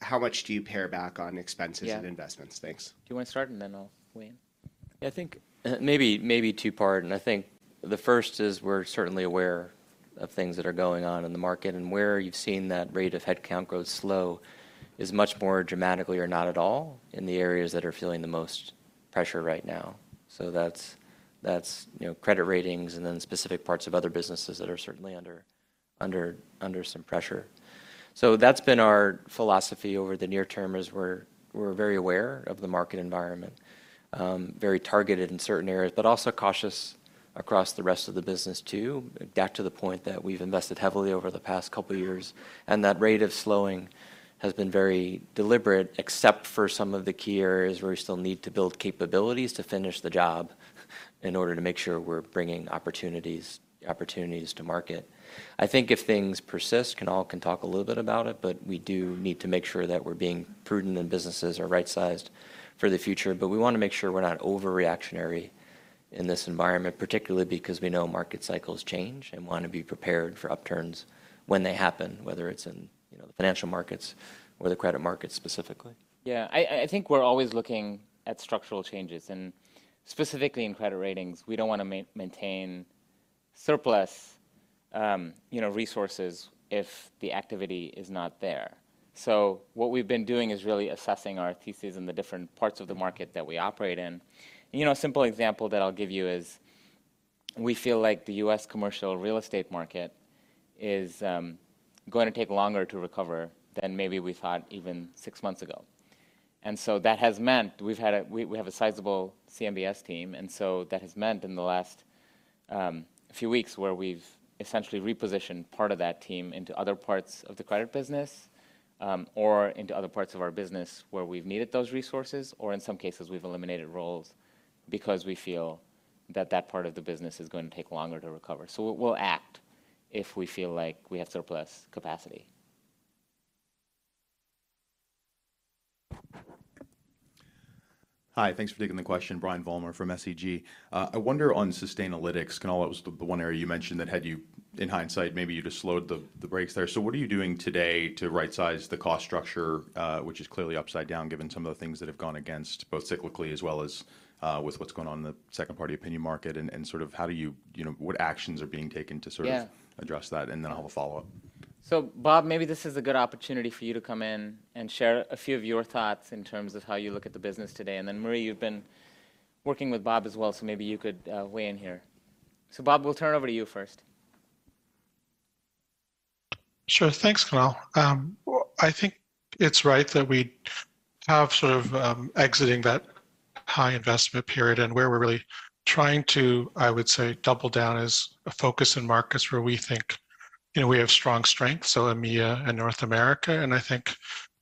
S14: how much do you pare back on expenses?
S3: Yeah.
S14: investments? Thanks.
S3: Do you wanna start, and then I'll weigh in?
S4: I think maybe two-part. I think the first is we're certainly aware of things that are going on in the market and where you've seen that rate of headcount grow slow is much more dramatically or not at all in the areas that are feeling the most pressure right now. That's, you know, credit ratings and then specific parts of other businesses that are certainly under some pressure. That's been our philosophy over the near term is we're very aware of the market environment, very targeted in certain areas, but also cautious across the rest of the business too, back to the point that we've invested heavily over the past couple years. That rate of slowing has been very deliberate, except for some of the key areas where we still need to build capabilities to finish the job in order to make sure, we're bringing opportunities to market. I think if things persist, Kunal can talk a little bit about it, but we do need to make sure that we're being prudent, and businesses are right sized for the future. We wanna make sure we're not over reactionary in this environment, particularly because we know market cycles change and wanna be prepared for upturns when they happen, whether it's in, you know, the financial markets or the credit markets specifically.
S3: Yeah. I think we're always looking at structural changes and specifically in credit ratings. We don't wanna maintain surplus, you know, resources if the activity is not there. What we've been doing is really assessing our theses in the different parts of the market that we operate in. You know, a simple example that I'll give you is we feel like the U.S. commercial real estate market is going to take longer to recover than maybe we thought even six months ago. That has meant we have a sizable CMBS team, and so that has meant in the last few weeks where we've essentially repositioned part of that team into other parts of the credit business, or into other parts of our business where we've needed those resources, or in some cases, we've eliminated roles because we feel that that part of the business is going to take longer to recover. We'll, we'll act if we feel like we have surplus capacity.
S15: Hi. Thanks for taking the question. Brian Vollmer from SEG. I wonder on Sustainalytics, Kunal, it was the one area you mentioned that in hindsight, maybe you just slowed the brakes there. What are you doing today to right-size the cost structure, which is clearly upside down given some of the things that have gone against, both cyclically as well as with what's going on in the second party opinion market and sort of how do you know, what actions are being taken to sort of?
S3: Yeah...
S15: address that? I'll have a follow-up.
S3: Bob, maybe this is a good opportunity for you to come in and share a few of your thoughts in terms of how you look at the business today. Marie, you've been working with Bob as well, so maybe you could weigh in here. Bob, we'll turn over to you first.
S16: Sure. Thanks, Kunal. I think it's right that we have sort of, exiting that high investment period and where we're really trying to, I would say, double down as a focus in markets where we think, you know, we have strong strength, so EMEA and North America, and I think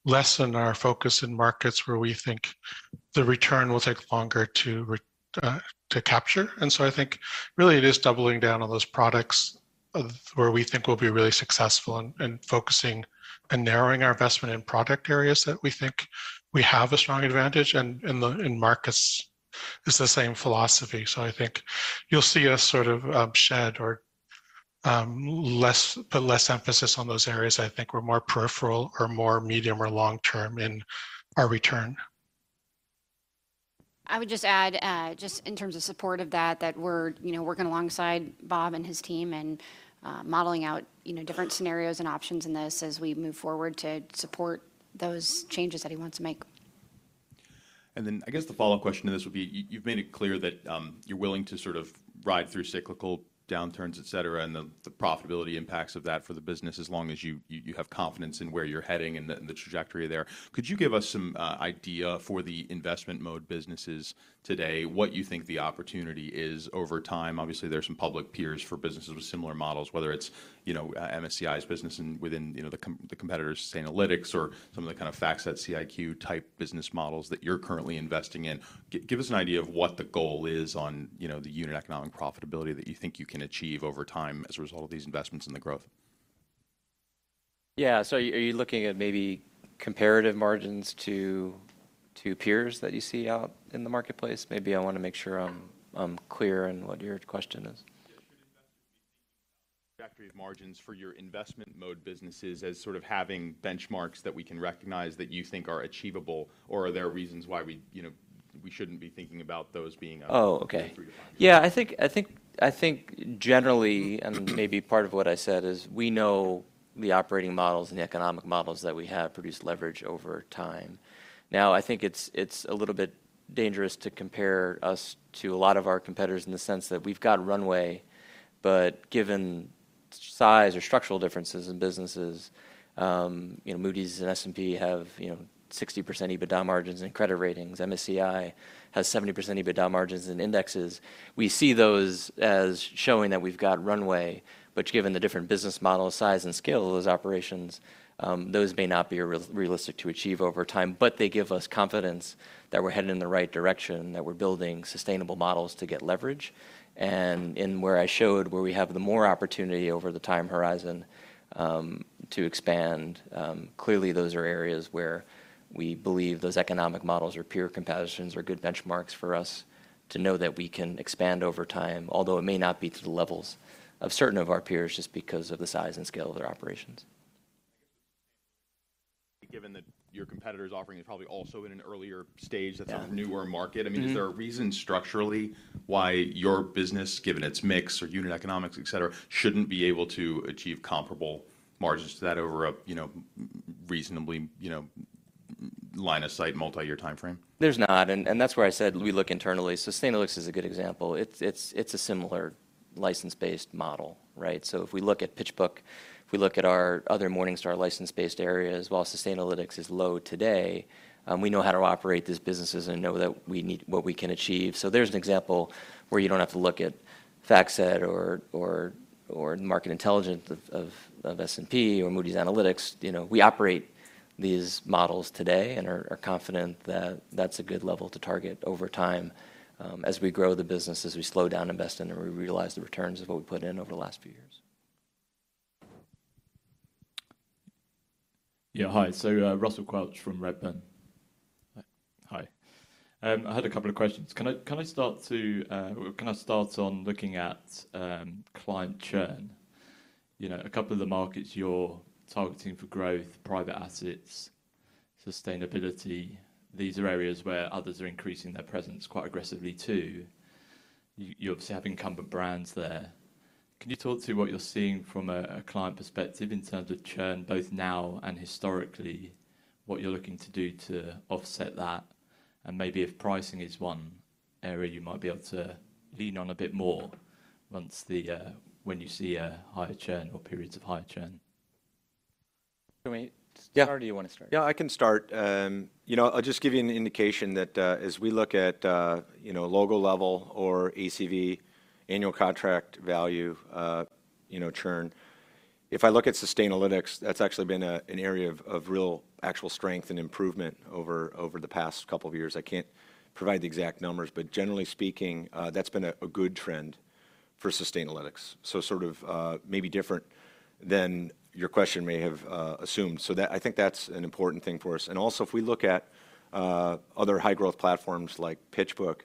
S16: lessen our focus in markets where we think the return will take longer to capture. I think really it is doubling down on those products of where we think we'll be really successful and focusing and narrowing our investment in product areas that we think we have a strong advantage, and markets is the same philosophy. I think you'll see us sort of, shed or, put less emphasis on those areas I think were more peripheral or more medium or long term in our return.
S7: I would just add, just in terms of support of that we're, you know, working alongside Bob and his team and modeling out, you know, different scenarios and options in this as we move forward to support those changes that he wants to make.
S15: Then I guess the follow-up question to this would be, you've made it clear that you're willing to sort of ride through cyclical downturns, et cetera, and the profitability impacts of that for the business as long as you have confidence in where you're heading and the trajectory there. Could you give us some idea for the investment mode businesses today, what you think the opportunity is over time? Obviously, there are some public peers for businesses with similar models, whether it's, you know, MSCI's business within, you know, the competitors, Sustainalytics, or some of the kind of FactSet, CIQ-type business models that you're currently investing in. Give us an idea of what the goal is on, you know, the unit economic profitability that you think you can achieve over time as a result of these investments and the growth.
S3: Yeah. Are you looking at maybe comparative margins to peers that you see out in the marketplace? Maybe I wanna make sure I'm clear on what your question is.
S15: Yeah. Should investors be thinking of trajectory of margins for your investment mode businesses as sort of having benchmarks that we can recognize that you think are achievable, or are there reasons why we, you know, we shouldn't be thinking about those being?
S3: Oh, okay....
S15: three to five
S3: Yeah. I think generally, Maybe part of what I said is we know the operating models and the economic models that we have produced leverage over time. I think it's a little bit dangerous to compare us to a lot of our competitors in the sense that we've got runway, but given size or structural differences in businesses, Moody's and S&P have, you know, 60% EBITDA margins and credit ratings. MSCI has 70% EBITDA margins and indexes. We see those as showing that we've got runway but given the different business model size and scale of those operations, those may not be realistic to achieve over time. They give us confidence that we're headed in the right direction, that we're building sustainable models to get leverage. In where I showed where we have the more opportunity over the time horizon, to expand, clearly those are areas where we believe those economic models or peer comparisons are good benchmarks for us to know that we can expand over time, although it may not be to the levels of certain of our peers just because of the size and scale of their operations.
S15: Given that your competitor's offering is probably also in an earlier stage that's.
S3: Yeah...
S15: newer market. I mean-
S3: Mm-hmm
S15: is there a reason structurally why your business, given its mix or unit economics, et cetera, shouldn't be able to achieve comparable margins to that over a, you know, reasonably, you know, line of sight multi-year timeframe?
S3: There's not, and that's where I said we look internally. Sustainalytics is a good example. It's a similar license-based model, right? If we look at PitchBook, if we look at our other Morningstar license-based areas, while Sustainalytics is low today, we know how to operate these businesses and know that we need what we can achieve. There's an example where you don't have to look at FactSet or market intelligence of S&P or Moody's Analytics. You know, we operate these models today and are confident that that's a good level to target over time, as we grow the business, as we slow down, invest in, and we realize the returns of what we put in over the last few years.
S17: Yeah. Hi. Russell Quelch from Redburn. Hi. I had a couple of questions. Can I start on looking at client churn? You know, a couple of the markets you're targeting for growth, private assets, sustainability, these are areas where others are increasing their presence quite aggressively too. You obviously have incumbent brands there. Can you talk through what you're seeing from a client perspective in terms of churn, both now and historically, what you're looking to do to offset that? Maybe if pricing is one area you might be able to lean on a bit more once the when you see a higher churn or periods of higher churn.
S3: Do you want?
S5: Yeah.
S3: Do you wanna start?
S5: Yeah, I can start. I'll just give you an indication that, as we look at, logo level or ACV, annual contract value, churn. If I look at Sustainalytics, that's actually been an area of real actual strength and improvement over the past couple of years. I can't provide the exact numbers, but generally speaking, that's been a good trend for Sustainalytics. Sort of maybe different than your question may have assumed. I think that's an important thing for us. If we look at other high-growth platforms like PitchBook,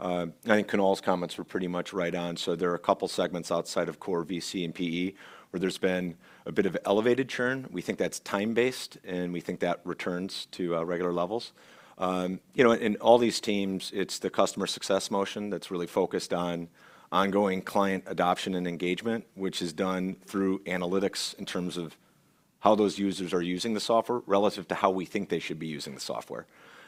S5: I think Kunal's comments were pretty much right on. There are a couple segments outside of core VC and PE where there's been a bit of elevated churn. We think that's time-based, and we think that returns to regular levels. You know, in all these teams, it's the customer success motion that's really focused on ongoing client adoption and engagement, which is done through analytics in terms of how those users are using the software relative to how we think they should be using the software.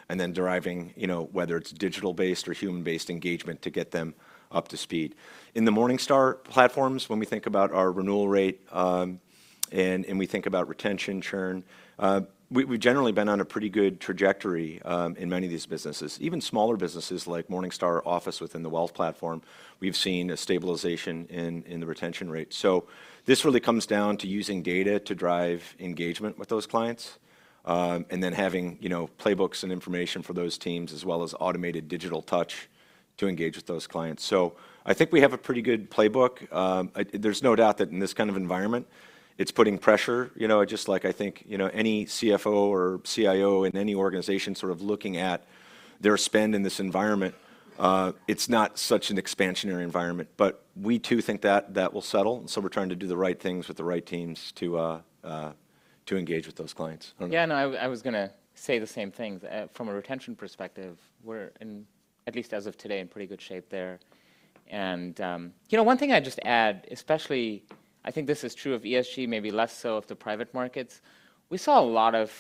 S5: Then deriving, you know, whether it's digital-based or human-based engagement to get them up to speed. In the Morningstar platforms, when we think about our renewal rate, and we think about retention churn, we've generally been on a pretty good trajectory in many of these businesses. Even smaller businesses like Morningstar Office within the wealth platform, we've seen a stabilization in the retention rate. This really comes down to using data to drive engagement with those clients, and then having, you know, playbooks and information for those teams, as well as automated digital touch to engage with those clients. I think we have a pretty good playbook. There's no doubt that in this kind of environment, it's putting pressure. You know, just like I think, you know, any CFO or CIO in any organization sort of looking at their spend in this environment, it's not such an expansionary environment. We too think that will settle; we're trying to do the right things with the right teams to engage with those clients. I don't know.
S3: Yeah, no, I was gonna say the same thing. From a retention perspective, we're in, at least as of today, in pretty good shape there. You know, one thing I'd just add, especially, I think this is true of ESG, maybe less so of the private markets. We saw a lot of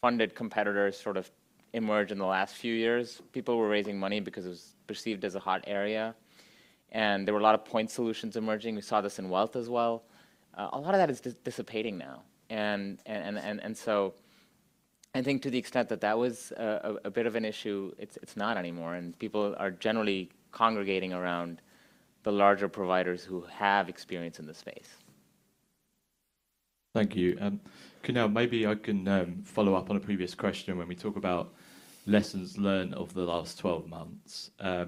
S3: funded competitors sort of emerge in the last few years. People were raising money because it was perceived as a hot area, and there were a lot of point solutions emerging. We saw this in wealth as well. A lot of that is dissipating now. So, I think to the extent that that was a bit of an issue, it's not anymore, and people are generally congregating around the larger providers who have experience in the space.
S17: Thank you. Kunal, maybe I can follow up on a previous question when we talk about lessons learned over the last 12 months. I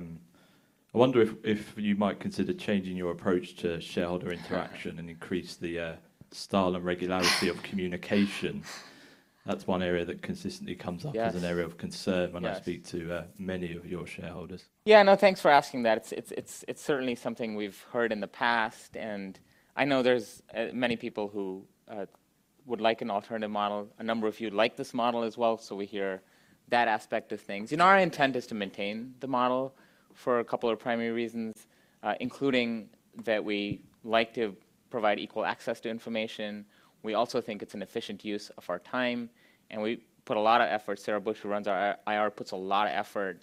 S17: wonder if you might consider changing your approach to shareholder interaction and increase the style and regularity of communication. That's one area that consistently comes up.
S3: Yes
S17: ...as an area of concern.
S3: Yes
S17: when I speak to, many of your shareholders.
S3: No, thanks for asking that. It's certainly something we've heard in the past. I know there's many people who would like an alternative model. A number of you like this model as well. We hear that aspect of things. You know, our intent is to maintain the model for a couple of primary reasons, including that we like to provide equal access to information. We also think it's an efficient use of our time. We put a lot of effort. Sarah Bush, who runs our IR, puts a lot of effort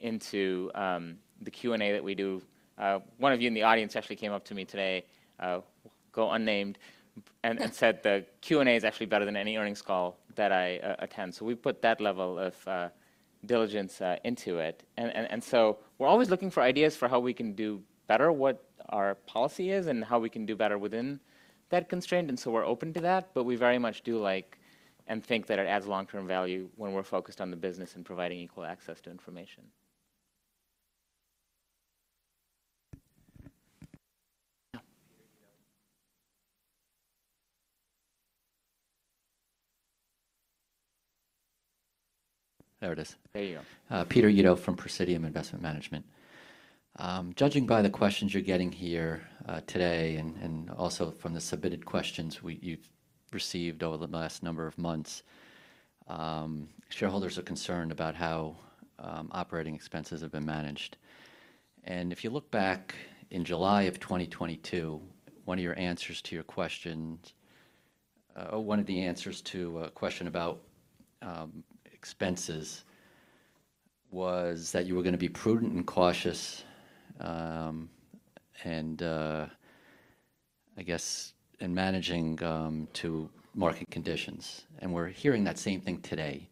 S3: into the Q&A that we do. One of you in the audience actually came up to me today, go unnamed, and said the Q&A is actually better than any earnings call that I attend. We put that level of diligence into it. We're always looking for ideas for how we can do better, what our policy is, and how we can do better within that constraint. We're open to that, but we very much do like and think that it adds long-term value when we're focused on the business and providing equal access to information.
S5: There it is.
S3: There you go.
S18: Peter Uddo from Presidium Investment Management. Judging by the questions you're getting here today and also from the submitted questions you've received over the last number of months; shareholders are concerned about how operating expenses have been managed. If you look back in July of 2022, one of your answers to your questions, or one of the answers to a question about expenses was that you were going to be prudent and cautious, and I guess in managing to market conditions. We're hearing that same thing today,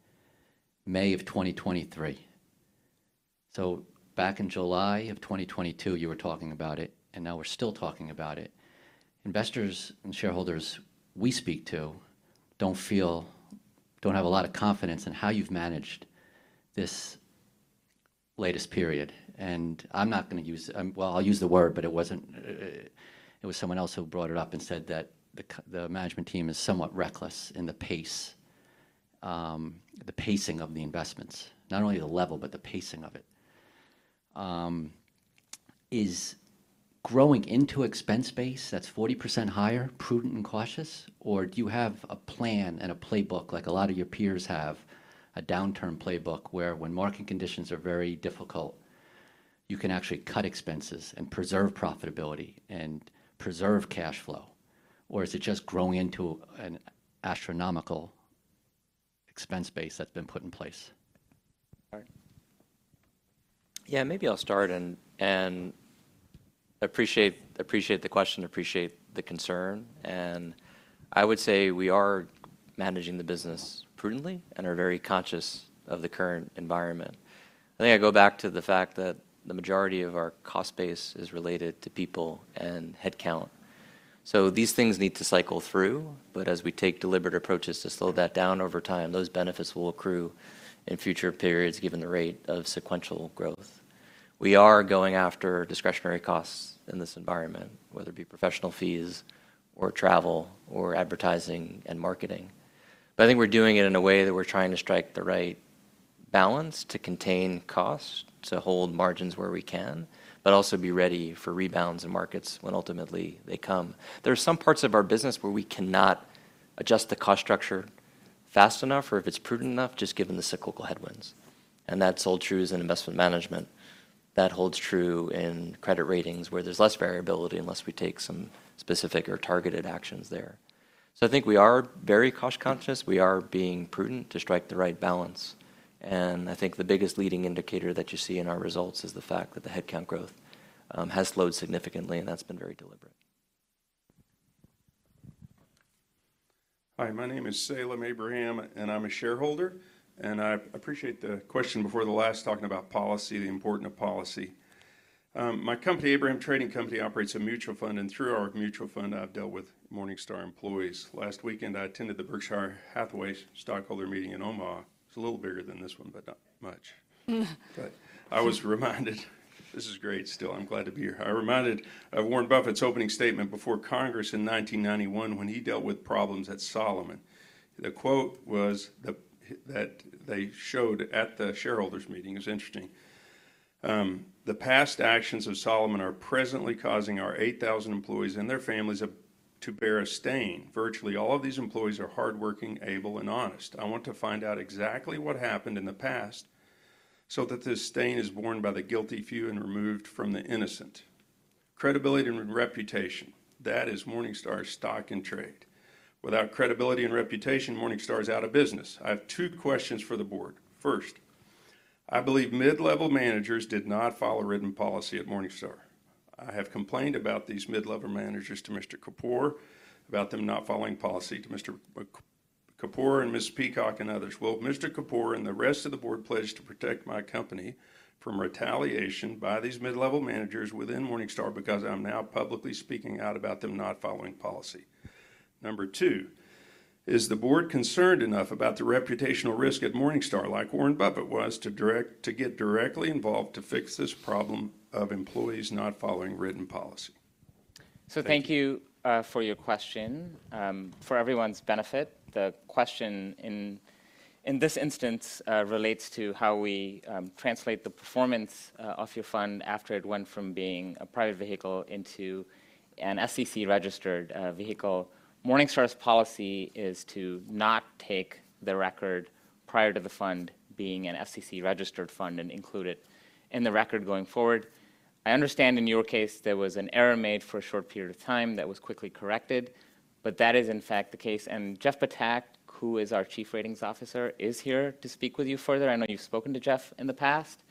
S18: May of 2023. So back in July of 2022, you were talking about it, and now we're still talking about it. Investors and shareholders we speak to don't feel don't have a lot of confidence in how you've managed this latest period. I'm not gonna use, well, I'll use the word, but it wasn't, it was someone else who brought it up and said that the management team is somewhat reckless in the pace, the pacing of the investments, not only the level, but the pacing of it.
S1: Is growing into expense base that's 40% higher prudent and cautious? Do you have a plan and a playbook, like a lot of your peers have, a downturn playbook where when market conditions are very difficult, you can actually cut expenses and preserve profitability and preserve cash flow? Is it just growing into an astronomical expense base that's been put in place?
S3: All right. Yeah, maybe I'll start and appreciate the question, appreciate the concern. I would say we are managing the business prudently and are very conscious of the current environment. I think I go back to the fact that the majority of our cost base is related to people and headcount. These things need to cycle through, but as we take deliberate approaches to slow that down over time, those benefits will accrue in future periods given the rate of sequential growth. We are going after discretionary costs in this environment, whether it be professional fees or travel or advertising and marketing. I think we're doing it in a way that we're trying to strike the right balance to contain costs, to hold margins where we can, but also be ready for rebounds in markets when ultimately, they come. There are some parts of our business where we cannot adjust the cost structure fast enough or if it's prudent enough just given the cyclical headwinds. That's all true as in investment management. That holds true in credit ratings where there's less variability unless we take some specific or targeted actions there. I think we are very cost-conscious. We are being prudent to strike the right balance. I think the biggest leading indicator that you see in our results is the fact that the headcount growth has slowed significantly, and that's been very deliberate.
S19: Hi, my name is Salem Abraham. I'm a shareholder. I appreciate the question before the last talking about policy, the importance of policy. My company, Abraham Trading Company, operates a mutual fund, and through our mutual fund, I've dealt with Morningstar employees. Last weekend, I attended the Berkshire Hathaway stockholder meeting in Omaha. It's a little bigger than this one, but not much. I was reminded. This is great still. I'm glad to be here. I reminded of Warren Buffett's opening statement before Congress in 1991 when he dealt with problems at Salomon. The quote was that they showed at the shareholders' meeting. It was interesting. "The past actions of Salomon are presently causing our 8,000 employees and their families to bear a stain. Virtually all of these employees are hardworking, able, and honest. I want to find out exactly what happened in the past so that this stain is borne by the guilty few and removed from the innocent." Credibility and reputation, that is Morningstar's stock and trade. Without credibility and reputation, Morningstar is out of business. I have 2 questions for the board. First, I believe mid-level managers did not follow written policy at Morningstar. I have complained about these mid-level managers to Mr. Kapoor, about them not following policy to Mr. Kapoor and Ms. Peacock and others. Will Mr. Kapoor and the rest of the board pledge to protect my company from retaliation by these mid-level managers within Morningstar because I'm now publicly speaking out about them not following policy? Number two, is the board concerned enough about the reputational risk at Morningstar, like Warren Buffett was, to direct, to get directly involved to fix this problem of employees not following written policy?
S3: Thank you for your question. For everyone's benefit, the question in this instance relates to how we translate the performance of your fund after it went from being a private vehicle into an SEC-registered vehicle. Morningstar's policy is to not take the record prior to the fund being an SEC-registered fund and include it in the record going forward. I understand in your case there was an error made for a short period of time that was quickly corrected, but that is in fact the case. Jeff Patak, who is our Chief Ratings Officer, is here to speak with you further. I know you've spoken to Jeff in the past,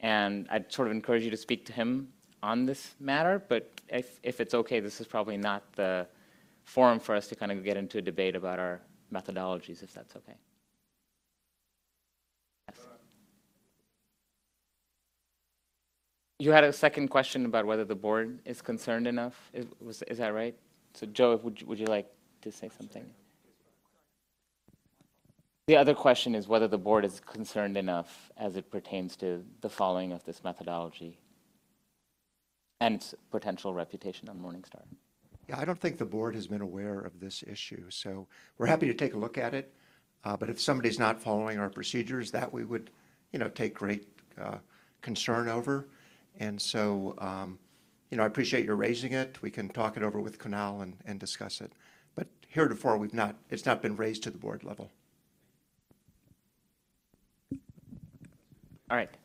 S3: and I'd sort of encourage you to speak to him on this matter. If it's okay, this is probably not the forum for us to kinda get into a debate about our methodologies, if that's okay. You had a second question about whether the board is concerned enough. Is that right? Joe, would you like to say something?
S1: Just repeat the question.
S3: The other question is whether the board is concerned enough as it pertains to the following of this methodology and its potential reputation on Morningstar.
S1: Yeah, I don't think the board has been aware of this issue. We're happy to take a look at it. But if somebody's not following our procedures, that we would, you know, take great concern over. You know, I appreciate your raising it. We can talk it over with Kunal and discuss it. Heretofore, we've not, it's not been raised to the board level.
S3: All right, good.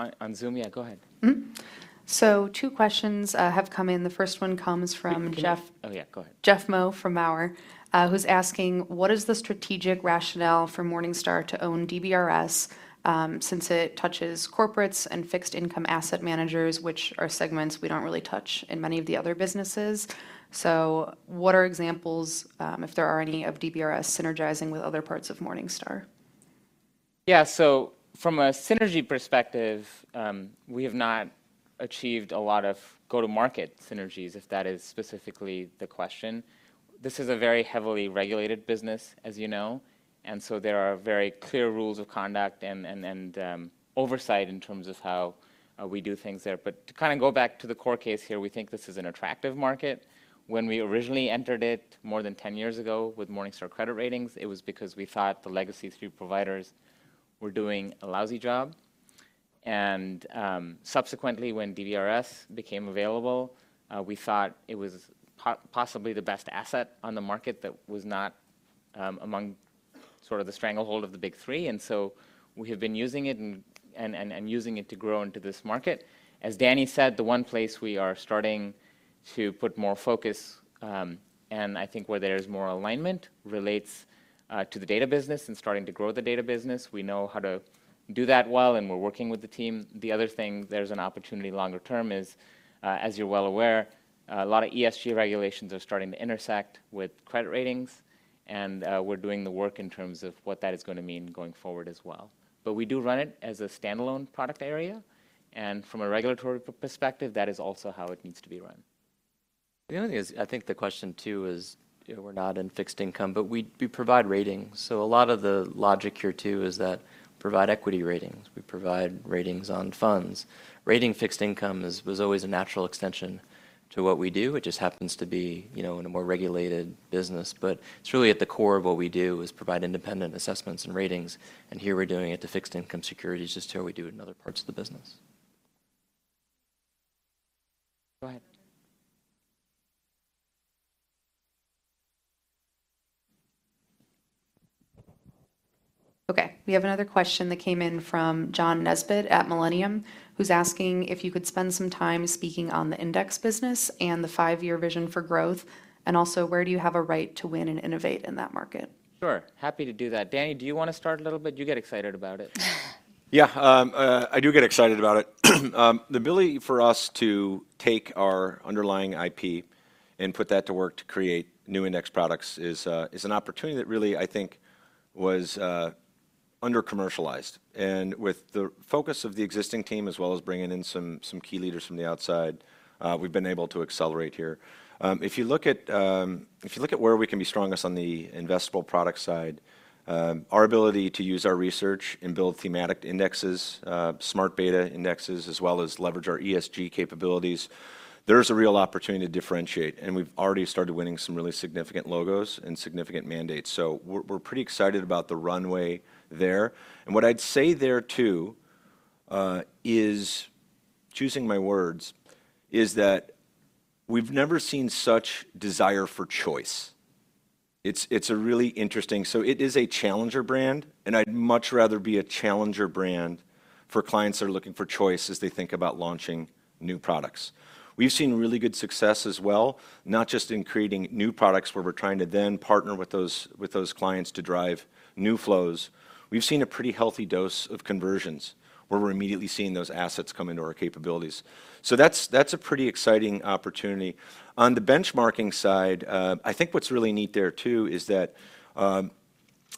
S3: On, on Zoom, yeah, go ahead.
S20: Mm-hmm. 2 questions have come in. The first one comes.
S3: Wait, Oh yeah, go ahead....
S20: Jeff Moe from Maurer, who's asking, what is the strategic rationale for Morningstar to own DBRS, since it touches corporates and fixed income asset managers, which are segments we don't really touch in many of the other businesses? What are examples, if there are any, of DBRS synergizing with other parts of Morningstar?
S3: Yeah. From a synergy perspective, we have not achieved a lot of go-to-market synergies, if that is specifically the question. This is a very heavily regulated business, as you know. There are very clear rules of conduct and oversight in terms of how we do things there. To kind of go back to the core case here, we think this is an attractive market. When we originally entered it more than 10 years ago with Morningstar Credit Ratings, it was because we thought the legacy three providers were doing a lousy job. Subsequently when DBRS became available, we thought it was possibly the best asset on the market that was not among sort of the stranglehold of the big three. We have been using it and using it to grow into this market. As Daniel said, the one place we are starting to put more focus, and I think where there is more alignment relates to the data business and starting to grow the data business. We know how to do that well, and we're working with the team. The other thing, there's an opportunity longer term is, as you're well aware, a lot of ESG regulations are starting to intersect with credit ratings, and we're doing the work in terms of what that is gonna mean going forward as well. We do run it as a standalone product area, and from a regulatory perspective, that is also how it needs to be run.
S4: The only thing is, I think the question too is, you know, we're not in fixed income, but we provide ratings. A lot of the logic here too is that provide equity ratings. We provide ratings on funds. Rating fixed income is, was always a natural extension to what we do. It just happens to be, you know, in a more regulated business. It's really at the core of what we do is provide independent assessments and ratings, and here we're doing it to fixed income securities just how we do it in other parts of the business.
S3: Go ahead.
S20: Okay. We have another question that came in from John Nesbitt at Millennium, who's asking if you could spend some time speaking on the index business and the five-year vision for growth, and also where do you have a right to win and innovate in that market?
S3: Sure. Happy to do that. Danny, do you wanna start a little bit? You get excited about it.
S5: Yeah. I do get excited about it. The ability for us to take our underlying IP and put that to work to create new index products is an opportunity that really I think was under-commercialized. With the focus of the existing team as well as bringing in some key leaders from the outside, we've been able to accelerate here. If you look at, if you look at where we can be strongest on the investable product side, our ability to use our research and build thematic indexes, smart beta indexes, as well as leverage our ESG capabilities, there's a real opportunity to differentiate, and we've already started winning some really significant logos and significant mandates. We're pretty excited about the runway there. What I'd say there too, is choosing my words, is that we've never seen such desire for choice. It's a really interesting. It is a challenger brand, and I'd much rather be a challenger brand for clients that are looking for choice as they think about launching new products. We've seen really good success as well, not just in creating new products where we're trying to then partner with those, with those clients to drive new flows. We've seen a pretty healthy dose of conversions where we're immediately seeing those assets come into our capabilities. That's a pretty exciting opportunity. On the benchmarking side, I think what's really neat there too is that,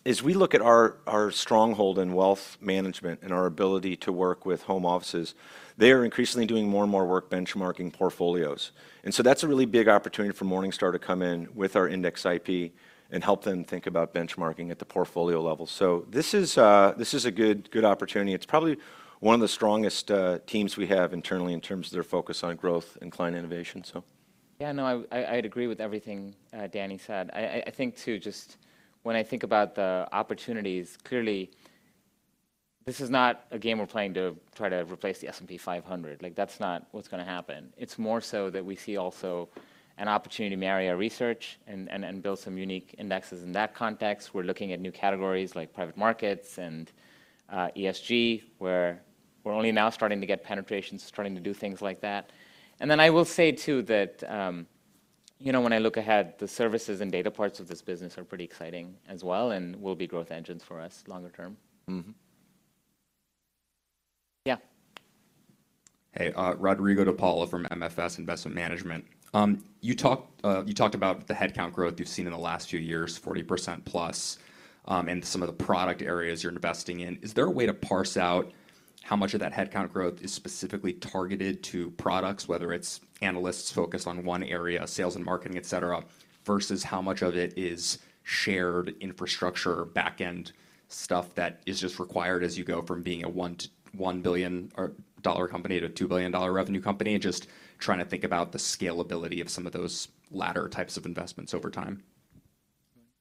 S5: as we look at our stronghold in wealth management and our ability to work with home offices, they are increasingly doing more and more work benchmarking portfolios. That's a really big opportunity for Morningstar to come in with our index IP and help them think about benchmarking at the portfolio level. This is, this is a good opportunity. It's probably one of the strongest teams we have internally in terms of their focus on growth and client innovation.
S3: Yeah, no, I'd agree with everything Danny said. I think too, just when I think about the opportunities, clearly this is not a game we're playing to try to replace the S&P 500. Like, that's not what's gonna happen. It's more so that we see also an opportunity to marry our research and build some unique indexes in that context. We're looking at new categories like private markets and ESG, where we're only now starting to get penetration, starting to do things like that. I will say too that, you know, when I look ahead, the services and data parts of this business are pretty exciting as well and will be growth engines for us longer term.
S5: Mm-hmm.
S3: Yeah.
S21: Hey, Rodrigo de Paula from MFS Investment Management. You talked about the headcount growth you've seen in the last few years, 40%+ and some of the product areas you're investing in. Is there a way to parse out how much of that headcount growth is specifically targeted to products, whether it's analysts focused on one area, sales and marketing, et cetera, versus how much of it is shared infrastructure, back-end stuff that is just required as you go from being a $1 billion dollar company to a $2 billion revenue company? Just trying to think about the scalability of some of those latter types of investments over time.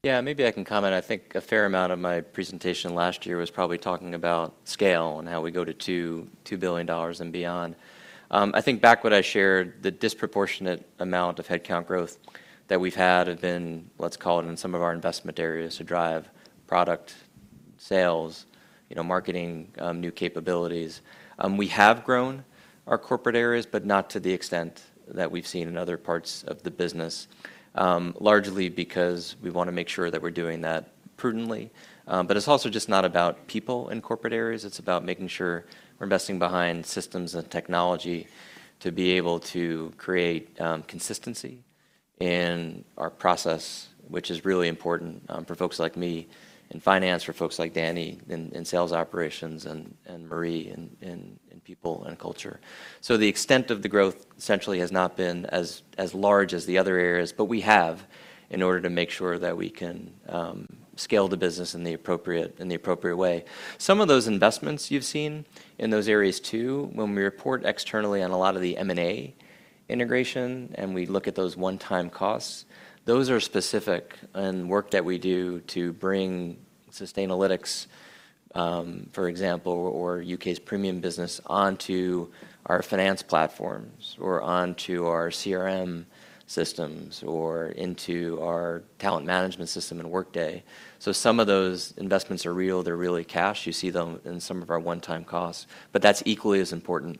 S4: Maybe I can comment. I think a fair amount of my presentation last year was probably talking about scale and how we go to $2 billion and beyond. I think back what I shared, the disproportionate amount of headcount growth that we've had have been, let's call it in some of our investment areas to drive product sales, you know, marketing, new capabilities. We have grown our corporate areas, not to the extent that we've seen in other parts of the business, largely because we wanna make sure that we're doing that prudently. It's also just not about people in corporate areas. It's about making sure we're investing behind systems and technology to be able to create consistency in our process, which is really important for folks like me in finance, for folks like Danny in sales operations, and Marie in people and culture. The extent of the growth essentially has not been as large as the other areas, but we have in order to make sure that we can scale the business in the appropriate way. Some of those investments you've seen in those areas too, when we report externally on a lot of the M&A integration and we look at those one-time costs, those are specific and work that we do to bring Sustainalytics, for example, or U.K.'s Praemium business onto our finance platforms, or onto our CRM systems, or into our talent management system in Workday. Some of those investments are real. They're really cash. You see them in some of our one-time costs. That's equally as important,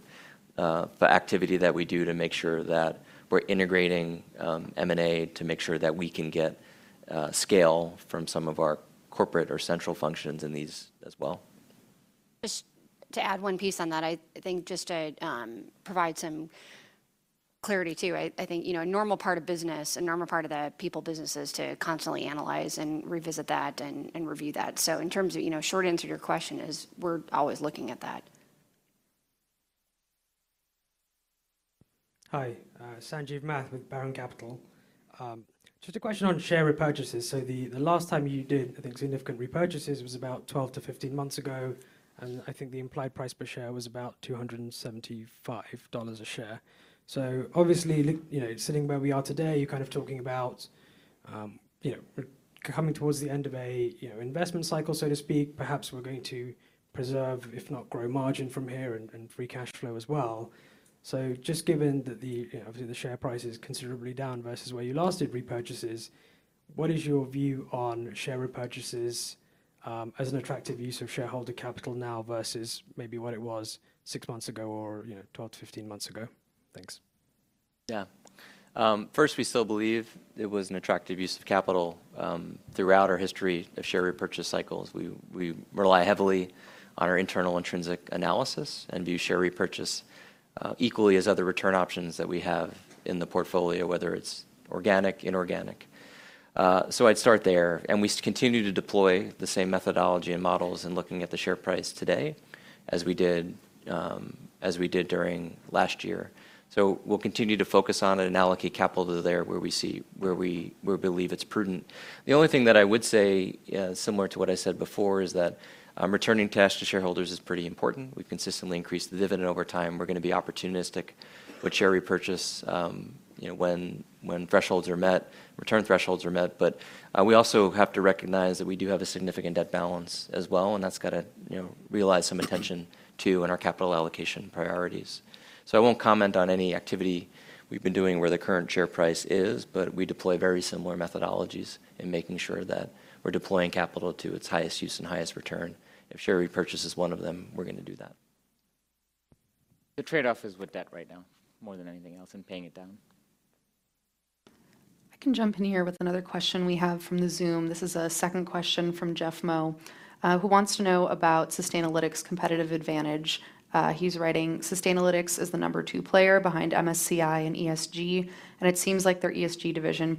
S4: the activity that we do to make sure that we're integrating, M&A to make sure that we can get, scale from some of our corporate or central functions in these as well.
S7: Just to add one piece on that, I think just to provide some clarity too. I think, you know, a normal part of business, a normal part of the people business is to constantly analyze and revisit that and review that. In terms of, you know, short answer to your question is we're always looking at that.
S22: Hi, Sanjeev Math with Baron Capital. Just a question on share repurchases. The last time you did, I think, significant repurchases was about 12-15 months ago, and I think the implied price per share was about $275 a share. Obviously, you know, sitting where we are today, you're kind of talking about, you know, coming towards the end of a, you know, investment cycle, so to speak. Perhaps we're going to preserve, if not grow margin from here and free cash flow as well. Just given that the, you know, obviously the share price is considerably down versus where you last did repurchases, what is your view on share repurchases as an attractive use of shareholder capital now versus maybe what it was 6 months ago or, you know, 12-15 months ago? Thanks.
S4: First, we still believe it was an attractive use of capital throughout our history of share repurchase cycles. We rely heavily on our internal intrinsic analysis and view share repurchase equally as other return options that we have in the portfolio, whether it's organic, inorganic. I'd start there, and we continue to deploy the same methodology and models in looking at the share price today as we did during last year. We'll continue to focus on it and allocate capital to there where we believe it's prudent. The only thing that I would say, similar to what I said before, is that returning cash to shareholders is pretty important. We've consistently increased the dividend over time. We're gonna be opportunistic with share repurchase, you know, when thresholds are met, return thresholds are met. We also have to recognize that we do have a significant debt balance as well, and that's gotta, you know, realize some attention too in our capital allocation priorities. I won't comment on any activity we've been doing where the current share price is, but we deploy very similar methodologies in making sure that we're deploying capital to its highest use and highest return. If share repurchase is one of them, we're gonna do that.
S3: The trade-off is with debt right now more than anything else and paying it down.
S20: I can jump in here with another question we have from the Zoom. This is a second question from Jeff Moe, who wants to know about Sustainalytics' competitive advantage. He's writing, "Sustainalytics is the number two player behind MSCI and ESG, and it seems like their ESG division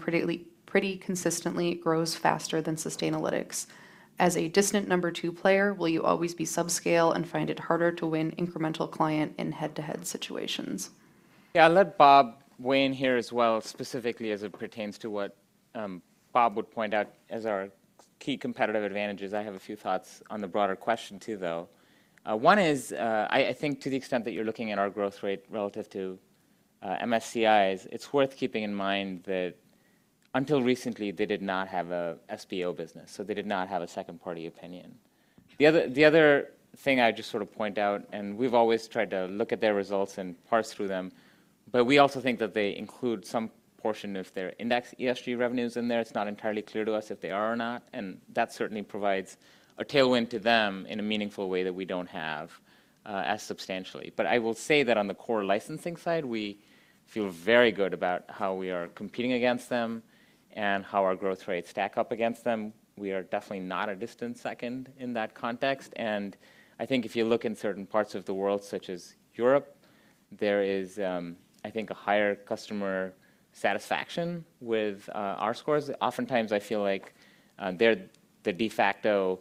S20: pretty consistently grows faster than Sustainalytics. As a distant number two player, will you always be subscale and find it harder to win incremental client in head-to-head situations?
S3: Yeah, I'll let Bob Mann weigh in here as well, specifically as it pertains to what Bob Mann would point out as our key competitive advantages. I have a few thoughts on the broader question too, though. One is, I think to the extent that you're looking at our growth rate relative to MSCI's, it's worth keeping in mind that until recently, they did not have a SBO business, so they did not have a second-party opinion. The other thing I'd just sort of point out, and we've always tried to look at their results and parse through them, but we also think that they include some portion of their index ESG revenues in there. It's not entirely clear to us if they are or not, that certainly provides a tailwind to them in a meaningful way that we don't have as substantially. I will say that on the core licensing side, we feel very good about how we are competing against them and how our growth rates stack up against them. We are definitely not a distant second in that context. I think if you look in certain parts of the world, such as Europe, there is, I think a higher customer satisfaction with our scores. Oftentimes, I feel like they're the de facto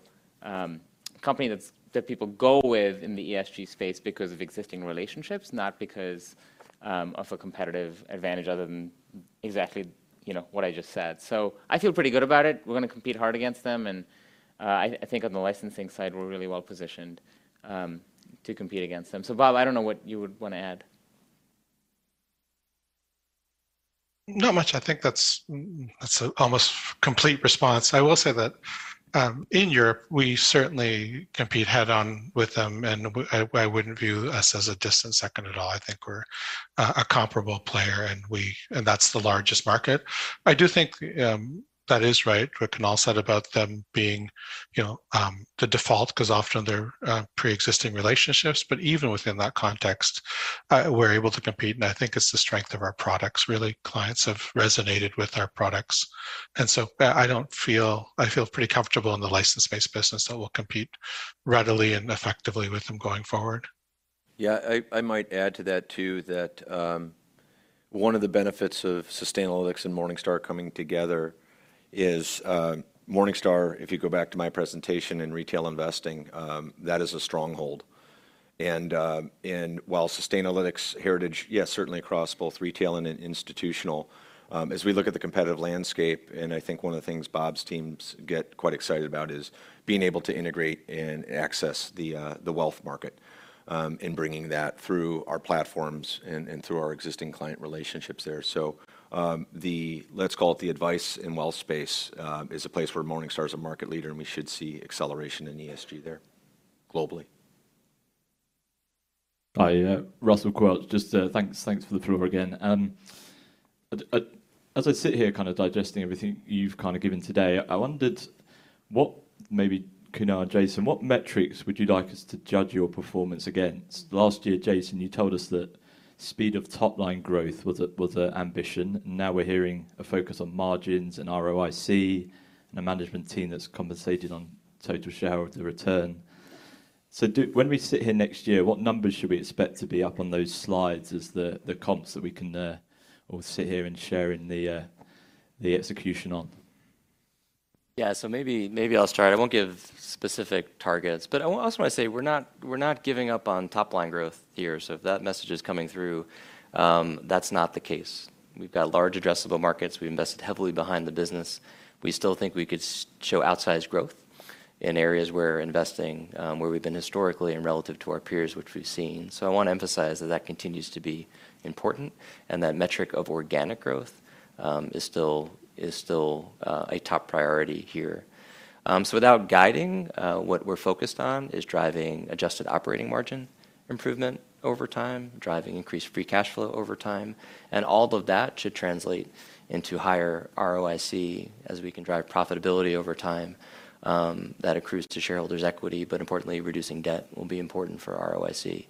S3: company that people go with in the ESG space because of existing relationships, not because of a competitive advantage other than exactly, you know, what I just said. I feel pretty good about it. We're gonna compete hard against them, and I think on the licensing side, we're really well positioned to compete against them. Bob, I don't know what you would wanna add.
S16: Not much. I think that's a almost complete response. I will say that, in Europe, we certainly compete head-on with them, and I wouldn't view us as a distant second at all. I think we're a comparable player, and that's the largest market. I do think that is right what Kunal said about them being, you know, the default 'cause often they're preexisting relationships. Even within that context, we're able to compete, and I think it's the strength of our products, really. Clients have resonated with our products. I feel pretty comfortable in the license-based business that we'll compete readily and effectively with them going forward.
S4: Yeah, I might add to that too that one of the benefits of Sustainalytics and Morningstar coming together is Morningstar, if you go back to my presentation in retail investing, that is a stronghold. While Sustainalytics' heritage, yes, certainly across both retail and in institutional, as we look at the competitive landscape, and I think one of the things Bob's teams get quite excited about, is being able to integrate and access the wealth market, in bringing that through our platforms and through our existing client relationships there. The, let's call it the advice and wealth space, is a place where Morningstar is a market leader, and we should see acceleration in ESG there globally.
S17: Hi, Russell Quelch. Just, thanks for the floor again. As I sit here kind of digesting everything you've kind of given today, I wondered what, maybe Kunal or Jason, what metrics would you like us to judge your performance against? Last year, Jason, you told us that speed of top-line growth was a ambition. Now we're hearing a focus on margins and ROIC and a management team that's compensated on total share of the return. When we sit here next year, what numbers should we expect to be up on those slides as the comps that we can all sit here and share in the execution on?
S4: Maybe I'll start. I won't give specific targets, but I also wanna say we're not giving up on top-line growth here. If that message is coming through, that's not the case. We've got large addressable markets. We invested heavily behind the business. We still think we could show outsized growth in areas we're investing, where we've been historically and relative to our peers, which we've seen. I wanna emphasize that that continues to be important and that metric of organic growth is still a top priority here. Without guiding, what we're focused on is driving adjusted operating margin improvement over time, driving increased free cash flow over time, and all of that should translate into higher ROIC as we can drive profitability over time, that accrues to shareholders' equity, but importantly, reducing debt will be important for ROIC.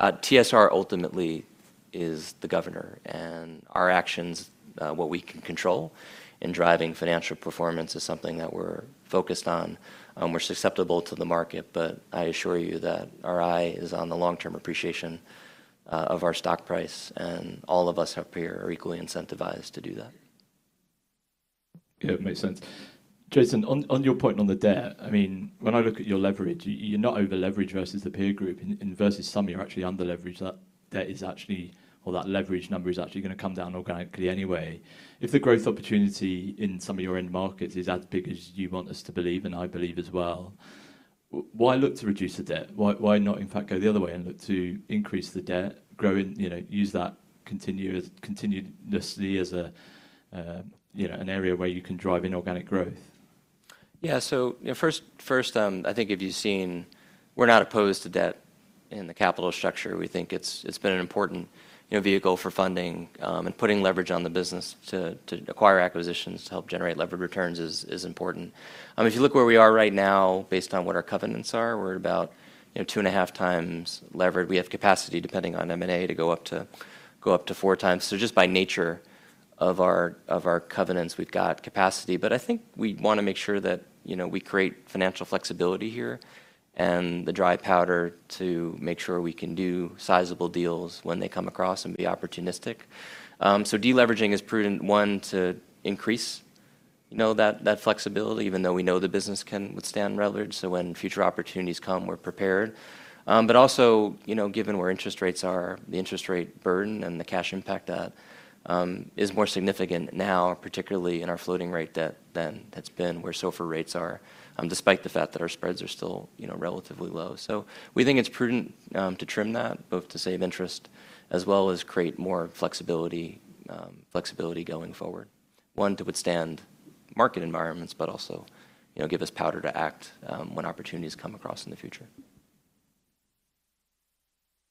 S4: TSR ultimately is the governor, and our actions, what we can control in driving financial performance is something that we're focused on. We're susceptible to the market, but I assure you that our eye is on the long-term appreciation of our stock price, and all of us up here are equally incentivized to do that.
S17: Yeah. It makes sense. Jason, on your point on the debt, I mean, when I look at your leverage, you're not over-leveraged versus the peer group. Versus some, you're actually under-leveraged. That debt is actually or that leverage number is actually gonna come down organically anyway. If the growth opportunity in some of your end markets is as big as you want us to believe, and I believe as well, why look to reduce the debt? Why not in fact go the other way and look to increase the debt, grow, you know, use that continuously as a, you know, an area where you can drive inorganic growth?
S4: Yeah. You know, first, I think if you've seen, we're not opposed to debt in the capital structure. We think it's been an important, you know, vehicle for funding, and putting leverage on the business to acquire acquisitions to help generate levered returns is important. I mean, if you look where we are right now based on what our covenants are, we're about, you know, 2.5 times levered. We have capacity depending on M&A to go up to 4 times. Just by nature of our covenants, we've got capacity. I think we wanna make sure that, you know, we create financial flexibility here and the dry powder to make sure we can do sizable deals when they come across and be opportunistic. De-leveraging is prudent, 1, to increase, you know, that flexibility even though we know the business can withstand leverage, so when future opportunities come, we're prepared. Also, you know, given where interest rates are, the interest rate burden and the cash impact of that is more significant now, particularly in our floating rate debt than it's been where SOFR rates are, despite the fact that our spreads are still, you know, relatively low. We think it's prudent to trim that both to save interest as well as create more flexibility going forward. 1, to withstand market environments, but also, you know, give us powder to act when opportunities come across in the future.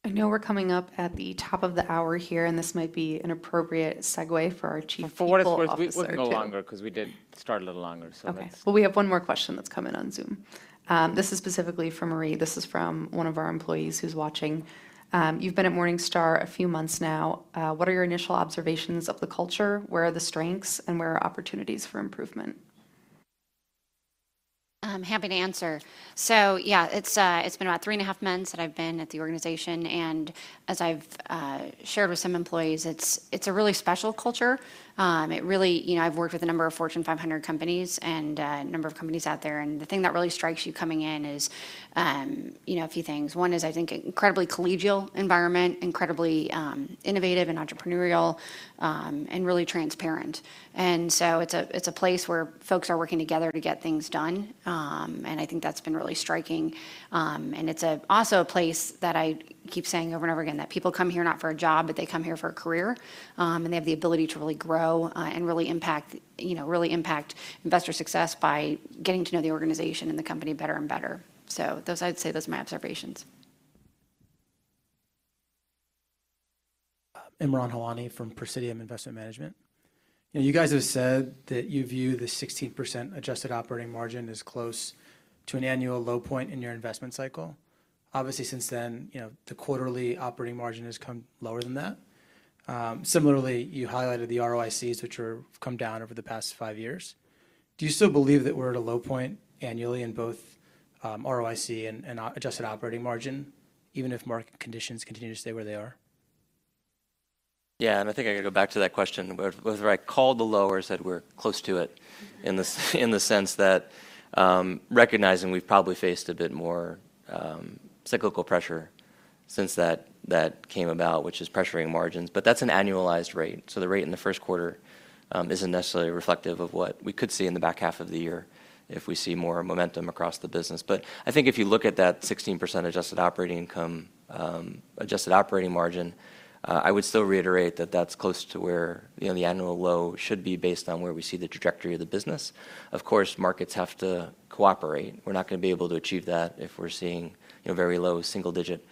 S20: I know we're coming up at the top of the hour here, and this might be an appropriate segue for our chief people officer...
S4: For what it's worth, we went no longer 'cause we did start a little longer, so that's.
S20: Okay. Well, we have one more question that's come in on Zoom. This is specifically for Marie. This is from one of our employees who's watching. You've been at Morningstar a few months now. What are your initial observations of the culture? Where are the strengths, and where are opportunities for improvement?
S7: Happy to answer. Yeah, it's been about three and a half months that I've been at the organization, and as I've shared with some employees, it's a really special culture. It really, you know, I've worked with a number of Fortune 500 companies and a number of companies out there, and the thing that really strikes you coming in is, you know, a few things. One is, I think, incredibly collegial environment, incredibly innovative and entrepreneurial, and really transparent. It's a place where folks are working together to get things done, and I think that's been really striking. It's also a place that I keep saying over and over again that people come here not for a job, but they come here for a career, and they have the ability to really grow and really impact, you know, really impact investor success by getting to know the organization and the company better and better. Those, I'd say those are my observations.
S23: Imran Halani from Presidium Investment Management. You know, you guys have said that you view the 16% adjusted operating margin as close to an annual low point in your investment cycle. Obviously, since then, you know, the quarterly operating margin has come lower than that. Similarly, you highlighted the ROICs, which have come down over the past five years. Do you still believe that we're at a low point annually in both ROIC and adjusted operating margin, even if market conditions continue to stay where they are?
S4: Yeah, I think I gotta go back to that question, whether I called the low or said we're close to it in the sense that, recognizing we've probably faced a bit more cyclical pressure since that came about, which is pressuring margins. That's an annualized rate. The rate in the first quarter isn't necessarily reflective of what we could see in the back half of the year if we see more momentum across the business. I think if you look at that 16% adjusted operating income, adjusted operating margin, I would still reiterate that that's close to where, you know, the annual low should be based on where we see the trajectory of the business. Of course, markets have to cooperate. We're not gonna be able to achieve that if we're seeing, you know, very low single-digit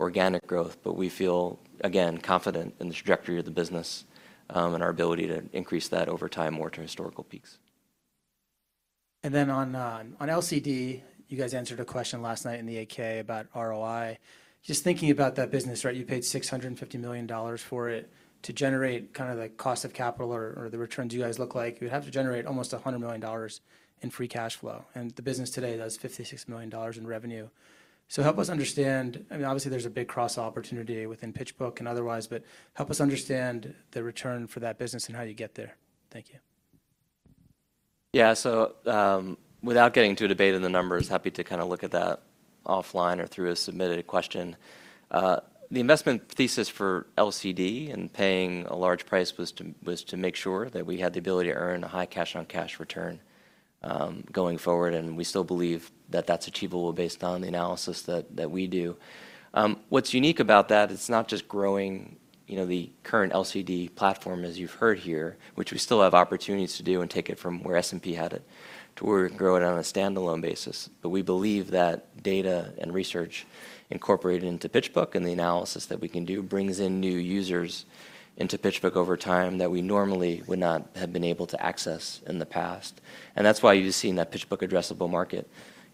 S4: organic growth. We feel, again, confident in the trajectory of the business, and our ability to increase that over time more to historical peaks.
S23: Then on LCD, you guys answered a question last night in the 8-K about ROI. Just thinking about that business, right? You paid $650 million for it to generate kind of the cost of capital or the returns you guys look like. You'd have to generate almost $100 million in free cash flow. The business today does $56 million in revenue. Help us understand. I mean, obviously, there's a big cross-opportunity within PitchBook and otherwise, but help us understand the return for that business and how you get there. Thank you.
S4: Yeah. Without getting into a debate on the numbers, happy to kinda look at that offline or through a submitted question. The investment thesis for LCD and paying a large price was to make sure that we had the ability to earn a high cash-on-cash return, going forward, and we still believe that that's achievable based on the analysis that we do. What's unique about that, it's not just growing, you know, the current LCD platform as you've heard here, which we still have opportunities to do and take it from where S&P had it to where we can grow it on a standalone basis. We believe that data and research incorporated into PitchBook and the analysis that we can do brings in new users into PitchBook over time that we normally would not have been able to access in the past. That's why you've seen that PitchBook addressable market,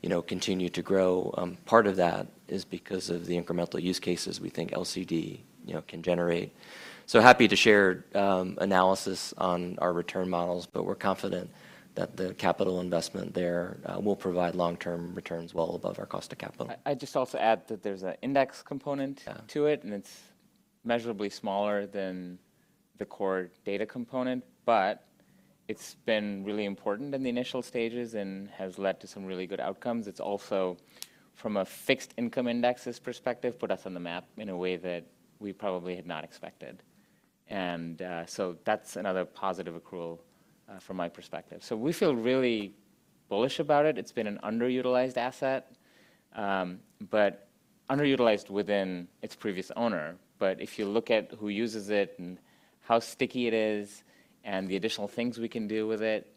S4: you know, continue to grow. Part of that is because of the incremental use cases we think LCD, you know, can generate. Happy to share analysis on our return models, but we're confident that the capital investment there will provide long-term returns well above our cost of capital.
S3: I'd just also add that there's an index component-
S4: Yeah
S3: to it, and it's measurably smaller than the core data component. It's been really important in the initial stages and has led to some really good outcomes. It's also, from a fixed income indexes perspective, put us on the map in a way that we probably had not expected. That's another positive accrual from my perspective. We feel really bullish about it. It's been an underutilized asset, but underutilized within its previous owner. If you look at who uses it and how sticky it is and the additional things we can do with it,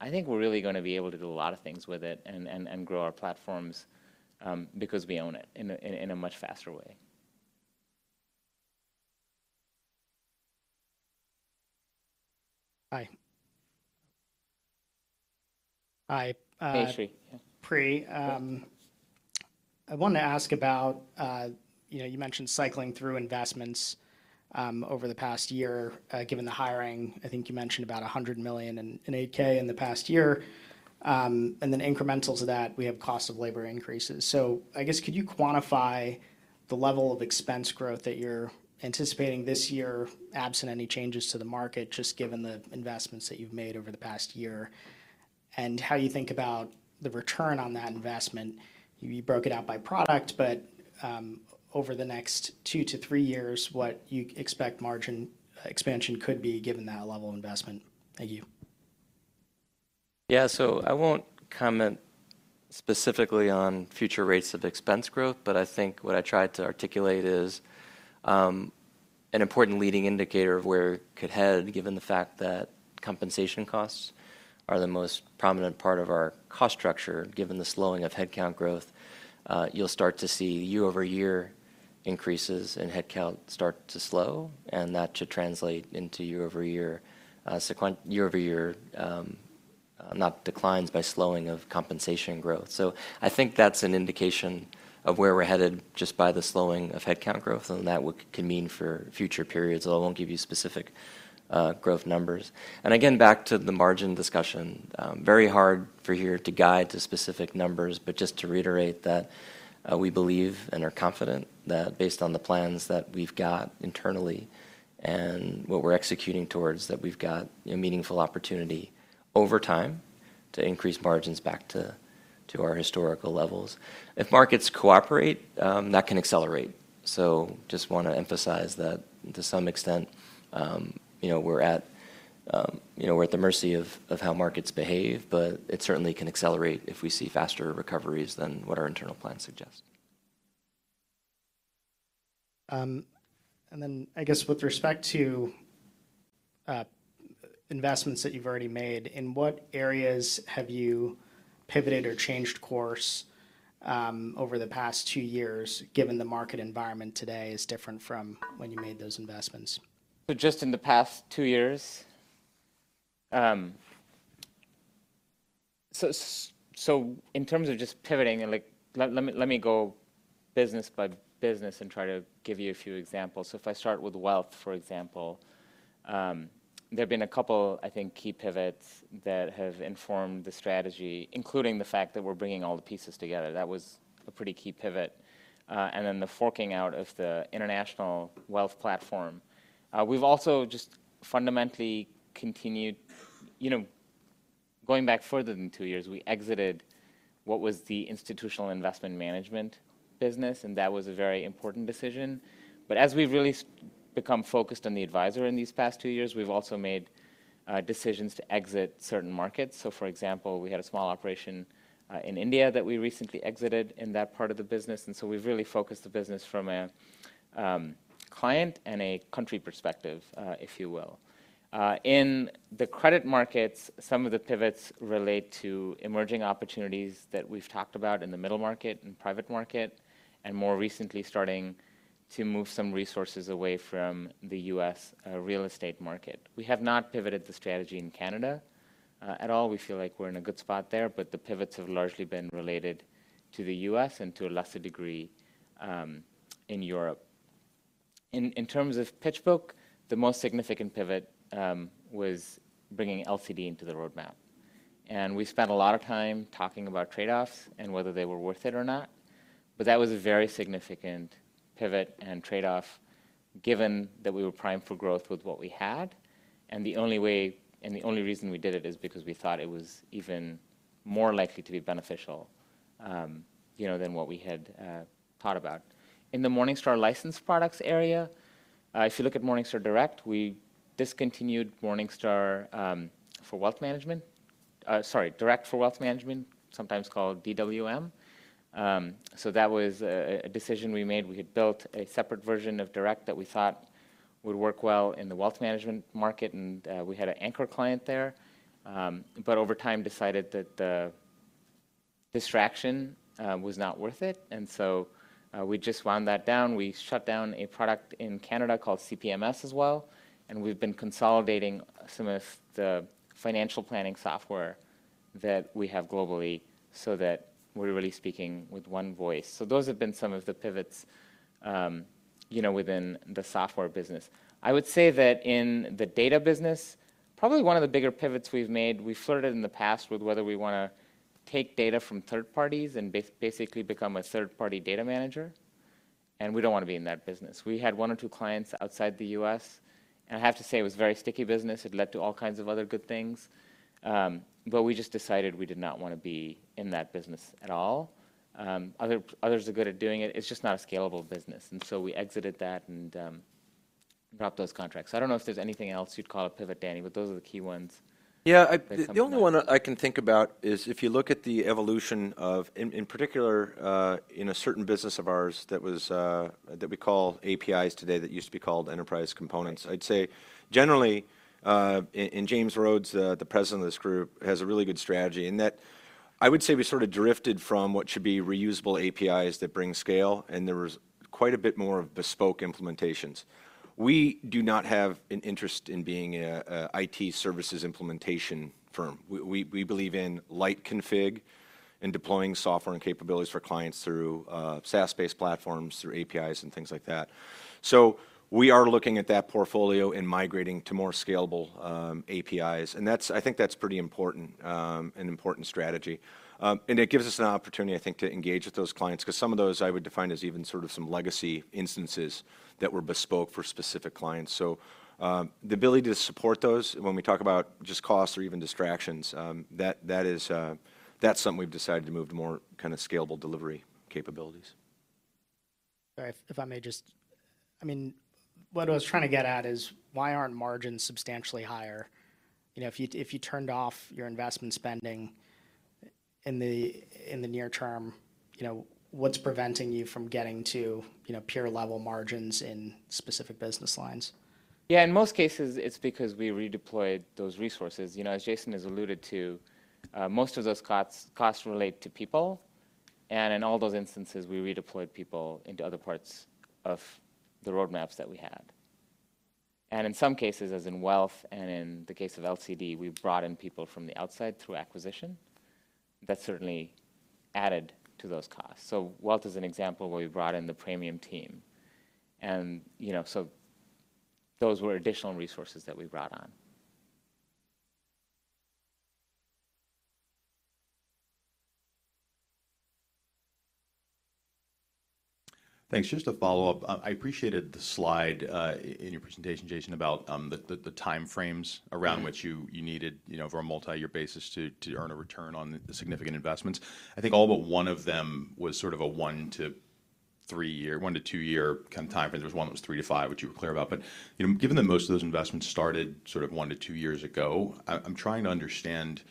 S3: I think we're really gonna be able to do a lot of things with it and grow our platforms, because we own it in a much faster way. Hi. Hi.
S4: Hey, Sri. Yeah. I wanted to ask about, you know, you mentioned cycling through investments over the past year, given the hiring. I think you mentioned about $100 million in AK in the past year. Incremental to that, we have cost of labor increases. I guess could you quantify the level of expense growth that you're anticipating this year, absent any changes to the market, just given the investments that you've made over the past year, and how you think about the return on that investment? You broke it out by product, over the next two to three years, what you expect margin expansion could be given that level of investment. Thank you. Yeah. I won't comment specifically on future rates of expense growth, but I think what I tried to articulate is an important leading indicator of where it could head, given the fact that compensation costs are the most prominent part of our cost structure, given the slowing of headcount growth. You'll start to see year-over-year increases in headcount start to slow, and that should translate into year-over-year not declines by slowing of compensation growth. I think that's an indication of where we're headed just by the slowing of headcount growth and that can mean for future periods, although I won't give you specific growth numbers. Again, back to the margin discussion, very hard for here to guide to specific numbers. Just to reiterate that, we believe and are confident that based on the plans that we've got internally and what we're executing towards, that we've got a meaningful opportunity over time to increase margins back to our historical levels. If markets cooperate, that can accelerate. Just wanna emphasize that to some extent, you know, we're at, you know, we're at the mercy of how markets behave, but it certainly can accelerate if we see faster recoveries than what our internal plans suggest. I guess with respect to, investments that you've already made, in what areas have you pivoted or changed course, over the past two years, given the market environment today is different from when you made those investments?
S3: Just in the past two years? Let me go business by business and try to give you a few examples. If I start with wealth, for example, there've been a couple, I think, key pivots that have informed the strategy, including the fact that we're bringing all the pieces together. That was a pretty key pivot. And then the forking out of the international wealth platform. We've also just fundamentally continued, you know. Going back further than two years, we exited what was the institutional investment management business, and that was a very important decision. As we've really become focused on the advisor in these past two years, we've also made decisions to exit certain markets. For example, we had a small operation in India that we recently exited in that part of the business. We've really focused the business from a client and a country perspective, if you will. In the credit markets, some of the pivots relate to emerging opportunities that we've talked about in the middle market and private market, and more recently starting to move some resources away from the U.S. real estate market. We have not pivoted the strategy in Canada at all. We feel like we're in a good spot there, but the pivots have largely been related to the U.S. and to a lesser degree in Europe. In terms of PitchBook, the most significant pivot was bringing LCD into the roadmap. We spent a lot of time talking about trade-offs and whether they were worth it or not, but that was a very significant pivot and trade-off given that we were primed for growth with what we had, and the only reason we did it is because we thought it was even more likely to be beneficial, you know, than what we had thought about. In the Morningstar licensed products area, if you look at Morningstar Direct, we discontinued Morningstar for wealth management. Sorry, Direct for Wealth Management, sometimes called DWM. That was a decision we made. We had built a separate version of Direct that we thought would work well in the wealth management market, and we had an anchor client there, but over time decided that the distraction was not worth it. We just wound that down. We shut down a product in Canada called CPMS as well, and we've been consolidating some of the financial planning software that we have globally so that we're really speaking with one voice. Those have been some of the pivots, you know, within the software business. I would say that in the data business, probably one of the bigger pivots we've made, we flirted in the past with whether we wanna take data from third parties and basically become a third-party data manager, and we don't wanna be in that business. We had one or two clients outside the U.S., and I have to say it was very sticky business. It led to all kinds of other good things, but we just decided we did not wanna be in that business at all. Others are good at doing it. It's just not a scalable business, and so we exited that and dropped those contracts. I don't know if there's anything else you'd call a pivot, Danny, but those are the key ones.
S5: Yeah.
S3: That come to mind.
S5: The only one I can think about is if you look at the evolution of, in particular, in a certain business of ours that was, that we call APIs today that used to be called enterprise components. I'd say generally, and James Rhodes, the President of this group, has a really good strategy in that I would say we sort of drifted from what should be reusable APIs that bring scale, and there was quite a bit more of bespoke implementations. We do not have an interest in being an IT services implementation firm. We believe in light config and deploying software and capabilities for clients through SaaS-based platforms, through APIs and things like that. We are looking at that portfolio and migrating to more scalable APIs, and that's. I think that's pretty important, an important strategy. It gives us an opportunity, I think, to engage with those clients, 'cause some of those I would define as even sort of some legacy instances that were bespoke for specific clients. The ability to support those when we talk about just costs or even distractions, that is, that's something we've decided to move to more kinda scalable delivery capabilities. All right. If I may just... I mean, what I was trying to get at is why aren't margins substantially higher? You know, if you turned off your investment spending in the near term, you know, what's preventing you from getting to, you know, peer-level margins in specific business lines?
S3: Yeah. In most cases, it's because we redeployed those resources. You know, as Jason has alluded to, most of those costs relate to people, and in all those instances, we redeployed people into other parts of the roadmaps that we had. In some cases, as in Wealth and in the case of LCD, we've brought in people from the outside through acquisition. That certainly added to those costs. Wealth is an example where we brought in the Praemium team and, you know, those were additional resources that we brought on.
S15: Thanks. Just to follow up, I appreciated the slide in your presentation, Jason, about the timeframes around which you needed, you know, over a multi-year basis to earn a return on the significant investments. I think all but one of them was sort of a 1-3 year, 1-2 year kind of timeframe. There was one that was 3-5, which you were clear about. You know, given that most of those investments started sort of 1-2 years ago, I'm trying to understand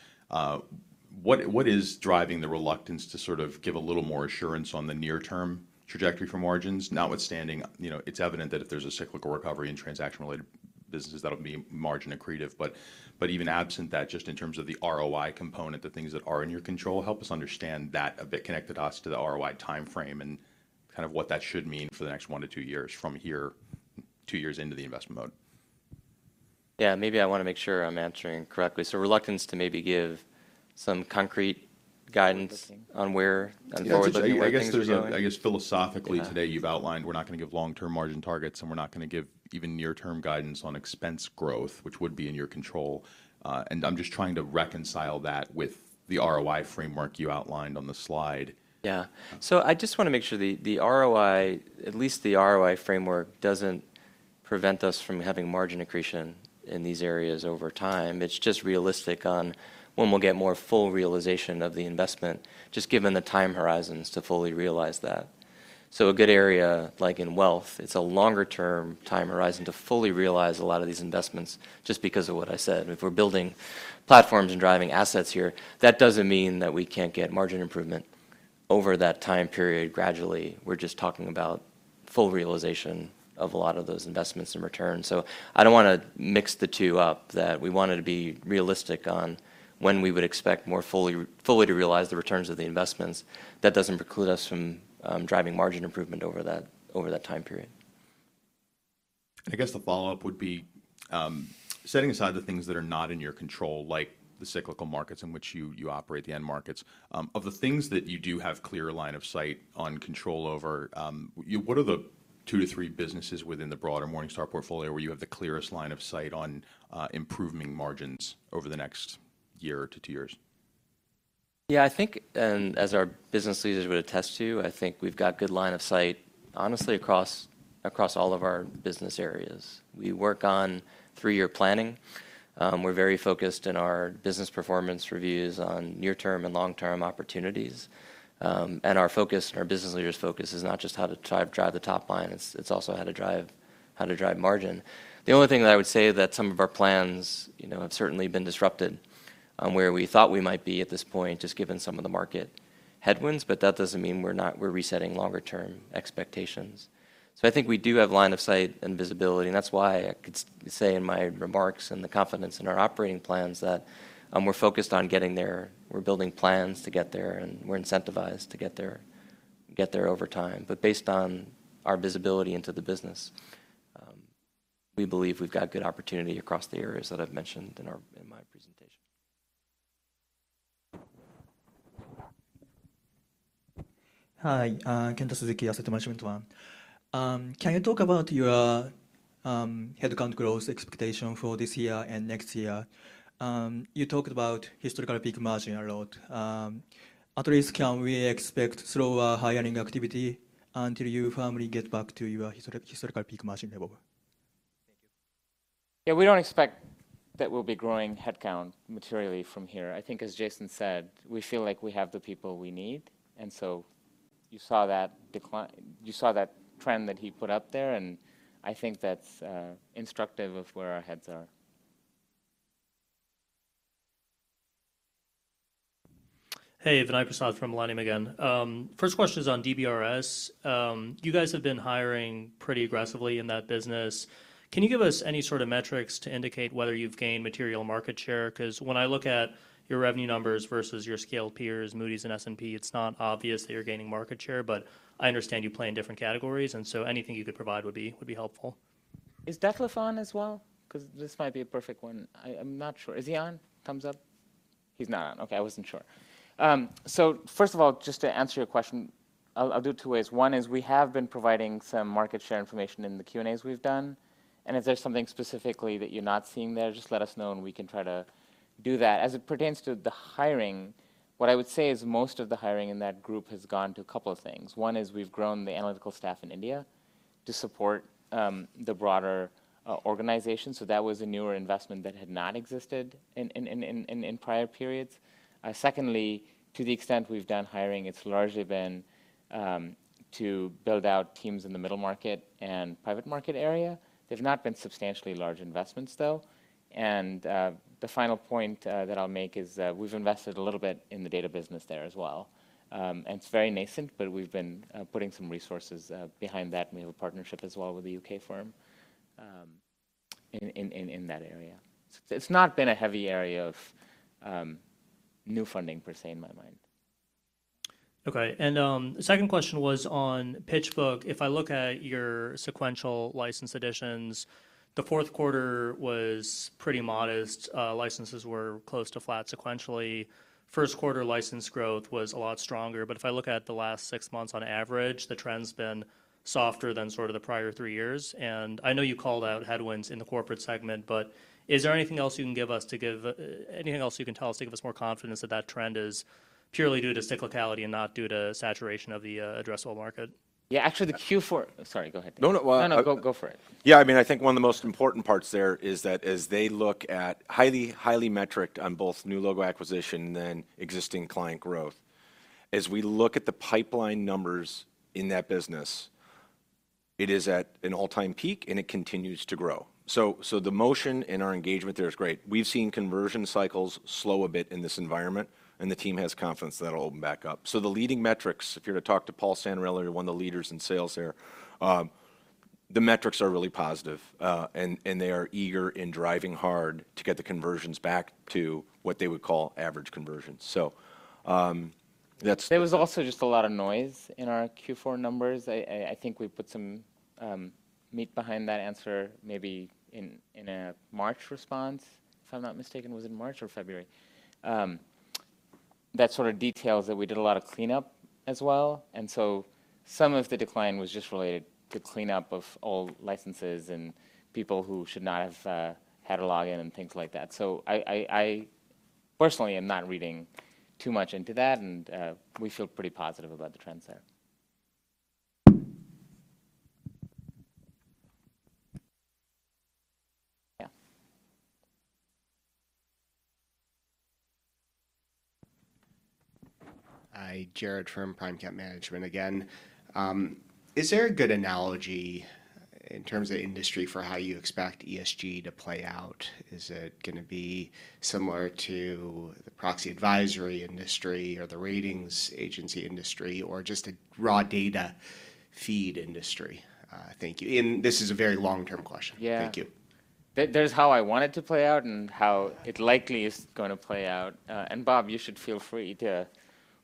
S15: what is driving the reluctance to sort of give a little more assurance on the near-term trajectory for margins notwithstanding, you know, it's evident that if there's a cyclical recovery in transaction-related businesses, that'll be margin accretive. Even absent that, just in terms of the ROI component, the things that are in your control, help us understand that a bit, connect the dots to the ROI timeframe and kind of what that should mean for the next 1-2 years from here, 2 years into the investment mode.
S3: Yeah. Maybe I wanna make sure I'm answering correctly. Reluctance to maybe give some concrete guidance- Looking... on where-
S5: Yeah.
S3: On forward looking where things are going.
S15: I guess philosophically today you've outlined we're not gonna give long-term margin targets, and we're not gonna give even near-term guidance on expense growth, which would be in your control. I'm just trying to reconcile that with the ROI framework you outlined on the slide.
S3: I just want to make sure the ROI, at least the ROI framework doesn't prevent us from having margin accretion in these areas over time. It's just realistic on when we'll get more full realization of the investment, just given the time horizons to fully realize that. A good area, like in wealth, it's a longer-term time horizon to fully realize a lot of these investments just because of what I said. If we're building platforms and driving assets here, that doesn't mean that we can't get margin improvement over that time period gradually. We're just talking about full realization of a lot of those investments and returns. I don't want to mix the two up, that we wanted to be realistic on when we would expect more fully to realize the returns of the investments. That doesn't preclude us from driving margin improvement over that, over that time period.
S5: I guess the follow-up would be, setting aside the things that are not in your control, like the cyclical markets in which you operate, the end markets, of the things that you do have clear line of sight on control over, what are the 2 to 3 businesses within the broader Morningstar portfolio where you have the clearest line of sight on improving margins over the next 1 to 2 years?
S3: Yeah, I think, as our business leaders would attest to, I think we've got good line of sight honestly across all of our business areas. We work on 3-year planning. We're very focused in our business performance reviews on near-term and long-term opportunities. Our focus and our business leaders' focus is not just how to try to drive the top line, it's also how to drive margin. The only thing that I would say that some of our plans, you know, have certainly been disrupted on where we thought we might be at this point, just given some of the market headwinds, but that doesn't mean we're resetting longer term expectations. I think we do have line of sight and visibility, and that's why I could say in my remarks and the confidence in our operating plans that we're focused on getting there, we're building plans to get there, and we're incentivized to get there over time. Based on our visibility into the business, we believe we've got good opportunity across the areas that I've mentioned in my presentation.
S24: Hi, Kenta Suzuki, Asset Management One. Can you talk about your headcount growth expectation for this year and next year? You talked about historical peak margin a lot. At least can we expect slower hiring activity until you finally get back to your historical peak margin level? Thank you.
S3: Yeah, we don't expect that we'll be growing headcount materially from here. I think as Jason said, we feel like we have the people we need. You saw that trend that he put up there, and I think that's instructive of where our heads are.
S10: Hey, Vinay Prasad from Millennium again. First question is on DBRS. You guys have been hiring pretty aggressively in that business. Can you give us any sort of metrics to indicate whether you've gained material market share? 'Cause when I look at your revenue numbers versus your scaled peers, Moody's and S&P, it's not obvious that you're gaining market share, but I understand you play in different categories, and so anything you could provide would be helpful.
S3: Is Detlef on as well? 'Cause this might be a perfect one. I'm not sure. Is he on? Thumbs up. He's not on. Okay, I wasn't sure. First of all, just to answer your question, I'll do it 2 ways. One is we have been providing some market share information in the Q&As we've done. If there's something specifically that you're not seeing there, just let us know and we can try to do that. As it pertains to the hiring, what I would say is most of the hiring in that group has gone to a couple of things. One is we've grown the analytical staff in India to support the broader organization. That was a newer investment that had not existed in prior periods. Secondly, to the extent we've done hiring, it's largely been to build out teams in the middle market and private market area. They've not been substantially large investments, though. The final point that I'll make is we've invested a little bit in the data business there as well. It's very nascent, but we've been putting some resources behind that and we have a partnership as well with a U.K. firm in that area. It's not been a heavy area of new funding per se in my mind.
S10: Okay. The second question was on PitchBook. If I look at your sequential license additions, the fourth quarter was pretty modest. Licenses were close to flat sequentially. First quarter license growth was a lot stronger. If I look at the last six months on average, the trend's been softer than sort of the prior three years. I know you called out headwinds in the corporate segment, but is there anything else you can tell us to give us more confidence that that trend is purely due to cyclicality and not due to saturation of the addressable market?
S3: Yeah. Actually, the Q4... Sorry, go ahead.
S5: No, no. Well.
S3: No, no. Go, go for it.
S5: Yeah. I mean, I think one of the most important parts there is that as they look at highly metriced on both new logo acquisition and then existing client growth, as we look at the pipeline numbers in that business, it is at an all-time peak, and it continues to grow. The motion in our engagement there is great. We've seen conversion cycles slow a bit in this environment, and the team has confidence that'll open back up. The leading metrics, if you're to talk to Paul Santarelli or one of the leaders in sales there, the metrics are really positive. And they are eager in driving hard to get the conversions back to what they would call average conversions. That's.
S3: There was also just a lot of noise in our Q4 numbers. I think we put some meat behind that answer maybe in a March response, if I'm not mistaken. Was it March or February? That sort of details that we did a lot of cleanup as well. Some of the decline was just related to cleanup of old licenses and people who should not have had a login and things like that. I personally am not reading too much into that, and we feel pretty positive about the trends there. Yeah.
S14: Hi, Jared from PRIMECAP Management again. Is there a good analogy in terms of industry for how you expect ESG to play out? Is it gonna be similar to the proxy advisory industry or the ratings agency industry, or just a raw data feed industry? Thank you. This is a very long-term question.
S3: Yeah.
S14: Thank you.
S3: There's how I want it to play out and how it likely is gonna play out. Bob, you should feel free to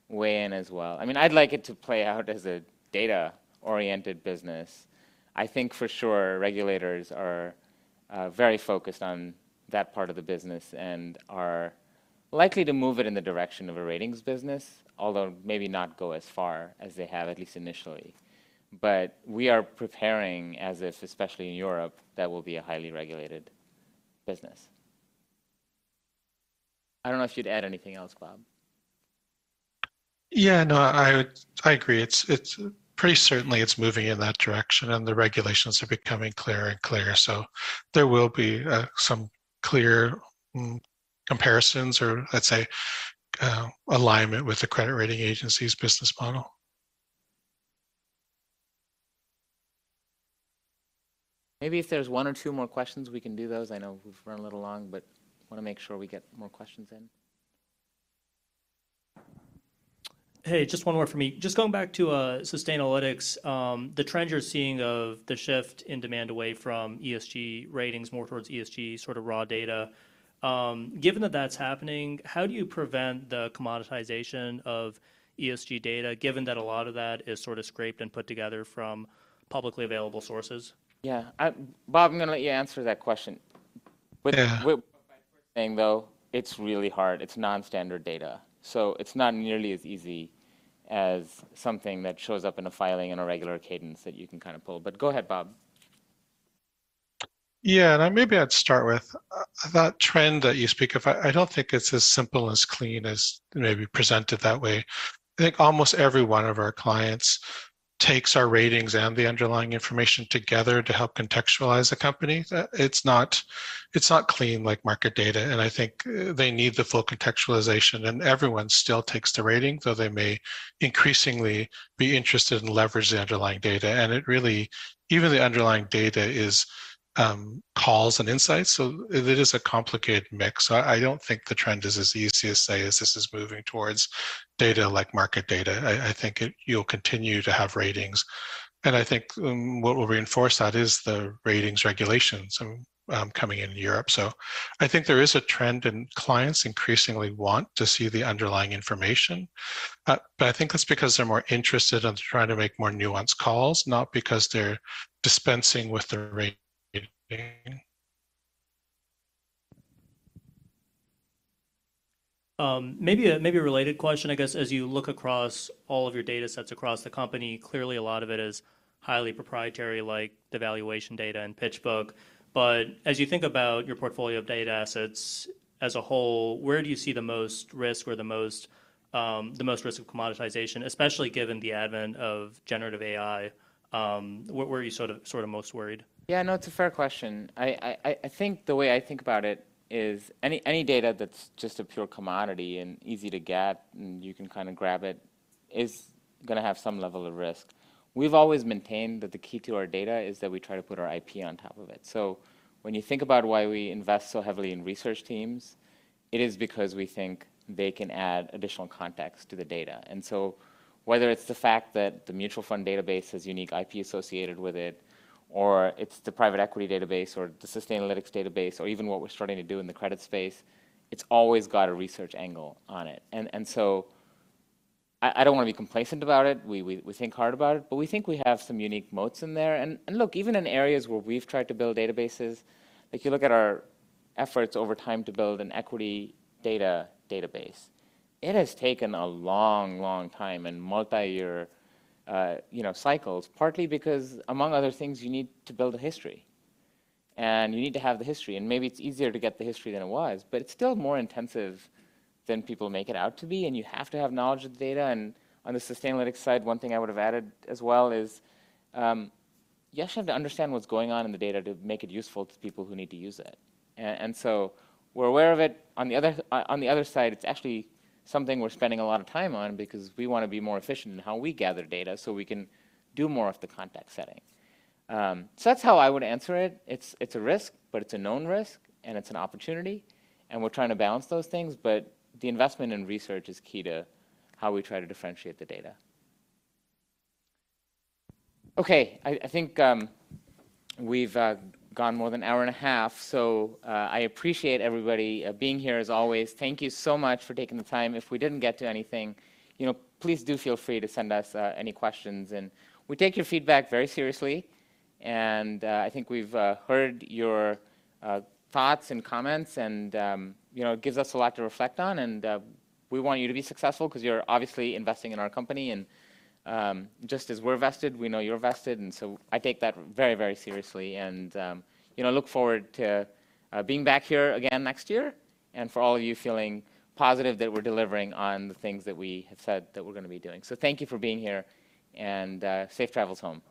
S3: weigh in as well. I mean, I'd like it to play out as a data-oriented business. I think for sure regulators are very focused on that part of the business and are likely to move it in the direction of a ratings business, although maybe not go as far as they have, at least initially. We are preparing as if, especially in Europe, that will be a highly regulated business. I don't know if you'd add anything else, Bob?
S16: Yeah, no, I agree. It's pretty certainly it's moving in that direction, and the regulations are becoming clearer and clearer. There will be some clear comparisons, or let's say, alignment with the credit rating agency's business model.
S3: Maybe if there's one or two more questions, we can do those. I know we've run a little long, but wanna make sure we get more questions in.
S10: Hey, just one more from me. Just going back to Sustainalytics, the trends you're seeing of the shift in demand away from ESG ratings more towards ESG sort of raw data, given that that's happening, how do you prevent the commoditization of ESG data, given that a lot of that is sorta scraped and put together from publicly available sources?
S3: Yeah. Bob, I'm gonna let you answer that question.
S16: Yeah.
S3: By first saying, though, it's really hard. It's non-standard data. It's not nearly as easy as something that shows up in a filing in a regular cadence that you can kinda pull. Go ahead, Bob.
S16: I maybe I'd start with that trend that you speak of. I don't think it's as simple, as clean as maybe presented that way. I think almost every one of our clients takes our ratings and the underlying information together to help contextualize the company. It's not, it's not clean like market data, and I think they need the full contextualization, and everyone still takes the rating, though they may increasingly be interested in leveraging the underlying data. It really Even the underlying data is calls and insights, so it is a complicated mix. I don't think the trend is as easy to say as this is moving towards data like market data. I think it you'll continue to have ratings. I think what will reinforce that is the ratings regulations coming in Europe. I think there is a trend, and clients increasingly want to see the underlying information. I think that's because they're more interested in trying to make more nuanced calls, not because they're dispensing with their rating.
S10: Maybe a related question. I guess as you look across all of your datasets across the company, clearly a lot of it is highly proprietary, like the valuation data and PitchBook. As you think about your portfolio of data assets as a whole, where do you see the most risk or the most, the most risk of commoditization, especially given the advent of generative AI, where are you sort of most worried?
S3: Yeah, no, it's a fair question. I think the way I think about it is any data that's just a pure commodity and easy to get, and you can kinda grab it, is gonna have some level of risk. We've always maintained that the key to our data is that we try to put our IP on top of it. So when you think about why we invest so heavily in research teams, it is because we think they can add additional context to the data. Whether it's the fact that the mutual fund database has unique IP associated with it, or it's the private equity database or the Sustainalytics database or even what we're starting to do in the credit space, it's always got a research angle on it. So I don't wanna be complacent about it. We think hard about it, but we think we have some unique moats in there. Look, even in areas where we've tried to build databases, like if you look at our efforts over time to build an equity data database, it has taken a long, long time and multi-year, you know, cycles, partly because, among other things, you need to build a history, and you need to have the history, and maybe it's easier to get the history than it was, but it's still more intensive than people make it out to be, and you have to have knowledge of the data. On the Sustainalytics side, one thing I would have added as well is, you actually have to understand what's going on in the data to make it useful to people who need to use it. We're aware of it. On the other side, it's actually something we're spending a lot of time on because we wanna be more efficient in how we gather data, so we can do more of the context setting. That's how I would answer it. It's a risk, but it's a known risk, and it's an opportunity, and we're trying to balance those things, but the investment in research is key to how we try to differentiate the data. Okay. I think we've gone more than an hour and a half, I appreciate everybody being here as always. Thank you so much for taking the time. If we didn't get to anything, you know, please do feel free to send us any questions, and we take your feedback very seriously. I think we've heard your thoughts and comments and, you know, it gives us a lot to reflect on. We want you to be successful 'cause you're obviously investing in our company, and just as we're vested, we know you're vested, and so I take that very, very seriously. You know, look forward to being back here again next year, and for all of you feeling positive that we're delivering on the things that we have said that we're gonna be doing. Thank you for being here, and safe travels home.